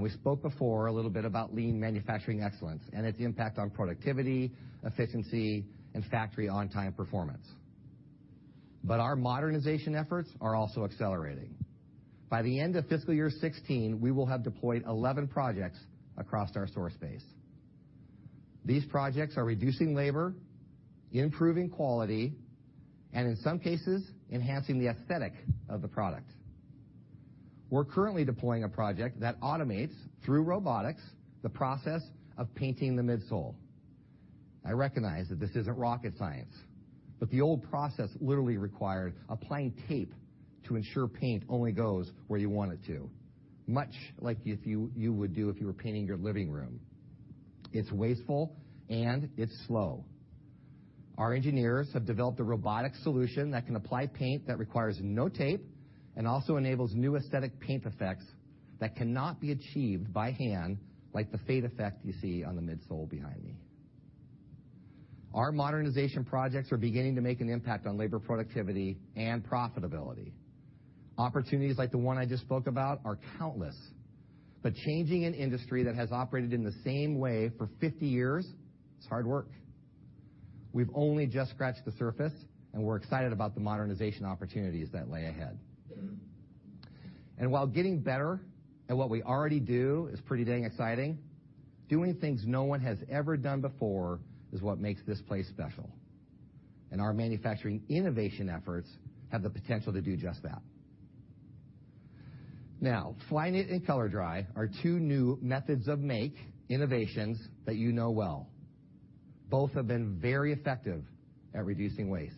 We spoke before a little bit about lean manufacturing excellence and its impact on productivity, efficiency, and factory on-time performance. Our modernization efforts are also accelerating. By the end of fiscal year 2016, we will have deployed 11 projects across our source base. These projects are reducing labor, improving quality, and in some cases, enhancing the aesthetic of the product. We're currently deploying a project that automates, through robotics, the process of painting the midsole. I recognize that this isn't rocket science, but the old process literally required applying tape to ensure paint only goes where you want it to, much like if you would do if you were painting your living room. It's wasteful, and it's slow. Our engineers have developed a robotic solution that can apply paint that requires no tape and also enables new aesthetic paint effects that cannot be achieved by hand, like the fade effect you see on the midsole behind me. Our modernization projects are beginning to make an impact on labor productivity and profitability. Opportunities like the one I just spoke about are countless, changing an industry that has operated in the same way for 50 years is hard work. We've only just scratched the surface, we're excited about the modernization opportunities that lay ahead. While getting better at what we already do is pretty dang exciting, doing things no one has ever done before is what makes this place special. Our manufacturing innovation efforts have the potential to do just that. Now, Flyknit and ColorDry are two new methods of make innovations that you know well. Both have been very effective at reducing waste.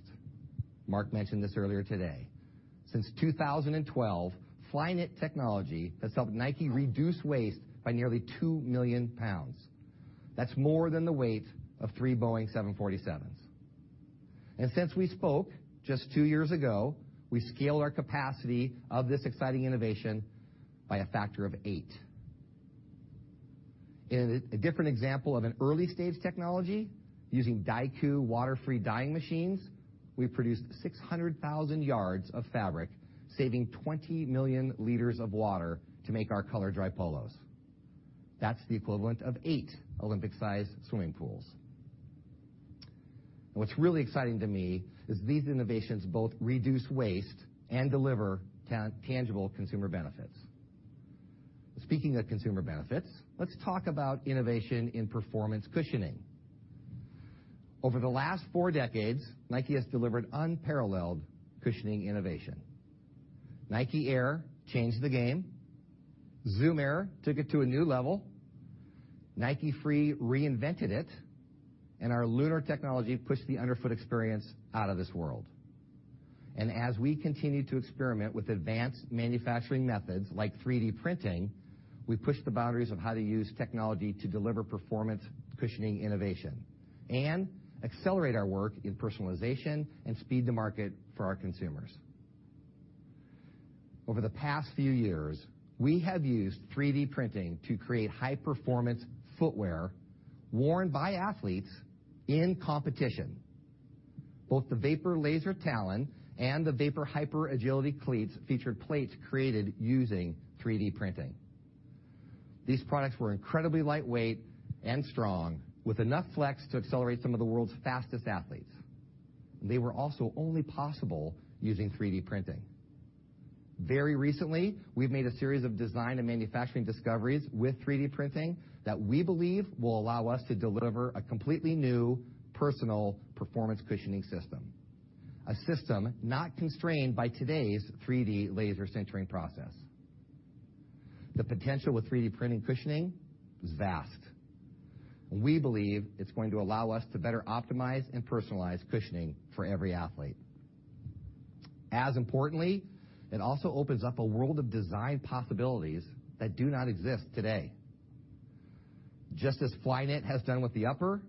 Mark mentioned this earlier today. Since 2012, Flyknit technology has helped NIKE reduce waste by nearly 2 million pounds. That's more than the weight of three Boeing 747s. Since we spoke just two years ago, we scaled our capacity of this exciting innovation by a factor of eight. In a different example of an early-stage technology, using DyeCoo water-free dyeing machines, we produced 600,000 yards of fabric, saving 20 million liters of water to make our ColorDry polos. That's the equivalent of eight Olympic-sized swimming pools. What's really exciting to me is these innovations both reduce waste and deliver tangible consumer benefits. Speaking of consumer benefits, let's talk about innovation in performance cushioning. Over the last four decades, NIKE has delivered unparalleled cushioning innovation. NIKE Air changed the game. Zoom Air took it to a new level. NIKE Free reinvented it, and our Lunar technology pushed the underfoot experience out of this world. As we continue to experiment with advanced manufacturing methods like 3D printing, we push the boundaries of how to use technology to deliver performance, cushioning innovation and accelerate our work in personalization and speed to market for our consumers. Over the past few years, we have used 3D printing to create high-performance footwear worn by athletes in competition. Both the Vapor Laser Talon and the Vapor HyperAgility cleats featured plates created using 3D printing. These products were incredibly lightweight and strong, with enough flex to accelerate some of the world's fastest athletes. They were also only possible using 3D printing. Very recently, we've made a series of design and manufacturing discoveries with 3D printing that we believe will allow us to deliver a completely new personal performance cushioning system, a system not constrained by today's 3D laser sintering process. The potential with 3D printing cushioning is vast. We believe it's going to allow us to better optimize and personalize cushioning for every athlete. As importantly, it also opens up a world of design possibilities that do not exist today. Just as Flyknit has done with the upper,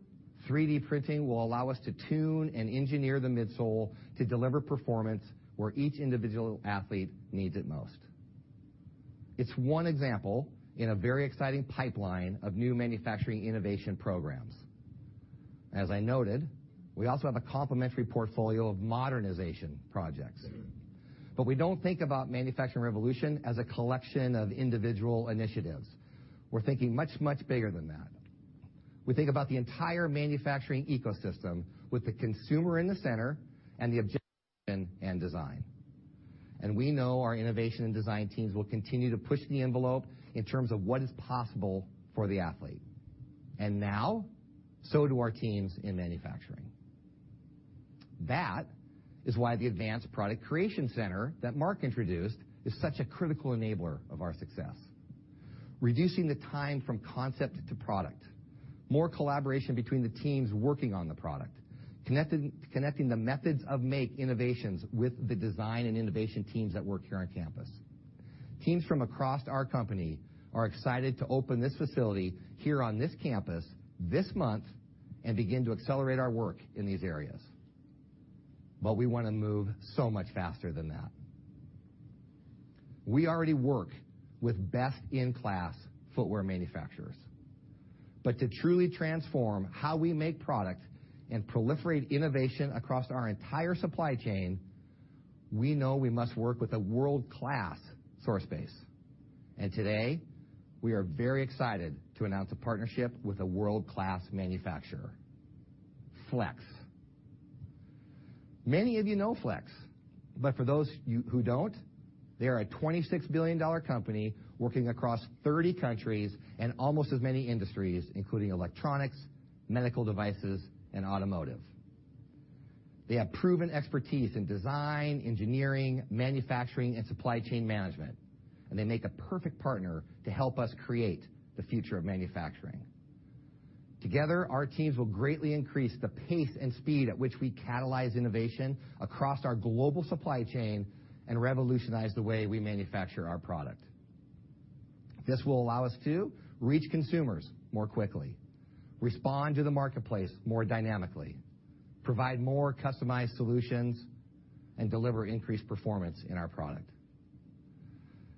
3D printing will allow us to tune and engineer the midsole to deliver performance where each individual athlete needs it most. It's one example in a very exciting pipeline of new manufacturing innovation programs. As I noted, we also have a complementary portfolio of modernization projects. We don't think about Manufacturing Revolution as a collection of individual initiatives. We're thinking much, much bigger than that. We think about the entire manufacturing ecosystem with the consumer in the center and the objective and design. We know our innovation and design teams will continue to push the envelope in terms of what is possible for the athlete. Now, so do our teams in manufacturing. That is why the Advanced Product Creation Center that Mark introduced is such a critical enabler of our success. Reducing the time from concept to product, more collaboration between the teams working on the product, connecting the methods of make innovations with the design and innovation teams that work here on campus. Teams from across our company are excited to open this facility here on this campus this month and begin to accelerate our work in these areas. We wanna move so much faster than that. We already work with best-in-class footwear manufacturers. To truly transform how we make product and proliferate innovation across our entire supply chain, we know we must work with a world-class source base. Today, we are very excited to announce a partnership with a world-class manufacturer, Flex. Many of you know Flex, but for those you, who don't, they are a $26 billion company working across 30 countries and almost as many industries, including electronics, medical devices, and automotive. They have proven expertise in design, engineering, manufacturing, and supply chain management, they make a perfect partner to help us create the future of manufacturing. Together, our teams will greatly increase the pace and speed at which we catalyze innovation across our global supply chain and revolutionize the way we manufacture our product. This will allow us to reach consumers more quickly, respond to the marketplace more dynamically, provide more customized solutions, and deliver increased performance in our product.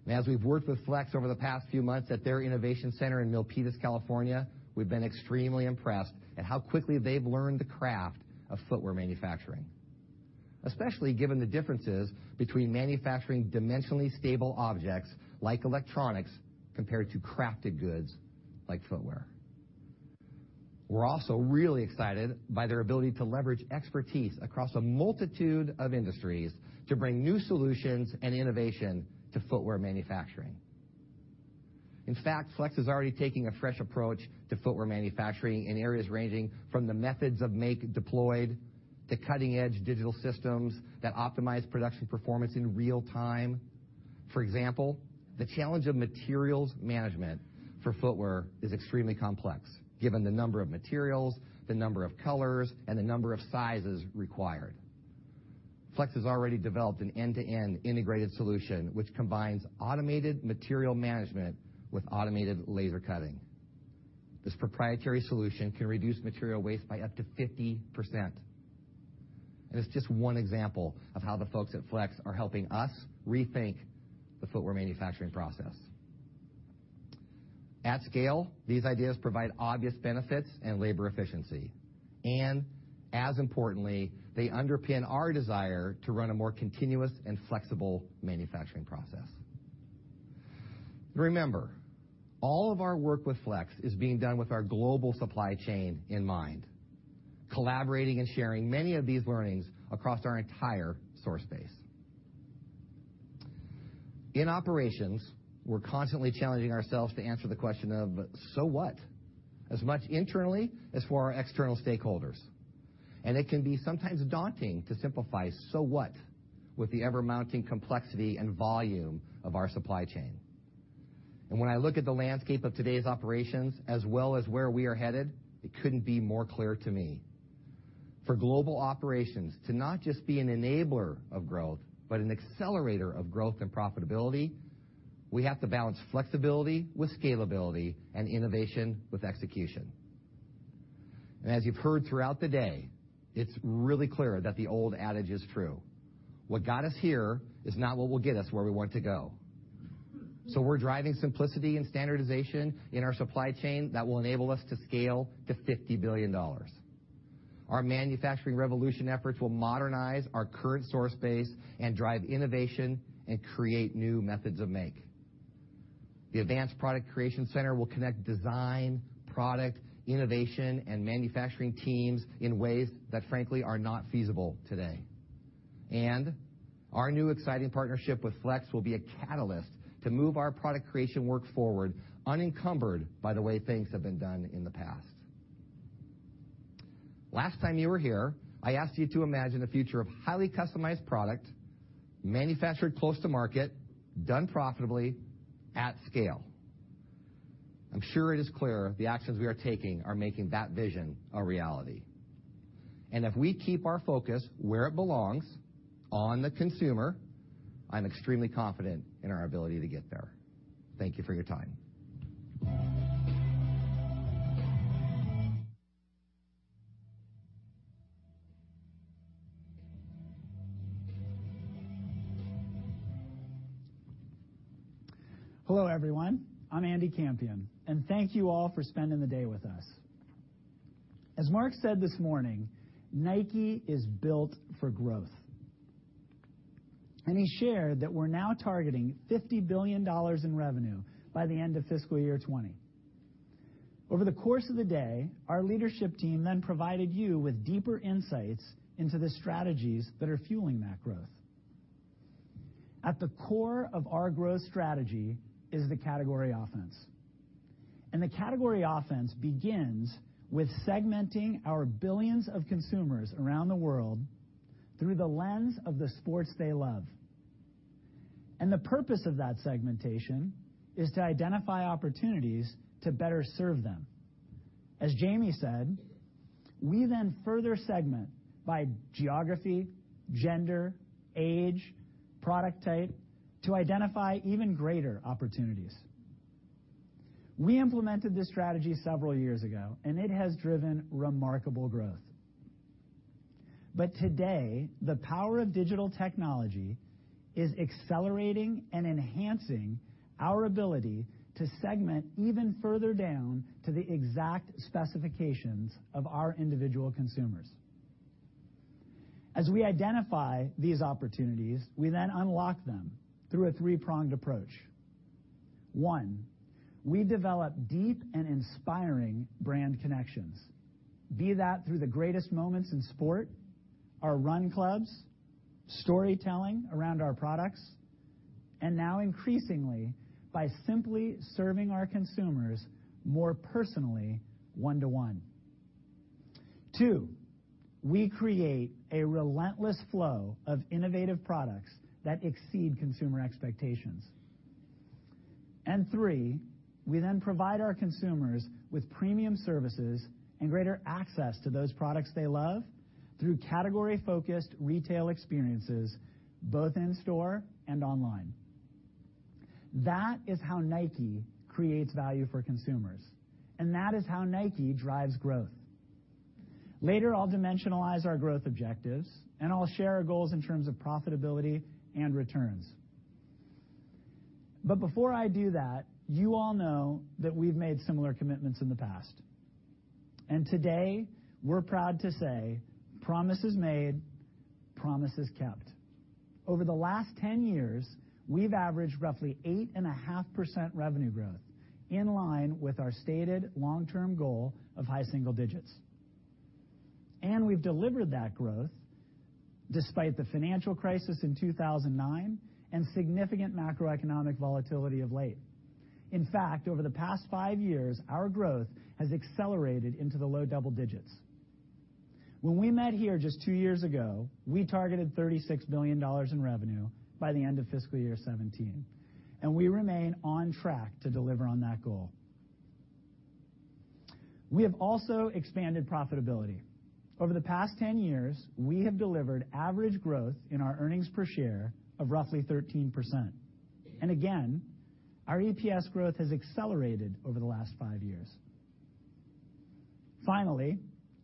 As we've worked with Flex over the past few months at their innovation center in Milpitas, California, we've been extremely impressed at how quickly they've learned the craft of footwear manufacturing, especially given the differences between manufacturing dimensionally stable objects like electronics compared to crafted goods like footwear. We're also really excited by their ability to leverage expertise across a multitude of industries to bring new solutions and innovation to footwear manufacturing. In fact, Flex is already taking a fresh approach to footwear manufacturing in areas ranging from the methods of make deployed to cutting-edge digital systems that optimize production performance in real time. For example, the challenge of materials management for footwear is extremely complex given the number of materials, the number of colors, and the number of sizes required. Flex has already developed an end-to-end integrated solution which combines automated material management with automated laser cutting. This proprietary solution can reduce material waste by up to 50%. It's just one example of how the folks at Flex are helping us rethink the footwear manufacturing process. At scale, these ideas provide obvious benefits and labor efficiency, and as importantly, they underpin our desire to run a more continuous and flexible manufacturing process. Remember, all of our work with Flex is being done with our global supply chain in mind, collaborating and sharing many of these learnings across our entire source base. In operations, we're constantly challenging ourselves to answer the question of, "So what?" As much internally as for our external stakeholders. It can be sometimes daunting to simplify so what with the ever-mounting complexity and volume of our supply chain. When I look at the landscape of today's operations as well as where we are headed, it couldn't be more clear to me. For global operations to not just be an enabler of growth, but an accelerator of growth and profitability, we have to balance flexibility with scalability and innovation with execution. As you've heard throughout the day, it's really clear that the old adage is true. What got us here is not what will get us where we want to go. We're driving simplicity and standardization in our supply chain that will enable us to scale to $50 billion. Our Manufacturing Revolution efforts will modernize our current source base and drive innovation and create new methods of make. The Advanced Product Creation Center will connect design, product, innovation, and manufacturing teams in ways that frankly are not feasible today. Our new exciting partnership with Flex will be a catalyst to move our product creation work forward unencumbered by the way things have been done in the past. Last time you were here, I asked you to imagine a future of highly customized product manufactured close to market, done profitably at scale. I'm sure it is clear the actions we are taking are making that vision a reality. If we keep our focus where it belongs, on the consumer, I'm extremely confident in our ability to get there. Thank you for your time. Hello, everyone. I'm Andy Campion. Thank you all for spending the day with us. As Mark said this morning, NIKE is built for growth. He shared that we're now targeting $50 billion in revenue by the end of fiscal year 2020. Over the course of the day, our leadership team provided you with deeper insights into the strategies that are fueling that growth. At the core of our growth strategy is the Category Offense. The Category Offense begins with segmenting our billions of consumers around the world through the lens of the sports they love. The purpose of that segmentation is to identify opportunities to better serve them. As Jayme said, we further segment by geography, gender, age, product type to identify even greater opportunities. We implemented this strategy several years ago. It has driven remarkable growth. Today, the power of digital technology is accelerating and enhancing our ability to segment even further down to the exact specifications of our individual consumers. As we identify these opportunities, we then unlock them through a three-pronged approach. One, we develop deep and inspiring brand connections, be that through the greatest moments in sport, our run clubs, storytelling around our products, and now increasingly, by simply serving our consumers more personally one-to-one. Two, we create a relentless flow of innovative products that exceed consumer expectations. Three, we then provide our consumers with premium services and greater access to those products they love through category-focused retail experiences, both in store and online. That is how NIKE creates value for consumers, and that is how NIKE drives growth. Later, I'll dimensionalize our growth objectives, and I'll share our goals in terms of profitability and returns. Before I do that, you all know that we've made similar commitments in the past. Today, we're proud to say promises made, promises kept. Over the last 10 years, we've averaged roughly 8.5% revenue growth in line with our stated long-term goal of high single digits. We've delivered that growth despite the financial crisis in 2009 and significant macroeconomic volatility of late. In fact, over the past five years, our growth has accelerated into the low double digits. When we met here just two years ago, we targeted $36 billion in revenue by the end of fiscal year 2017, and we remain on track to deliver on that goal. We have also expanded profitability. Over the past 10 years, we have delivered average growth in our earnings per share of roughly 13%. Again, our EPS growth has accelerated over the last five years. Finally,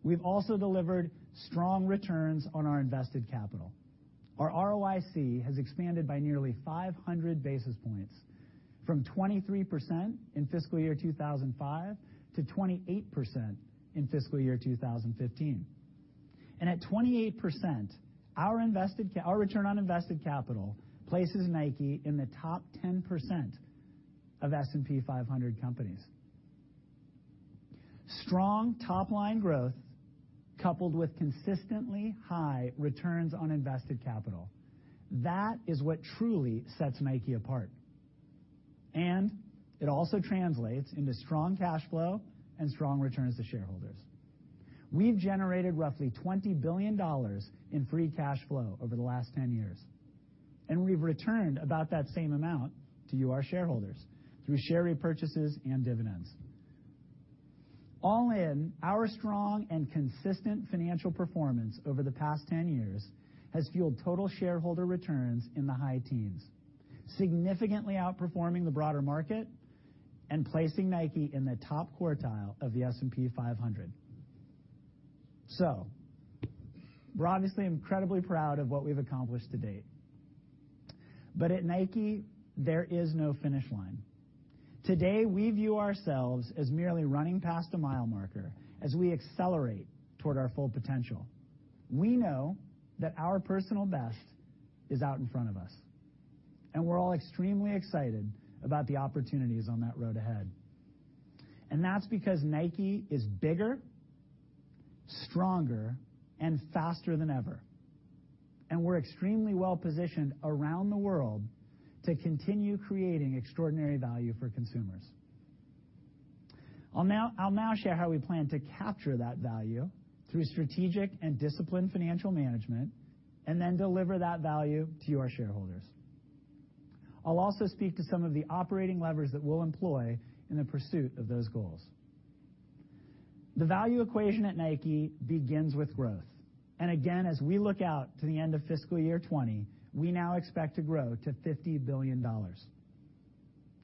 we've also delivered strong returns on our invested capital. Our ROIC has expanded by nearly 500 basis points from 23% in FY 2005 to 28% in FY 2015. At 28%, our return on invested capital places NIKE in the top 10% of S&P 500 companies. Strong top-line growth coupled with consistently high returns on invested capital. That is what truly sets NIKE apart. It also translates into strong cash flow and strong returns to shareholders. We've generated roughly $20 billion of free cash flow over the last 10 years, and we've returned about that same amount to you, our shareholders, through share repurchases and dividends. All in, our strong and consistent financial performance over the past 10 years has fueled total shareholder returns in the high teens, significantly outperforming the broader market and placing NIKE in the top quartile of the S&P 500. We're obviously incredibly proud of what we've accomplished to date. At NIKE, there is no finish line. Today, we view ourselves as merely running past a mile marker as we accelerate toward our full potential. We know that our personal best is out in front of us, and we're all extremely excited about the opportunities on that road ahead. That's because NIKE is bigger, stronger, and faster than ever, and we're extremely well-positioned around the world to continue creating extraordinary value for consumers. I'll now share how we plan to capture that value through strategic and disciplined financial management and then deliver that value to our shareholders. I'll also speak to some of the operating levers that we'll employ in the pursuit of those goals. The value equation at NIKE begins with growth. As we look out to the end of fiscal year 2020, we now expect to grow to $50 billion.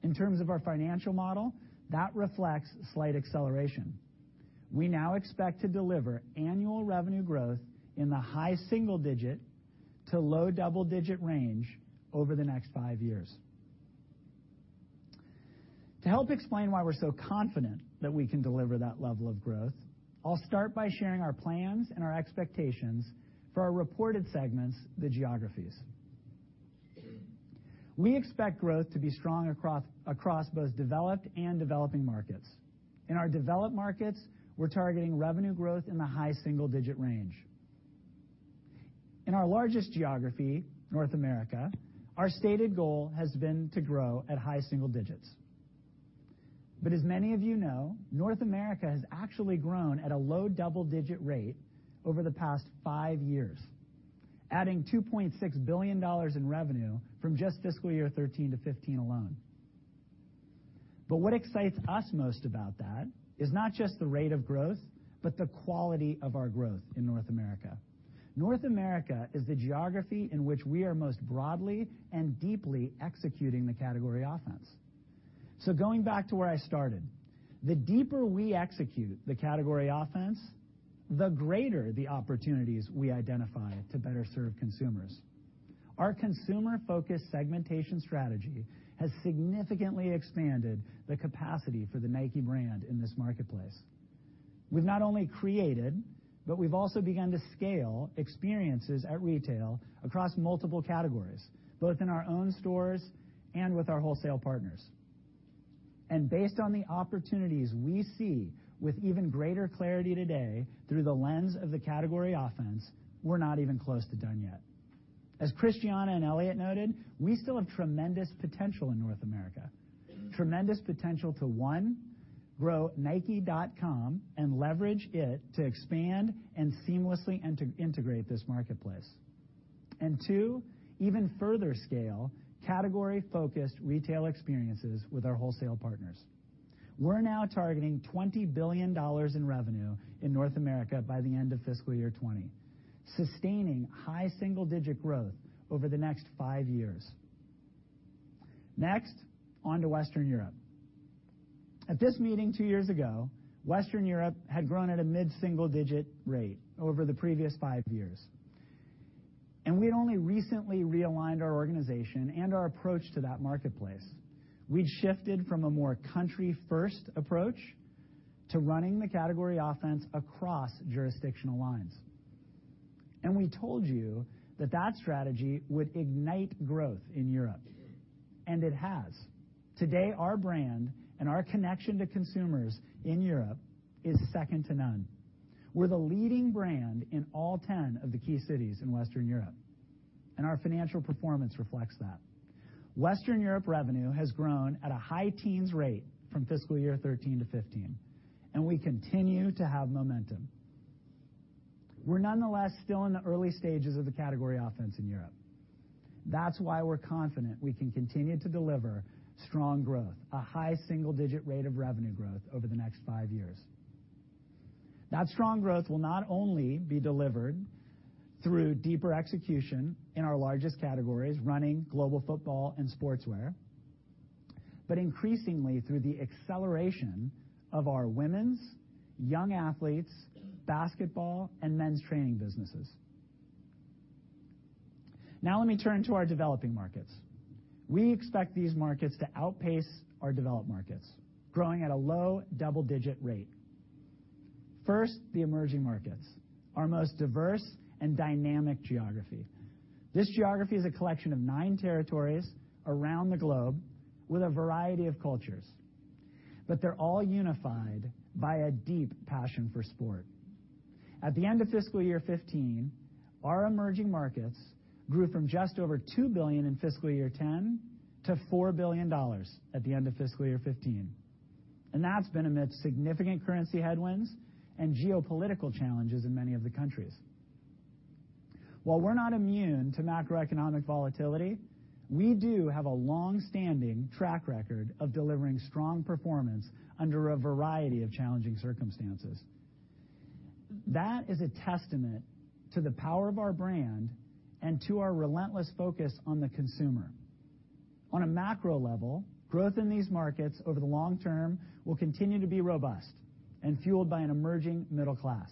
In terms of our financial model, that reflects slight acceleration. We now expect to deliver annual revenue growth in the high single-digit to low double-digit range over the next five years. To help explain why we're so confident that we can deliver that level of growth, I'll start by sharing our plans and our expectations for our reported segments, the geographies. We expect growth to be strong across both developed and developing markets. In our developed markets, we're targeting revenue growth in the high single-digit range. In our largest geography, North America, our stated goal has been to grow at high single digits. As many of you know, North America has actually grown at a low double-digit rate over the past five years, adding $2.6 billion in revenue from just fiscal year 2013 to 2015 alone. What excites us most about that is not just the rate of growth, but the quality of our growth in North America. North America is the geography in which we are most broadly and deeply executing the Category Offense. Going back to where I started, the deeper we execute the Category Offense, the greater the opportunities we identify to better serve consumers. Our consumer-focused segmentation strategy has significantly expanded the capacity for the NIKE brand in this marketplace. We've not only created, but we've also begun to scale experiences at retail across multiple categories, both in our own stores and with our wholesale partners. Based on the opportunities we see with even greater clarity today through the lens of the Category Offense, we're not even close to done yet. As Christiana and Elliott noted, we still have tremendous potential in North America, tremendous potential to, one, grow nike.com and leverage it to expand and seamlessly integrate this marketplace. Two, even further scale category-focused retail experiences with our wholesale partners. We're now targeting $20 billion in revenue in North America by the end of fiscal year 2020, sustaining high single-digit growth over the next five years. Next, on to Western Europe. At this meeting two years ago, Western Europe had grown at a mid-single digit rate over the previous five years, and we had only recently realigned our organization and our approach to that marketplace. We'd shifted from a more country-first approach to running the Category Offense across jurisdictional lines. We told you that that strategy would ignite growth in Europe, and it has. Today, our brand and our connection to consumers in Europe is second to none. We're the leading brand in all 10 of the key cities in Western Europe, and our financial performance reflects that. Western Europe revenue has grown at a high teens rate from fiscal year 2013 to 2015, and we continue to have momentum. We're nonetheless still in the early stages of the Category Offense in Europe. That's why we're confident we can continue to deliver strong growth, a high single-digit rate of revenue growth over the next five years. That strong growth will not only be delivered through deeper execution in our largest categories, Running, Global Football, and Sportswear, but increasingly through the acceleration of our women's, young athletes, basketball, and men's training businesses. Let me turn to our developing markets. We expect these markets to outpace our developed markets, growing at a low double-digit rate. The emerging markets, our most diverse and dynamic geography. This geography is a collection of nine territories around the globe with a variety of cultures. They're all unified by a deep passion for sport. At the end of fiscal year 2015, our emerging markets grew from just over $2 billion in fiscal year 2010 to $4 billion at the end of fiscal year 2015. That's been amidst significant currency headwinds and geopolitical challenges in many of the countries. While we're not immune to macroeconomic volatility, we do have a long-standing track record of delivering strong performance under a variety of challenging circumstances. That is a testament to the power of our brand and to our relentless focus on the consumer. On a macro level, growth in these markets over the long term will continue to be robust and fueled by an emerging middle class.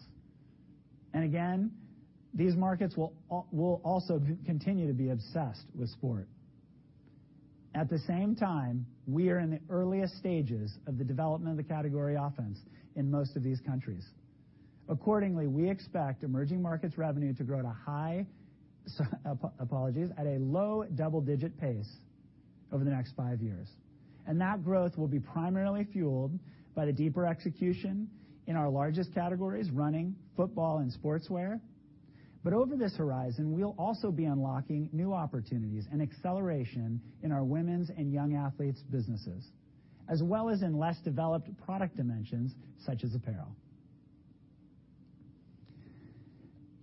Again, these markets will also continue to be obsessed with sport. At the same time, we are in the earliest stages of the development of the Category Offense in most of these countries. Accordingly, we expect emerging markets revenue to grow at a high, at a low double-digit pace over the next five years. That growth will be primarily fueled by the deeper execution in our largest categories, Running, Football, and Sportswear. Over this horizon, we'll also be unlocking new opportunities and acceleration in our women's and young athletes businesses, as well as in less developed product dimensions such as apparel.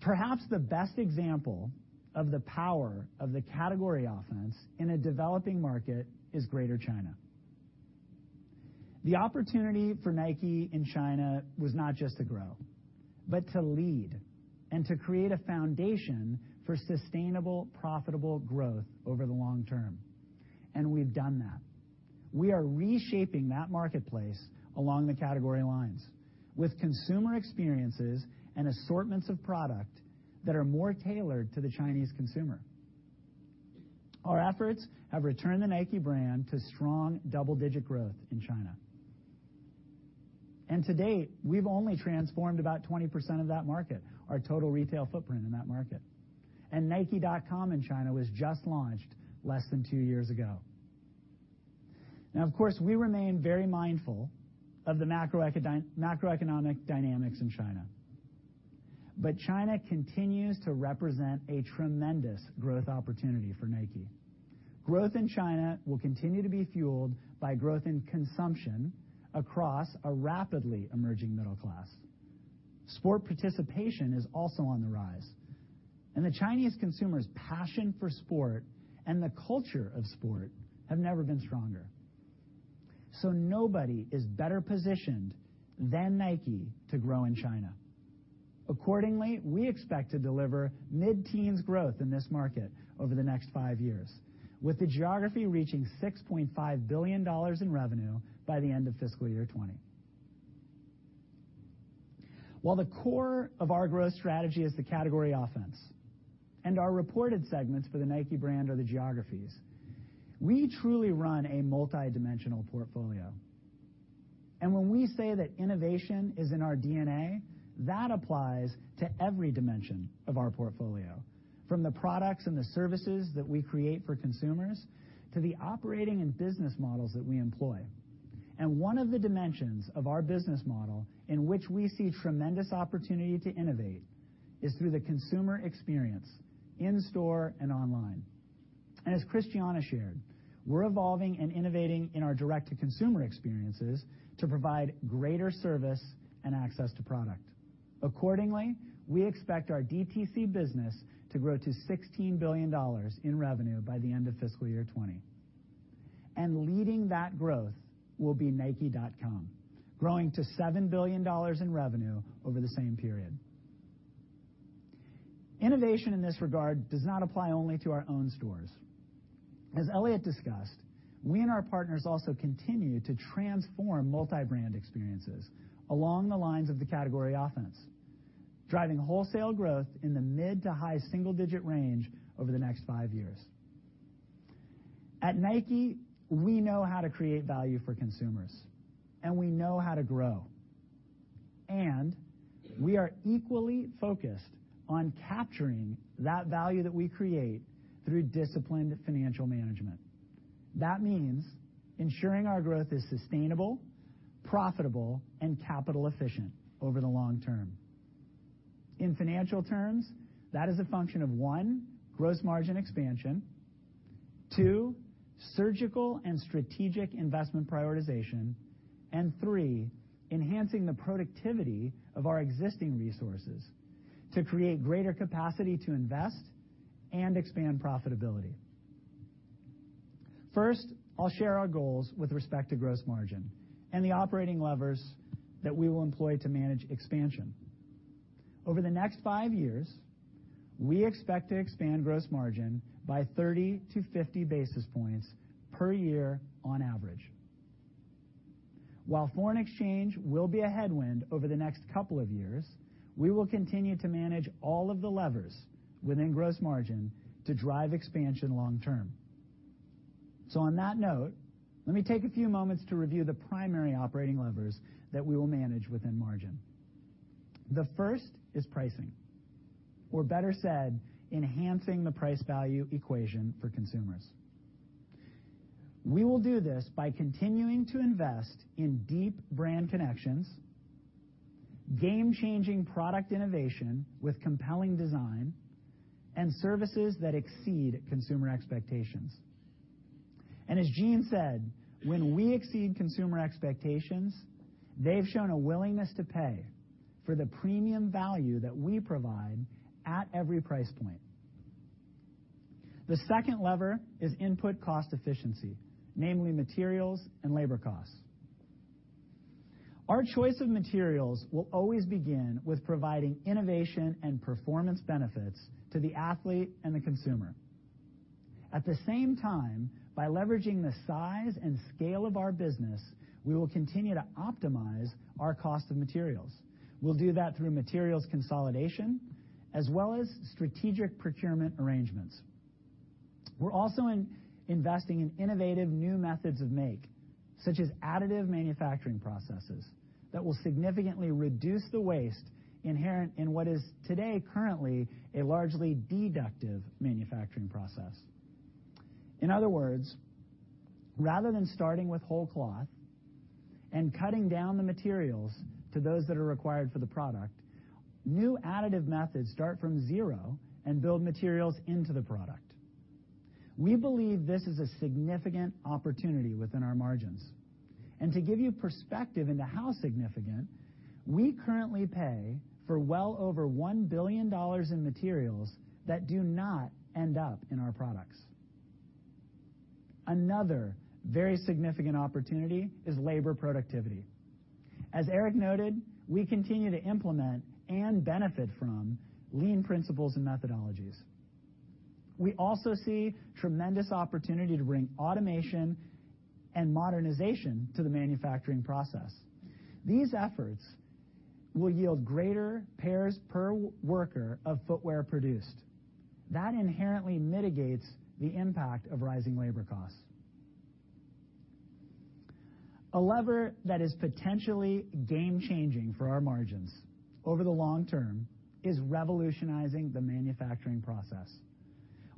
Perhaps the best example of the power of the Category Offense in a developing market is Greater China. The opportunity for NIKE in China was not just to grow, but to lead and to create a foundation for sustainable, profitable growth over the long term, and we've done that. We are reshaping that marketplace along the category lines with consumer experiences and assortments of product that are more tailored to the Chinese consumer. Our efforts have returned the NIKE brand to strong double-digit growth in China. To date, we've only transformed about 20% of that market, our total retail footprint in that market. nike.com in China was just launched less than two years ago. We remain very mindful of the macroeconomic dynamics in China, but China continues to represent a tremendous growth opportunity for NIKE. Growth in China will continue to be fueled by growth in consumption across a rapidly emerging middle class. Sport participation is also on the rise, and the Chinese consumers' passion for sport and the culture of sport have never been stronger. Nobody is better positioned than NIKE to grow in China. Accordingly, we expect to deliver mid-teens growth in this market over the next five years, with the geography reaching $6.5 billion in revenue by the end of fiscal year 2020. While the core of our growth strategy is the Category Offense and our reported segments for the NIKE Brand are the geographies, we truly run a multidimensional portfolio. When we say that innovation is in our DNA, that applies to every dimension of our portfolio, from the products and the services that we create for consumers, to the operating and business models that we employ. One of the dimensions of our business model in which we see tremendous opportunity to innovate is through the consumer experience in store and online. As Christiana shared, we're evolving and innovating in our direct-to-consumer experiences to provide greater service and access to product. Accordingly, we expect our DTC business to grow to $16 billion in revenue by the end of fiscal year 2020. Leading that growth will be nike.com, growing to $7 billion in revenue over the same period. Innovation in this regard does not apply only to our own stores. As Elliott discussed, we and our partners also continue to transform multibrand experiences along the lines of the Category Offense, driving wholesale growth in the mid to high single-digit range over the next five years. At NIKE, we know how to create value for consumers, and we know how to grow. We are equally focused on capturing that value that we create through disciplined financial management. That means ensuring our growth is sustainable, profitable, and capital efficient over the long term. In financial terms, that is a function of, one, gross margin expansion, two, surgical and strategic investment prioritization, and three, enhancing the productivity of our existing resources to create greater capacity to invest and expand profitability. First, I'll share our goals with respect to gross margin and the operating levers that we will employ to manage expansion. Over the next five years, we expect to expand gross margin by 30 basis points-50 basis points per year on average. While foreign exchange will be a headwind over the next couple of years, we will continue to manage all of the levers within gross margin to drive expansion long term. On that note, let me take a few moments to review the primary operating levers that we will manage within margin. The first is pricing, or better said, enhancing the price value equation for consumers. We will do this by continuing to invest in deep brand connections, game-changing product innovation with compelling design, and services that exceed consumer expectations. As Jeanne said, when we exceed consumer expectations, they've shown a willingness to pay for the premium value that we provide at every price point. The second lever is input cost efficiency, namely materials and labor costs. Our choice of materials will always begin with providing innovation and performance benefits to the athlete and the consumer. At the same time, by leveraging the size and scale of our business, we will continue to optimize our cost of materials. We'll do that through materials consolidation as well as strategic procurement arrangements. We're also investing in innovative new methods of make, such as additive manufacturing processes that will significantly reduce the waste inherent in what is today currently a largely deductive manufacturing process. In other words, rather than starting with whole cloth and cutting down the materials to those that are required for the product, new additive methods start from zero and build materials into the product. We believe this is a significant opportunity within our margins. To give you perspective into how significant, we currently pay for well over $1 billion in materials that do not end up in our products. Another very significant opportunity is labor productivity. As Eric noted, we continue to implement and benefit from lean principles and methodologies. We also see tremendous opportunity to bring automation and modernization to the manufacturing process. These efforts will yield greater pairs per worker of footwear produced. That inherently mitigates the impact of rising labor costs. A lever that is potentially game-changing for our margins over the long term is revolutionizing the manufacturing process.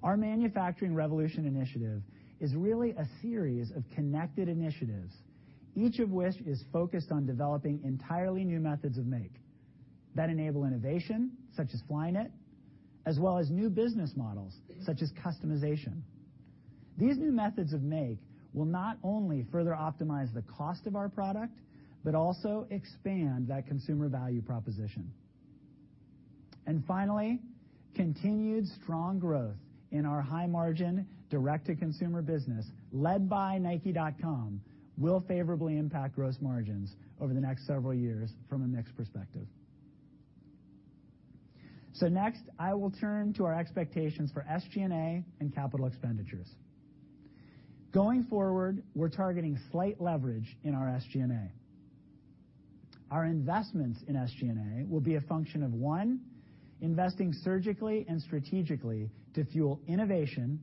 Our Manufacturing Revolution initiative is really a series of connected initiatives, each of which is focused on developing entirely new methods of make that enable innovation, such as Flyknit, as well as new business models, such as customization. These new methods of make will not only further optimize the cost of our product, but also expand that consumer value proposition. Finally, continued strong growth in our high-margin direct-to-consumer business led by nike.com will favorably impact gross margins over the next several years from a mix perspective. Next, I will turn to our expectations for SG&A and capital expenditures. Going forward, we're targeting slight leverage in our SG&A. Our investments in SG&A will be a function of, one, investing surgically and strategically to fuel innovation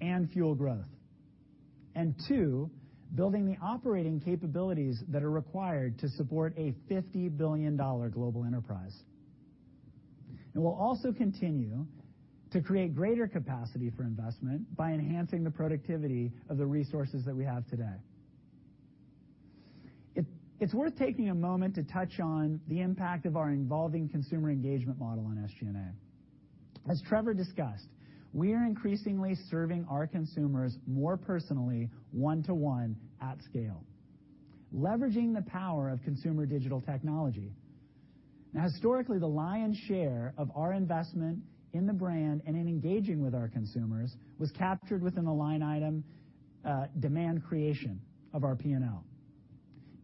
and fuel growth, and two, building the operating capabilities that are required to support a $50 billion global enterprise. We'll also continue to create greater capacity for investment by enhancing the productivity of the resources that we have today. It's worth taking a moment to touch on the impact of our evolving consumer engagement model on SG&A. As Trevor discussed, we are increasingly serving our consumers more personally one-to-one at scale, leveraging the power of consumer digital technology. Historically, the lion's share of our investment in the brand and in engaging with our consumers was captured within the line item, demand creation of our P&L.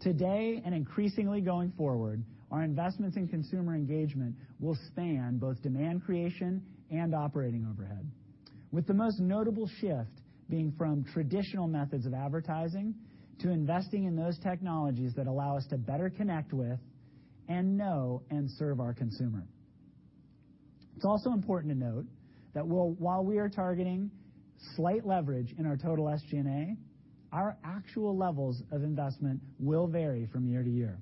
Today, and increasingly going forward, our investments in consumer engagement will span both demand creation and operating overhead, with the most notable shift being from traditional methods of advertising to investing in those technologies that allow us to better connect with and know and serve our consumer. It's also important to note that while we are targeting slight leverage in our total SG&A, our actual levels of investment will vary from year-to-year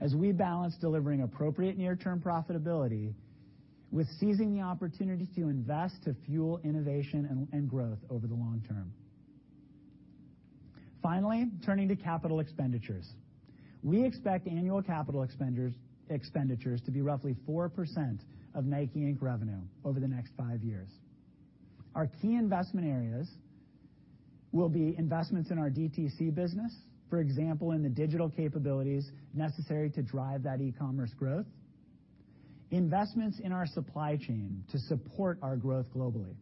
as we balance delivering appropriate near-term profitability with seizing the opportunity to invest to fuel innovation and growth over the long term. Finally, turning to capital expenditures. We expect annual capital expenditures to be roughly 4% of NIKE, Inc. revenue over the next five years. Our key investment areas will be investments in our DTC business, for example, in the digital capabilities necessary to drive that e-commerce growth, investments in our supply chain to support our growth globally,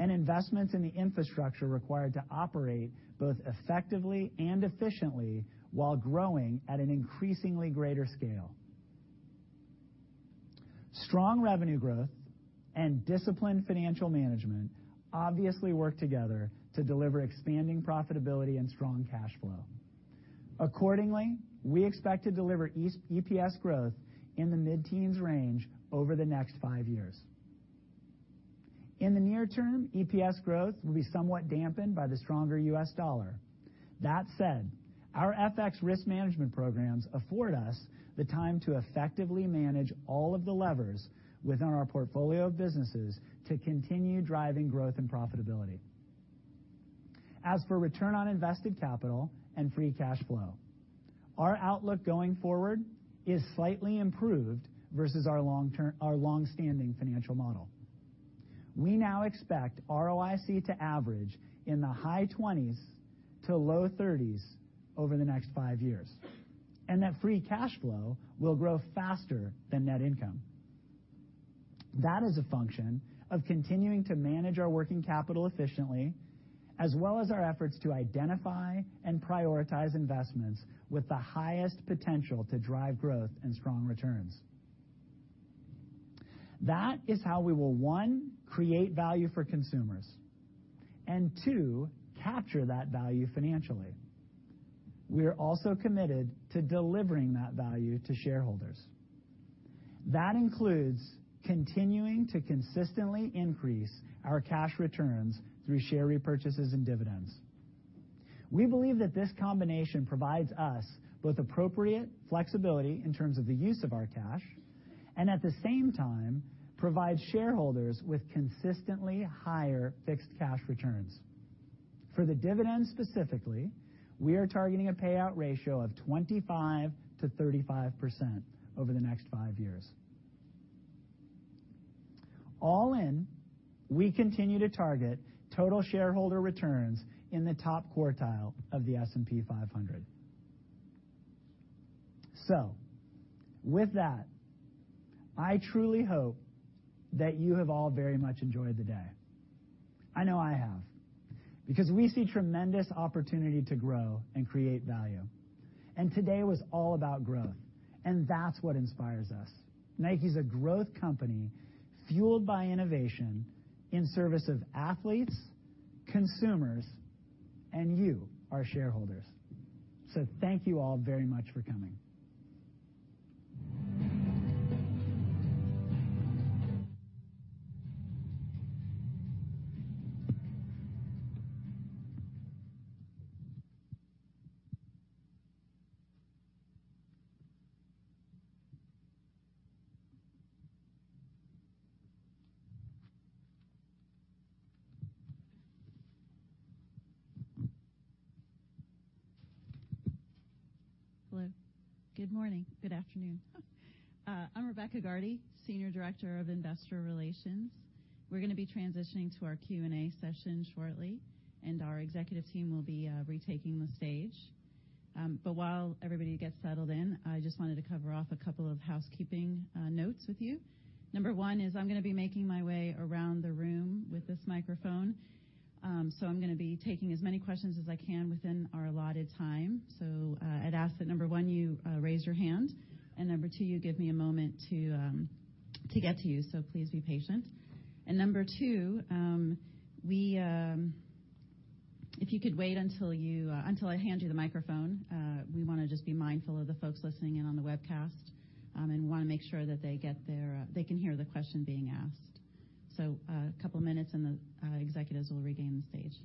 and investments in the infrastructure required to operate both effectively and efficiently while growing at an increasingly greater scale. Strong revenue growth and disciplined financial management obviously work together to deliver expanding profitability and strong cash flow. Accordingly, we expect to deliver EPS growth in the mid-teens range over the next five years. In the near term, EPS growth will be somewhat dampened by the stronger U.S. dollar. That said, our FX risk management programs afford us the time to effectively manage all of the levers within our portfolio businesses to continue driving growth and profitability. As for return on invested capital and free cash flow, our outlook going forward is slightly improved versus our long-standing financial model. We now expect ROIC to average in the high 20%s to low 30%s over the next five years, that free cash flow will grow faster than net income. That is a function of continuing to manage our working capital efficiently, as well as our efforts to identify and prioritize investments with the highest potential to drive growth and strong returns. That is how we will, one, create value for consumers and, two, capture that value financially. We are also committed to delivering that value to shareholders. That includes continuing to consistently increase our cash returns through share repurchases and dividends. We believe that this combination provides us both appropriate flexibility in terms of the use of our cash and at the same time provide shareholders with consistently higher fixed cash returns. For the dividend specifically, we are targeting a payout ratio of 25%-35% over the next five years. All in, we continue to target total shareholder returns in the top quartile of the S&P 500. With that, I truly hope that you have all very much enjoyed the day. I know I have because we see tremendous opportunity to grow and create value. Today was all about growth, and that's what inspires us. NIKE is a growth company fueled by innovation in service of athletes, consumers, and you, our shareholders. Thank you all very much for coming. Hello. Good morning. Good afternoon. I'm Rebecca Gardy, Senior Director of Investor Relations. We're gonna be transitioning to our Q&A session shortly, and our executive team will be retaking the stage. While everybody gets settled in, I just wanted to cover off a couple of housekeeping notes with you. Number one is I'm gonna be making my way around the room with this microphone. I'm gonna be taking as many questions as I can within our allotted time. I'd ask that, number one, you raise your hand, and number two, you give me a moment to get to you, so please be patient. Number two, If you could wait until I hand you the microphone. We wanna just be mindful of the folks listening in on the webcast, and wanna make sure that they get their, they can hear the question being asked. A couple minutes and the executives will regain the stage.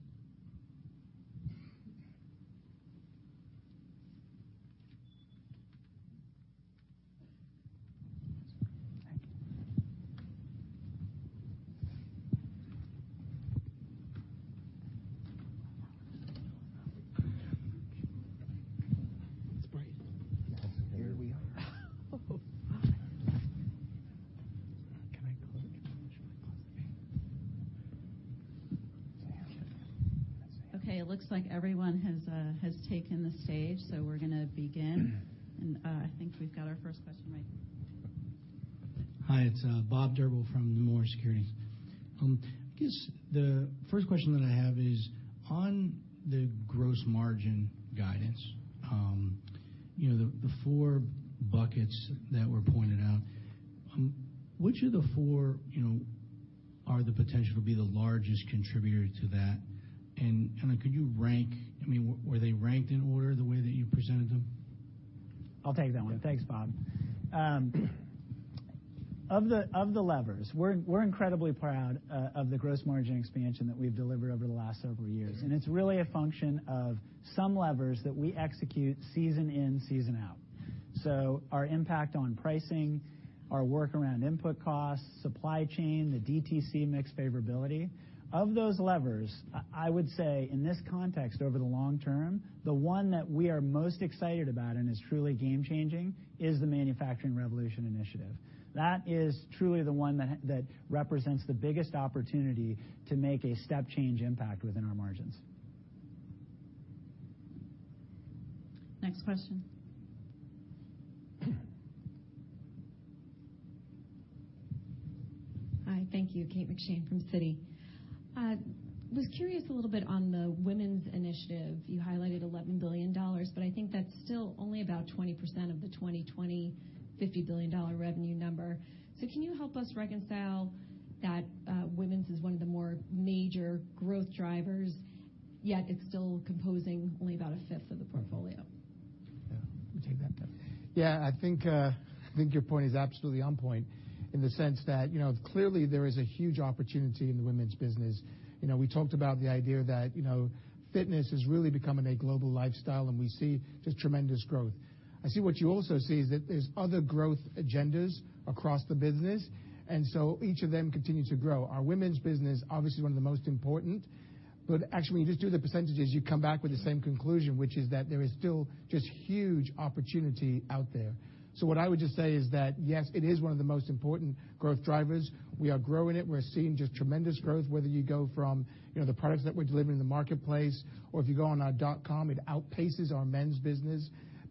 It's bright. Here we are. Oh. Okay. It looks like everyone has taken the stage, so we're going to begin. I think we've got our first question right here. Hi, it's Bob Drbul from Nomura Securities. I guess the first question that I have is on the gross margin guidance, you know, the four buckets that were pointed out, which of the four, you know, are the potential to be the largest contributor to that? Could you rank, I mean, were they ranked in order the way that you presented them? I'll take that one. Thanks, Bob. Of the levers, we're incredibly proud of the gross margin expansion that we've delivered over the last several years. It's really a function of some levers that we execute season in, season out. Our impact on pricing, our work around input costs, supply chain, the DTC mix favorability. Of those levers, I would say in this context, over the long term, the one that we are most excited about and is truly game changing is the Manufacturing Revolution initiative. That is truly the one that represents the biggest opportunity to make a step change impact within our margins. Next question. Hi. Thank you. Kate McShane from Citi. I was curious a little bit on the women's initiative. You highlighted $11 billion, I think that's still only about 20% of the 2020 $50 billion revenue number. Can you help us reconcile that, women's is one of the more major growth drivers, yet it's still composing only about a 1/5 of the portfolio? Yeah. You take that. Yeah, I think, I think your point is absolutely on point in the sense that, you know, clearly there is a huge opportunity in the women's business. You know, we talked about the idea that, you know, fitness is really becoming a global lifestyle, and we see just tremendous growth. I see what you also see is that there's other growth agendas across the business. Each of them continue to grow. Our women's business, obviously, one of the most important, but actually, just do the percentages, you come back with the same conclusion, which is that there is still just huge opportunity out there. What I would just say is that, yes, it is one of the most important growth drivers. We are growing it. We're seeing just tremendous growth, whether you go from, you know, the products that we're delivering in the marketplace, or if you go on our nike.com, it outpaces our men's business.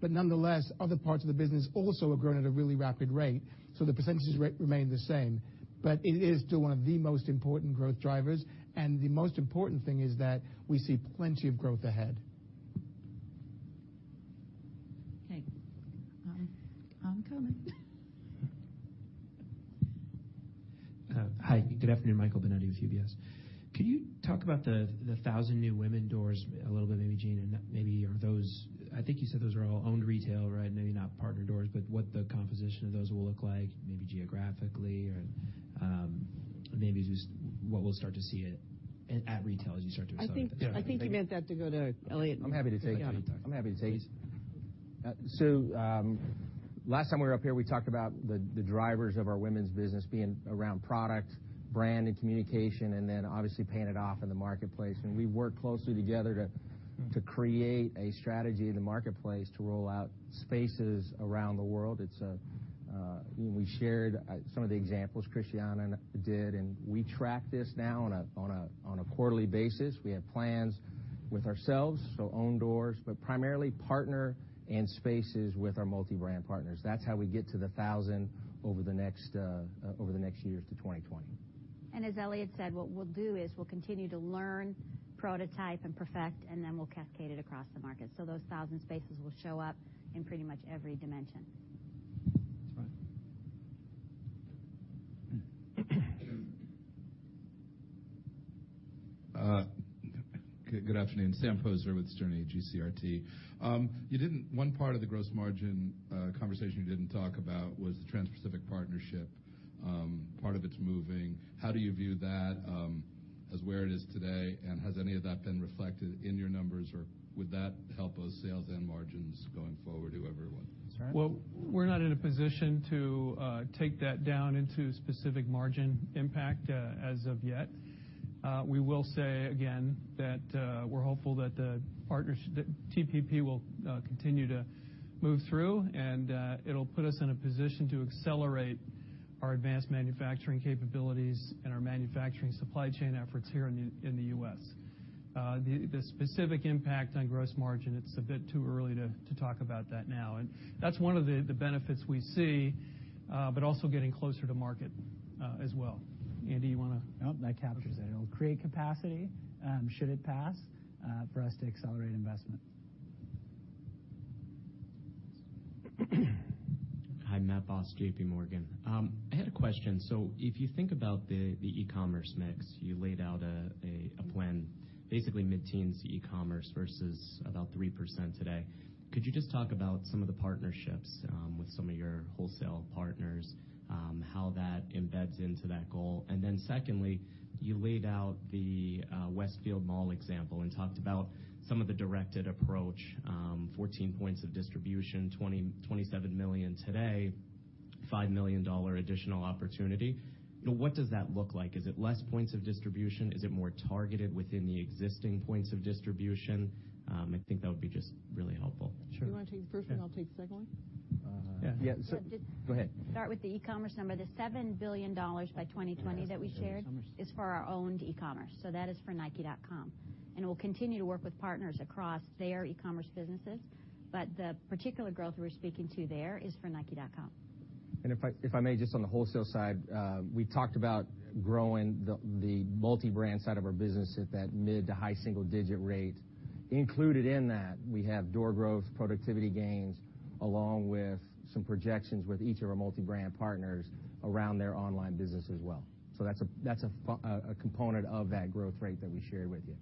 Nonetheless, other parts of the business also are growing at a really rapid rate, so the percentages remain the same. It is still one of the most important growth drivers, and the most important thing is that we see plenty of growth ahead. Okay. I'm coming. Hi. Good afternoon, Michael Binetti with UBS. Could you talk about the 1,000 new women doors a little bit, maybe Jeanne, and maybe are those, I think you said those are all owned retail, right? Maybe not partner doors, but what the composition of those will look like, maybe geographically or, maybe just what we'll start to see at retail as you start to- I think you meant that to go to Elliott. I'm happy to take it. Last time we were up here, we talked about the drivers of our women's business being around product, brand, and communication, obviously paying it off in the marketplace. We worked closely together to create a strategy in the marketplace to roll out spaces around the world. It's, you know, we shared some of the examples Christiana did, we track this now on a quarterly basis. We have plans with ourselves, so own doors, but primarily partner and spaces with our multibrand partners. That's how we get to the 1,000 over the next years to 2020. As Elliott said, what we'll do is we'll continue to learn, prototype, and perfect, and then we'll cascade it across the market. Those 1,000 spaces will show up in pretty much every dimension. That's fine. Good afternoon, Sam Poser with Sterne Agee CRT. One part of the gross margin conversation you didn't talk about was the Trans-Pacific Partnership. Part of it's moving. How do you view that as where it is today? Has any of that been reflected in your numbers, or would that help both sales and margins going forward to everyone? That's right. Well, we're not in a position to take that down into specific margin impact as of yet. We will say again that we're hopeful that the TPP will continue to move through, and it'll put us in a position to accelerate our advanced manufacturing capabilities and our manufacturing supply chain efforts here in the U.S. The specific impact on gross margin, it's a bit too early to talk about that now. That's one of the benefits we see, but also getting closer to market as well. Andy, you wanna. Nope, that captures it. It'll create capacity, should it pass, for us to accelerate investment. Hi, Matt Boss, JPMorgan. I had a question. If you think about the e-commerce mix, you laid out a plan, basically mid-teens e-commerce versus about 3% today. Could you just talk about some of the partnerships with some of your wholesale partners, how that embeds into that goal? Secondly, you laid out the Westfield Mall example and talked about some of the directed approach, 14 points of distribution, $27 million today, $5 million additional opportunity. What does that look like? Is it less points of distribution? Is it more targeted within the existing points of distribution? I think that would be just really helpful. You wanna take the first one? I'll take the second one. Yeah. Yeah. Just- Go ahead. Start with the e-commerce number. The $7 billion by 2020 that we shared is for our owned e-commerce. That is for nike.com. We'll continue to work with partners across their e-commerce businesses, but the particular growth we're speaking to there is for nike.com. If I may, just on the wholesale side, we talked about growing the multibrand side of our business at that mid to high single digit rate. Included in that, we have door growth, productivity gains, along with some projections with each of our multibrand partners around their online business as well. That's a component of that growth rate that we shared with you.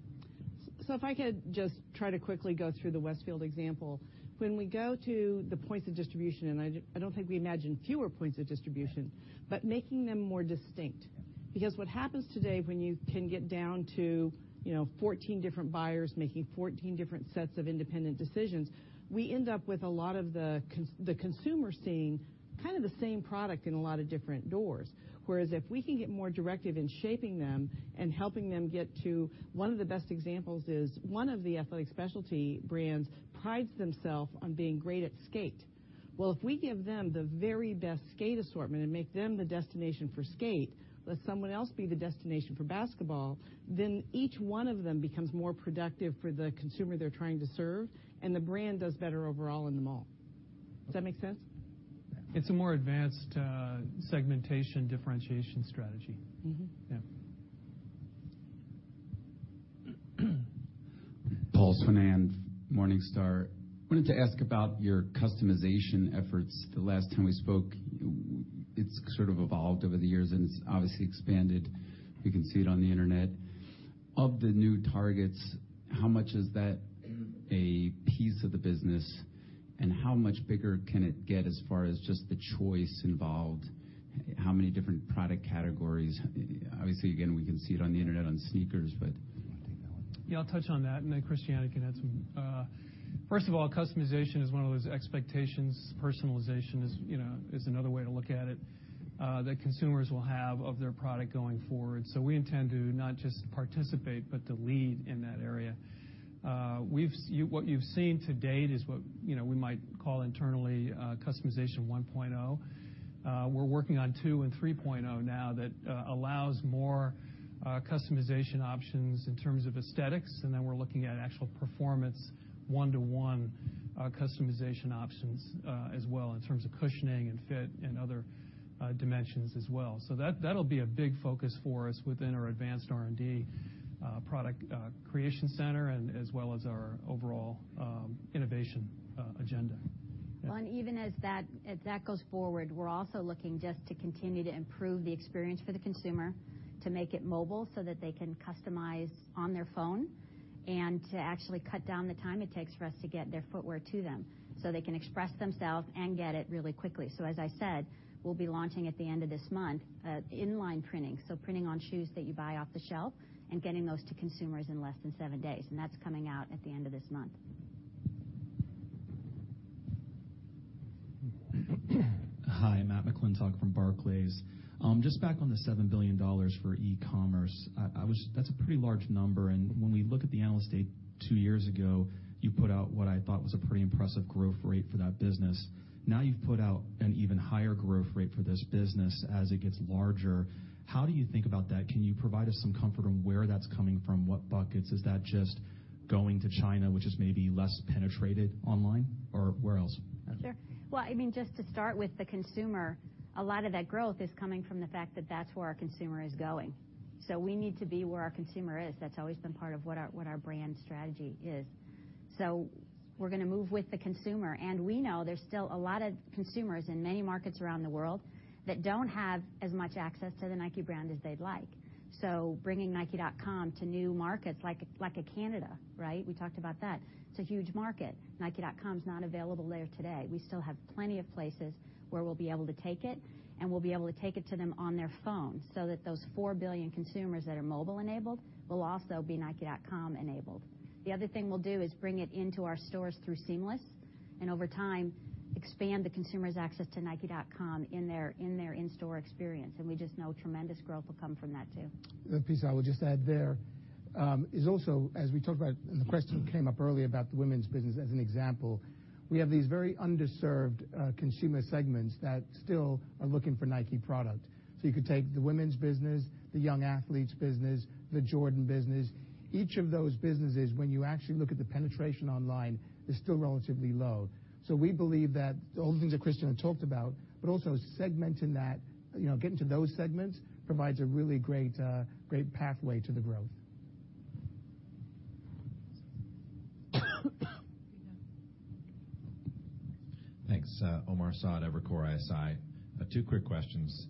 If I could just try to quickly go through the Westfield example. When we go to the points of distribution, I don't think we imagine fewer points of distribution, but making them more distinct. What happens today when you can get down to, you know, 14 different buyers making 14 different sets of independent decisions, we end up with a lot of the consumer seeing kind of the same product in a lot of different doors. If we can get more directive in shaping them and helping them get to one of the best examples is one of the athletic specialty brands prides themselves on being great at skate. Well, if we give them the very best skate assortment and make them the destination for skate, let someone else be the destination for basketball, then each one of them becomes more productive for the consumer they're trying to serve, and the brand does better overall in the mall. Does that make sense? It's a more advanced segmentation, differentiation strategy. Yeah. Paul Swinand, Morningstar. Wanted to ask about your customization efforts. It's sort of evolved over the years, and it's obviously expanded. We can see it on the Internet. Of the new targets, how much is that a piece of the business, and how much bigger can it get as far as just the choice involved? How many different product categories? Obviously, again, we can see it on the Internet on sneakers. Yeah, I'll touch on that, and then Christiana can add some. First of all, customization is one of those expectations, personalization is, you know, is another way to look at it, that consumers will have of their product going forward. We intend to not just participate, but to lead in that area. What you've seen to date is what, you know, we might call internally, customization 1.0. We're working on 2.0 and 3.0 now that allows more customization options in terms of aesthetics, and then we're looking at actual performance one-to-one customization options as well in terms of cushioning and fit and other dimensions as well. That'll be a big focus for us within our Advanced Product Creation Center and as well as our overall innovation agenda. Yeah. Well, even as that, as that goes forward, we're also looking just to continue to improve the experience for the consumer to make it mobile so that they can customize on their phone and to actually cut down the time it takes for us to get their footwear to them, so they can express themselves and get it really quickly. As I said, we'll be launching at the end of this month, inline printing, so printing on shoes that you buy off the shelf and getting those to consumers in less than seven days. That's coming out at the end of this month. Hi, Matt McClintock from Barclays. Just back on the $7 billion for e-commerce. That's a pretty large number. When we look at the Analyst Day two years ago, you put out what I thought was a pretty impressive growth rate for that business. You've put out an even higher growth rate for this business as it gets larger. How do you think about that? Can you provide us some comfort on where that's coming from, what buckets? Is that just going to China, which is maybe less penetrated online, or where else? Sure. Well, I mean, just to start with the consumer, a lot of that growth is coming from the fact that that's where our consumer is going. We need to be where our consumer is. That's always been part of what our brand strategy is. We're going to move with the consumer, and we know there's still a lot of consumers in many markets around the world that don't have as much access to the NIKE brand as they'd like. Bringing nike.com to new markets like a Canada, right? We talked about that. It's a huge market. nike.com's not available there today. We still have plenty of places where we'll be able to take it, and we'll be able to take it to them on their phone so that those 4 billion consumers that are mobile enabled will also be nike.com enabled. The other thing we'll do is bring it into our stores through Seamless and over time expand the consumer's access to nike.com in their in-store experience. We just know tremendous growth will come from that too. The piece I would just add there, is also as we talk about, and the question came up earlier about the women's business as an example, we have these very underserved consumer segments that still are looking for NIKE product. You could take the Women's business, the Young Athletes business, the Jordan business. Each of those businesses, when you actually look at the penetration online, is still relatively low. We believe that all the things that Christiana had talked about, but also segmenting that, you know, getting to those segments provides a really great pathway to the growth. Yeah. Thanks. Omar Saad, Evercore ISI. Two quick questions.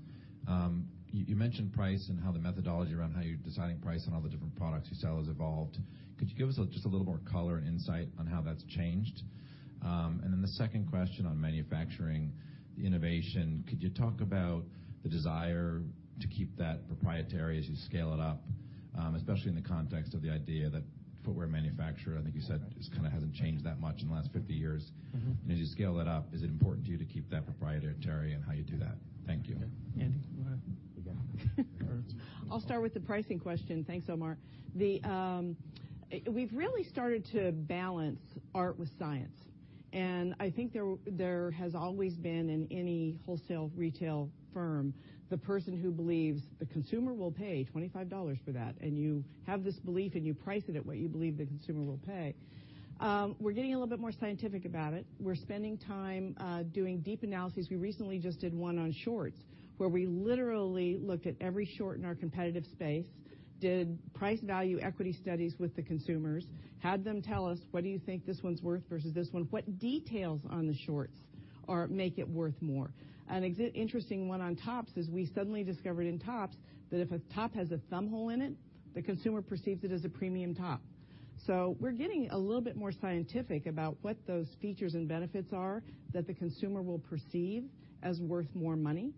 You mentioned price and how the methodology around how you're deciding price on all the different products you sell has evolved. Could you give us just a little more color and insight on how that's changed? And then the second question on manufacturing innovation, could you talk about the desire to keep that proprietary as you scale it up, especially in the context of the idea that footwear manufacturer, I think you said, just kinda hasn't changed that much in the last 50 years. As you scale that up, is it important to you to keep that proprietary and how you do that? Thank you. Okay. Andy. You got it. All right. I'll start with the pricing question. Thanks, Omar. We've really started to balance art with science. I think there has always been in any wholesale retail firm the person who believes the consumer will pay $25 for that. You have this belief, and you price it at what you believe the consumer will pay. We're getting a little bit more scientific about it. We're spending time doing deep analyses. We recently just did one on shorts, where we literally looked at every short in our competitive space, did price value equity studies with the consumers, had them tell us, "What do you think this one's worth versus this one? What details on the shorts are make it worth more? Interesting one on tops is we suddenly discovered in tops that if a top has a thumb hole in it, the consumer perceives it as a premium top. We're getting a little bit more scientific about what those features and benefits are that the consumer will perceive as worth more money.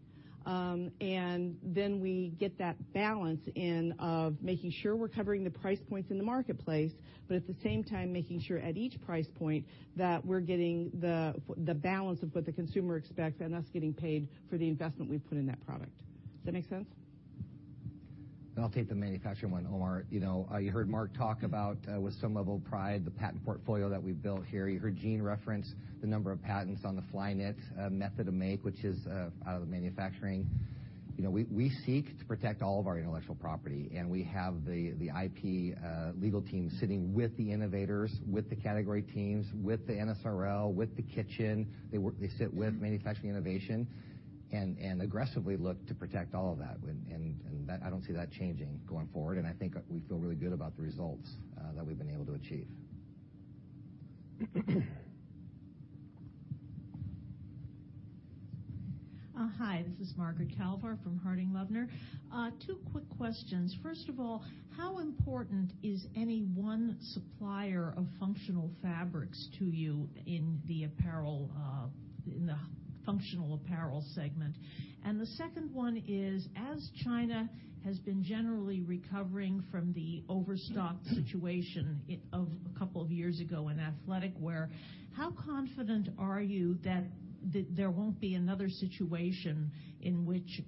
We get that balance in, of making sure we're covering the price points in the marketplace, but at the same time, making sure at each price point that we're getting the balance of what the consumer expects and us getting paid for the investment we've put in that product. Does that make sense? I'll take the manufacturing one, Omar. You know, you heard Mark talk about with some level of pride, the patent portfolio that we've built here. You heard Jeanne reference the number of patents on the Flyknit method of make, which is out of the manufacturing. You know, we seek to protect all of our intellectual property, and we have the IP legal team sitting with the innovators, with the category teams, with the NSRL, with the Kitchen. They sit with manufacturing innovation and aggressively look to protect all of that. That, I don't see that changing going forward, and I think we feel really good about the results that we've been able to achieve. Hi, this is Margaret Kalvar from Harding Loevner. Two quick questions. First of all, how important is any one supplier of functional fabrics to you in the apparel, in the Functional Apparel segment? The second one is, as China has been generally recovering from the overstock situation of a couple of years ago in athletic wear, how confident are you that won't be another situation in which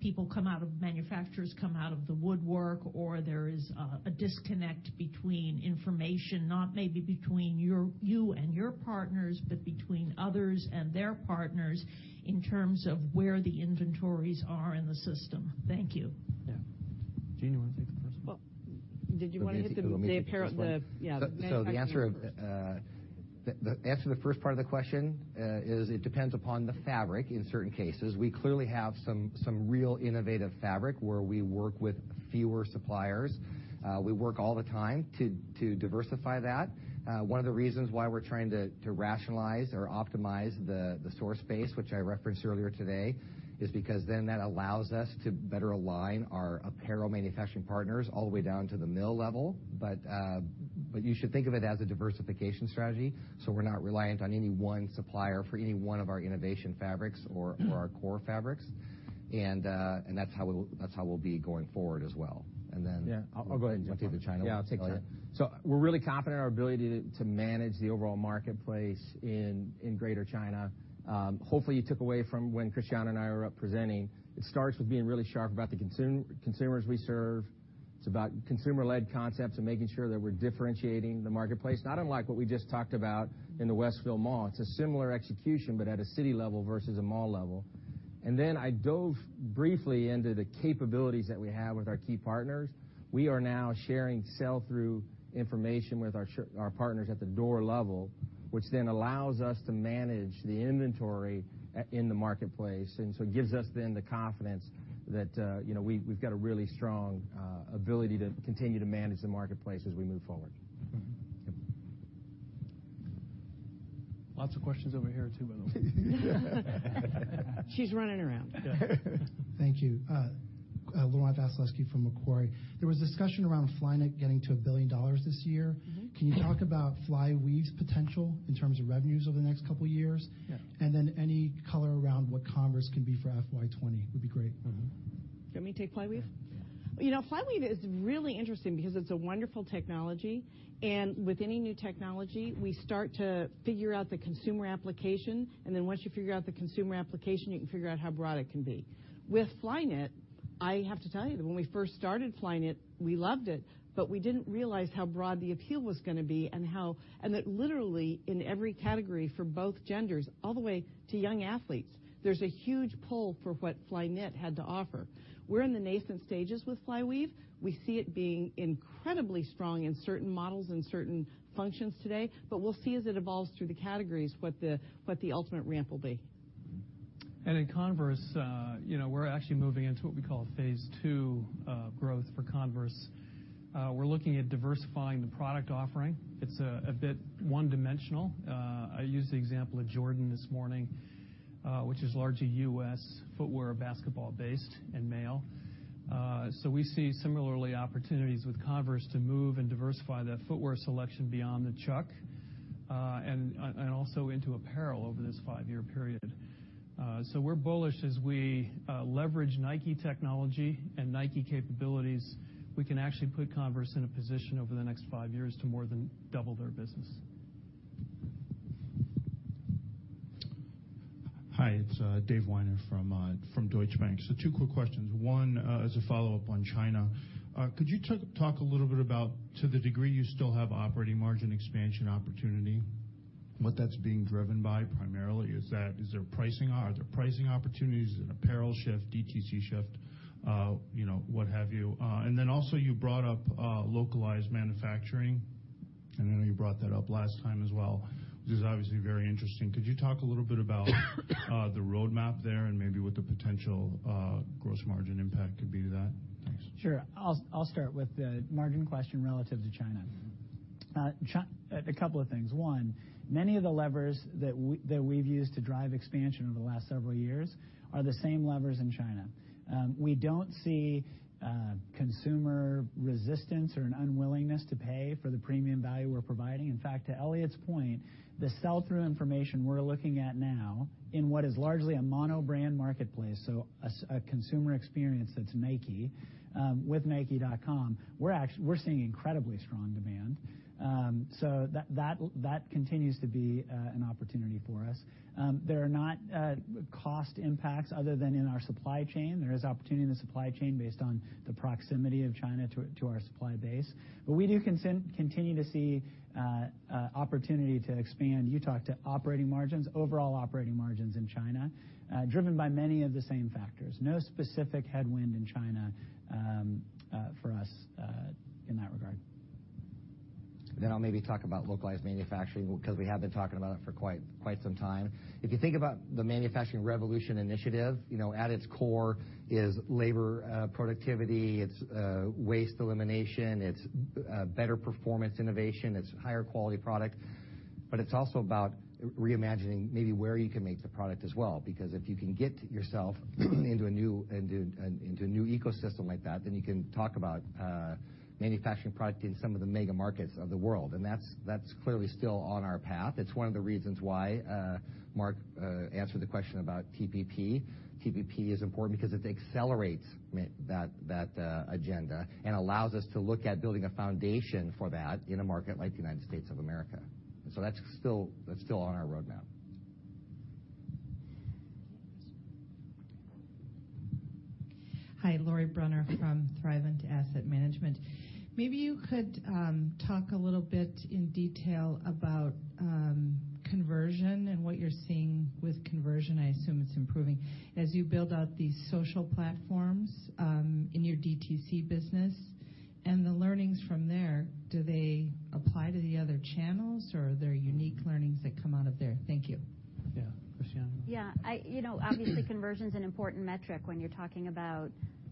people come out of manufacturers come out of the woodwork or there is a disconnect between information, not maybe between you and your partners, but between others and their partners in terms of where the inventories are in the system? Thank you. Yeah. Jeanne, you wanna take the first one? Well, did you wanna hit. Maybe this one? The apparel, Yeah. The answer to the first part of the question is it depends upon the fabric in certain cases. We clearly have some real innovative fabric where we work with fewer suppliers. We work all the time to diversify that. One of the reasons why we're trying to rationalize or optimize the store space, which I referenced earlier today, is because then that allows us to better align our apparel manufacturing partners all the way down to the mill level. You should think of it as a diversification strategy, so we're not reliant on any one supplier for any one of our innovation fabrics or our core fabrics. That's how we'll be going forward as well. Yeah, I'll go ahead and take it. You'll take the China one. Yeah, I'll take China. We're really confident in our ability to manage the overall marketplace in Greater China. Hopefully, you took away from when Christiana and I were up presenting, it starts with being really sharp about the consumers we serve. It's about consumer-led concepts and making sure that we're differentiating the marketplace, not unlike what we just talked about in the Westfield Mall. It's a similar execution, but at a city level versus a mall level. I dove briefly into the capabilities that we have with our key partners. We are now sharing sell-through information with our partners at the door level, which then allows us to manage the inventory in the marketplace, and so it gives us then the confidence that, you know, we've got a really strong ability to continue to manage the marketplace as we move forward. Yep. Lots of questions over here, too, by the way. She's running around. Yeah. Thank you. Laurent Vasilescu from Macquarie. There was discussion around Flyknit getting to $1 billion this year. Can you talk about Flyweave's potential in terms of revenues over the next couple years? Yeah. Any color around what Converse can be for FY 2020 would be great. Do you want me to take Flyweave? Yeah. You know, Flyweave is really interesting because it's a wonderful technology. With any new technology, we start to figure out the consumer application. Then once you figure out the consumer application, you can figure out how broad it can be. With Flyknit, I have to tell you that when we first started Flyknit, we loved it. We didn't realize how broad the appeal was gonna be. That literally in every category for both genders, all the way to young athletes, there's a huge pull for what Flyknit had to offer. We're in the nascent stages with Flyweave. We see it being incredibly strong in certain models and certain functions today. We'll see as it evolves through the categories, what the ultimate ramp will be. Converse, you know, we're actually moving into what we call phase two growth for Converse. We're looking at diversifying the product offering. It's a bit one-dimensional. I used the example of Jordan this morning, which is largely U.S. footwear, basketball-based and male. So we see similarly opportunities with Converse to move and diversify that footwear selection beyond the Chuck and also into apparel over this five-year period. So we're bullish as we leverage NIKE technology and NIKE capabilities. We can actually put Converse in a position over the next five years to more than double their business. Hi, it's Dave Weiner from Deutsche Bank. Two quick questions. One is a follow-up on China. Could you talk a little bit about to the degree you still have operating margin expansion opportunity, what that's being driven by primarily? Is there pricing, are there pricing opportunities? Is it an apparel shift, DTC shift, you know, what have you? Also you brought up localized manufacturing, and I know you brought that up last time as well, which is obviously very interesting. Could you talk a little bit about the roadmap there and maybe what the potential gross margin impact could be to that? Thanks. Sure. I'll start with the margin question relative to China. A couple of things. One, many of the levers that we've used to drive expansion over the last several years are the same levers in China. We don't see consumer resistance or an unwillingness to pay for the premium value we're providing. In fact, to Elliott's point, the sell-through information we're looking at now in what is largely a mono brand marketplace, so a consumer experience that's NIKE, with nike.com, we're seeing incredibly strong demand. That continues to be an opportunity for us. There are not cost impacts other than in our supply chain. There is opportunity in the supply chain based on the proximity of China to our supply base. We do continue to see opportunity to expand. You talked to operating margins, overall operating margins in China, driven by many of the same factors. No specific headwind in China for us in that regard. I'll maybe talk about localized manufacturing because we have been talking about it for quite some time. If you think about the Manufacturing Revolution initiative, you know, at its core is labor productivity. It's waste elimination. It's better performance innovation. It's higher quality product. It's also about re-imagining maybe where you can make the product as well, because if you can get yourself into a new ecosystem like that, then you can talk about manufacturing product in some of the mega markets of the world. That's clearly still on our path. It's one of the reasons why Mark answered the question about TPP. TPP is important because it accelerates that agenda and allows us to look at building a foundation for that in a market like the United States of America. That's still on our roadmap. Hi, Lauri Brunner from Thrivent Asset Management. Maybe you could talk a little bit in detail about conversion and what you're seeing with conversion, I assume it's improving, as you build out these social platforms, in your DTC business and the learnings from there, do they apply to the other channels, or are there unique learnings that come out of there? Thank you. Yeah. Christiana? Yeah. I, you know, obviously conversion's an important metric when you're talking about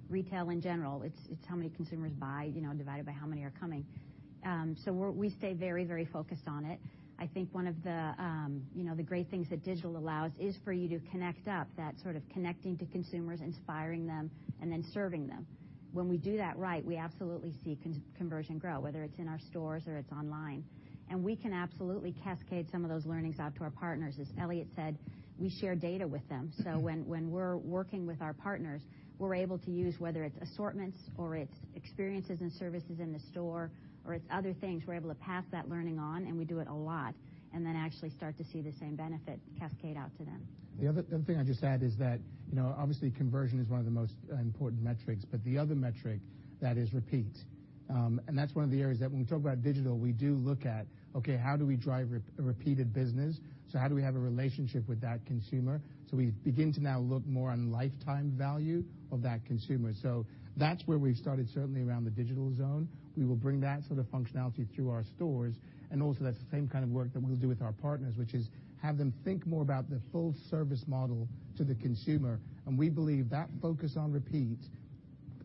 retail in general. It's how many consumers buy, you know, divided by how many are coming. We stay very, very focused on it. I think one of the, you know, the great things that digital allows is for you to connect up, that sort of connecting to consumers, inspiring them, and then serving them. When we do that right, we absolutely see conversion grow, whether it's in our stores or it's online. We can absolutely cascade some of those learnings out to our partners. As Elliott said, we share data with them. When we're working with our partners, we're able to use, whether it's assortments or it's experiences and services in the store or it's other things, we're able to pass that learning on, and we do it a lot, and then actually start to see the same benefit cascade out to them. The other thing I'd just add is that, you know, obviously, conversion is one of the most important metrics, but the other metric, that is repeat. That's one of the areas that when we talk about digital, we do look at, okay, how do we drive repeated business? How do we have a relationship with that consumer? We begin to now look more on lifetime value of that consumer. That's where we've started, certainly around the digital zone. We will bring that sort of functionality through our stores, and also that's the same kind of work that we'll do with our partners, which is have them think more about the full service model to the consumer. We believe that focus on repeat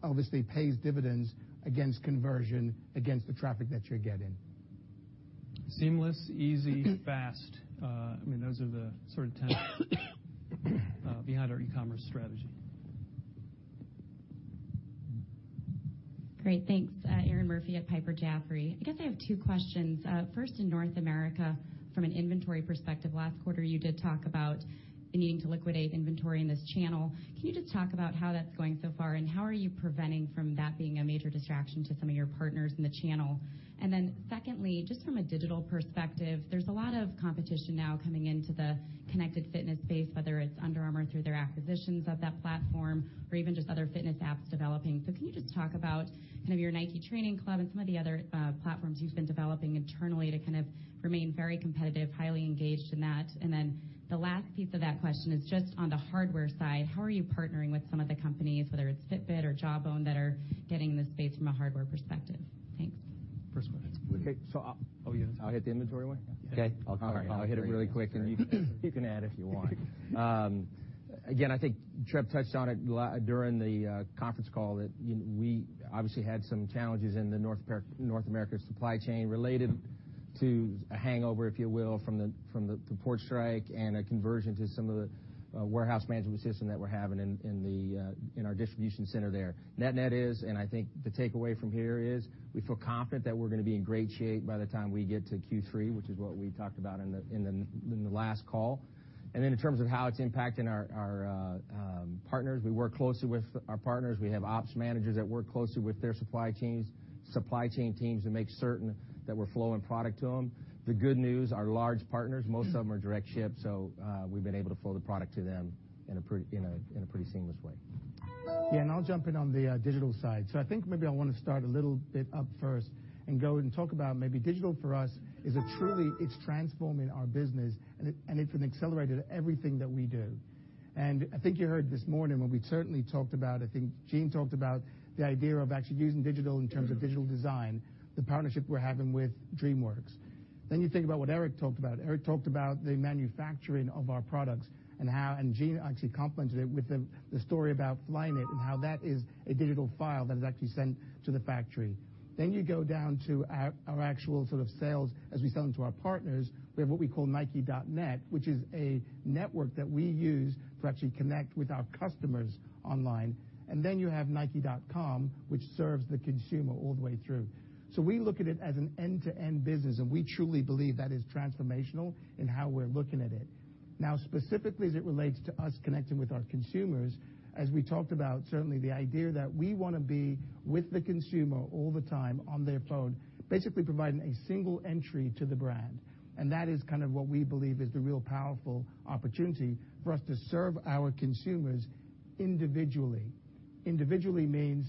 obviously pays dividends against conversion, against the traffic that you're getting. Seamless, easy, fast. I mean, those are the sort of tenets behind our e-commerce strategy. Great, thanks. Erinn Murphy at Piper Jaffray. I guess I have two questions. First in North America, from an inventory perspective, last quarter, you did talk about needing to liquidate inventory in this channel. Can you just talk about how that's going so far, and how are you preventing from that being a major distraction to some of your partners in the channel? Secondly, just from a digital perspective, there's a lot of competition now coming into the connected fitness space, whether it's Under Armour through their acquisitions of that platform or even just other fitness apps developing. Can you just talk about kind of your NIKE Training Club and some of the other platforms you've been developing internally to kind of remain very competitive, highly engaged in that? Then the last piece of that question is just on the hardware side, how are you partnering with some of the companies, whether it's Fitbit or Jawbone, that are getting in the space from a hardware perspective? Thanks. First one. Okay. Oh, you have it. I'll hit the inventory one. Okay. I'll hit it really quick, and you can add if you want. Again, I think Trev touched on it during the conference call, that we obviously had some challenges in the North America supply chain related to a hangover, if you will, from the port strike and a conversion to some of the warehouse management system that we're having in our distribution center there. Net-net is, I think the takeaway from here is we feel confident that we're gonna be in great shape by the time we get to Q3, which is what we talked about in the last call. In terms of how it's impacting our partners, we work closely with our partners. We have ops managers that work closely with their supply chains, supply chain teams to make certain that we're flowing product to them. The good news, our large partners, most of them are direct ship, so we've been able to flow the product to them in a pretty seamless way. Yeah, I'll jump in on the digital side. I think maybe I want to start a little bit up first and go ahead and talk about maybe digital for us is a truly, it's transforming our business and it, and it's an accelerator to everything that we do. I think you heard this morning when we certainly talked about, I think Jeanne talked about the idea of actually using digital in terms of digital design, the partnership we're having with DreamWorks. You think about what Eric talked about. Eric talked about the manufacturing of our products and how, and Jeanne actually complemented it with the story about Flyknit and how that is a digital file that is actually sent to the factory. You go down to our actual sort of sales as we sell them to our partners. We have what we call nike.net, which is a network that we use to actually connect with our customers online. Then you have nike.com, which serves the consumer all the way through. We look at it as an end-to-end business, and we truly believe that is transformational in how we're looking at it. Now, specifically as it relates to us connecting with our consumers, as we talked about, certainly the idea that we wanna be with the consumer all the time on their phone, basically providing a single entry to the brand. That is kind of what we believe is the real powerful opportunity for us to serve our consumers individually. Individually means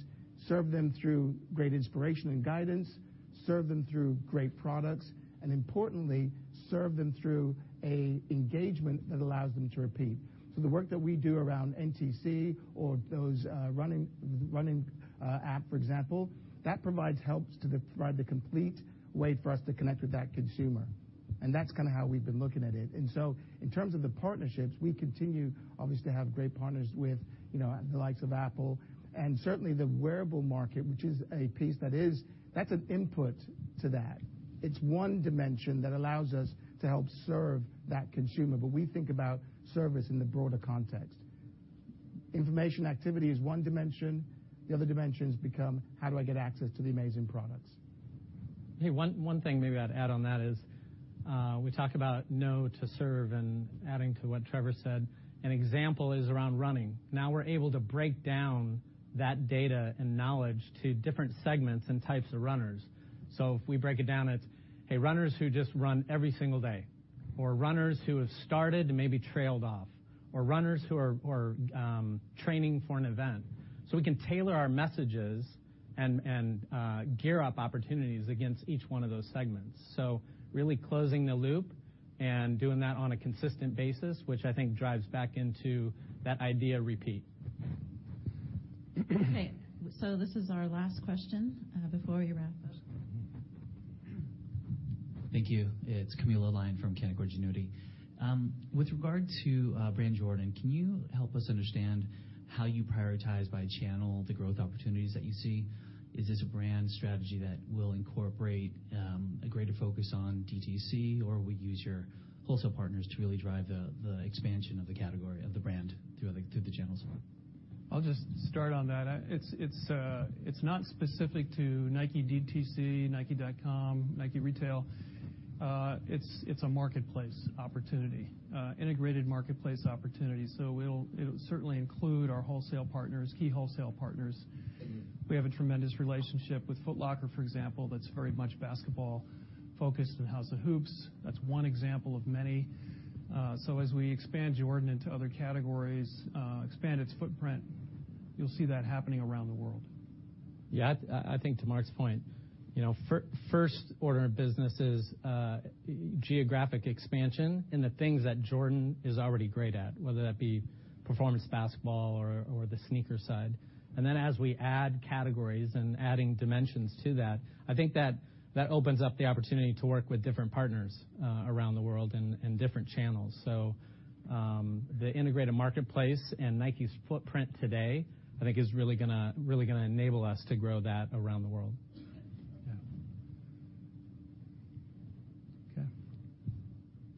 serve them through great inspiration and guidance, serve them through great products, and importantly, serve them through a engagement that allows them to repeat. The work that we do around NTC or those Running app, for example, that provides helps to provide the complete way for us to connect with that consumer. That's kinda how we've been looking at it. In terms of the partnerships, we continue obviously to have great partners with, you know, the likes of Apple and certainly the wearable market, which is a piece that's an input to that. It's one dimension that allows us to help serve that consumer, but we think about service in the broader context. Information activity is one dimension. The other dimensions become how do I get access to the amazing products? Hey, one thing maybe I'd add on that is, we talk about know to serve and adding to what Trevor said, an example is around running. Now we're able to break down that data and knowledge to different segments and types of runners. If we break it down, it's, hey, runners who just run every single day, or runners who have started and maybe trailed off, or runners who are training for an event. We can tailor our messages and gear up opportunities against each one of those segments. Really closing the loop and doing that on a consistent basis, which I think drives back into that idea repeat. Okay, this is our last question before we wrap up. Thank you. It's Camilo Lyon from Canaccord Genuity. With regard to Brand Jordan, can you help us understand how you prioritize by channel the growth opportunities that you see? Is this a brand strategy that will incorporate a greater focus on DTC, or will you use your wholesale partners to really drive the expansion of the category of the brand through the channels? I'll just start on that. It's, it's not specific to NIKE DTC, nike.com, NIKE Retail. It's, it's a marketplace opportunity, integrated marketplace opportunity. It'll certainly include our wholesale partners, key wholesale partners. We have a tremendous relationship with Foot Locker, for example, that's very much basketball focused and House of Hoops. That's one example of many. As we expand Jordan into other categories, expand its footprint, you'll see that happening around the world. I think to Mark's point, you know, first order of business is geographic expansion and the things that Jordan Brand is already great at, whether that be performance basketball or the sneaker side. As we add categories and adding dimensions to that, I think that opens up the opportunity to work with different partners around the world and different channels. The integrated marketplace and NIKE's footprint today, I think is really gonna enable us to grow that around the world. Yeah. Okay.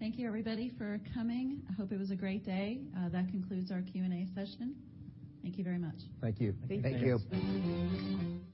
Thank you, everybody, for coming. I hope it was a great day. That concludes our Q&A session. Thank you very much. Thank you. Thank you. Thanks.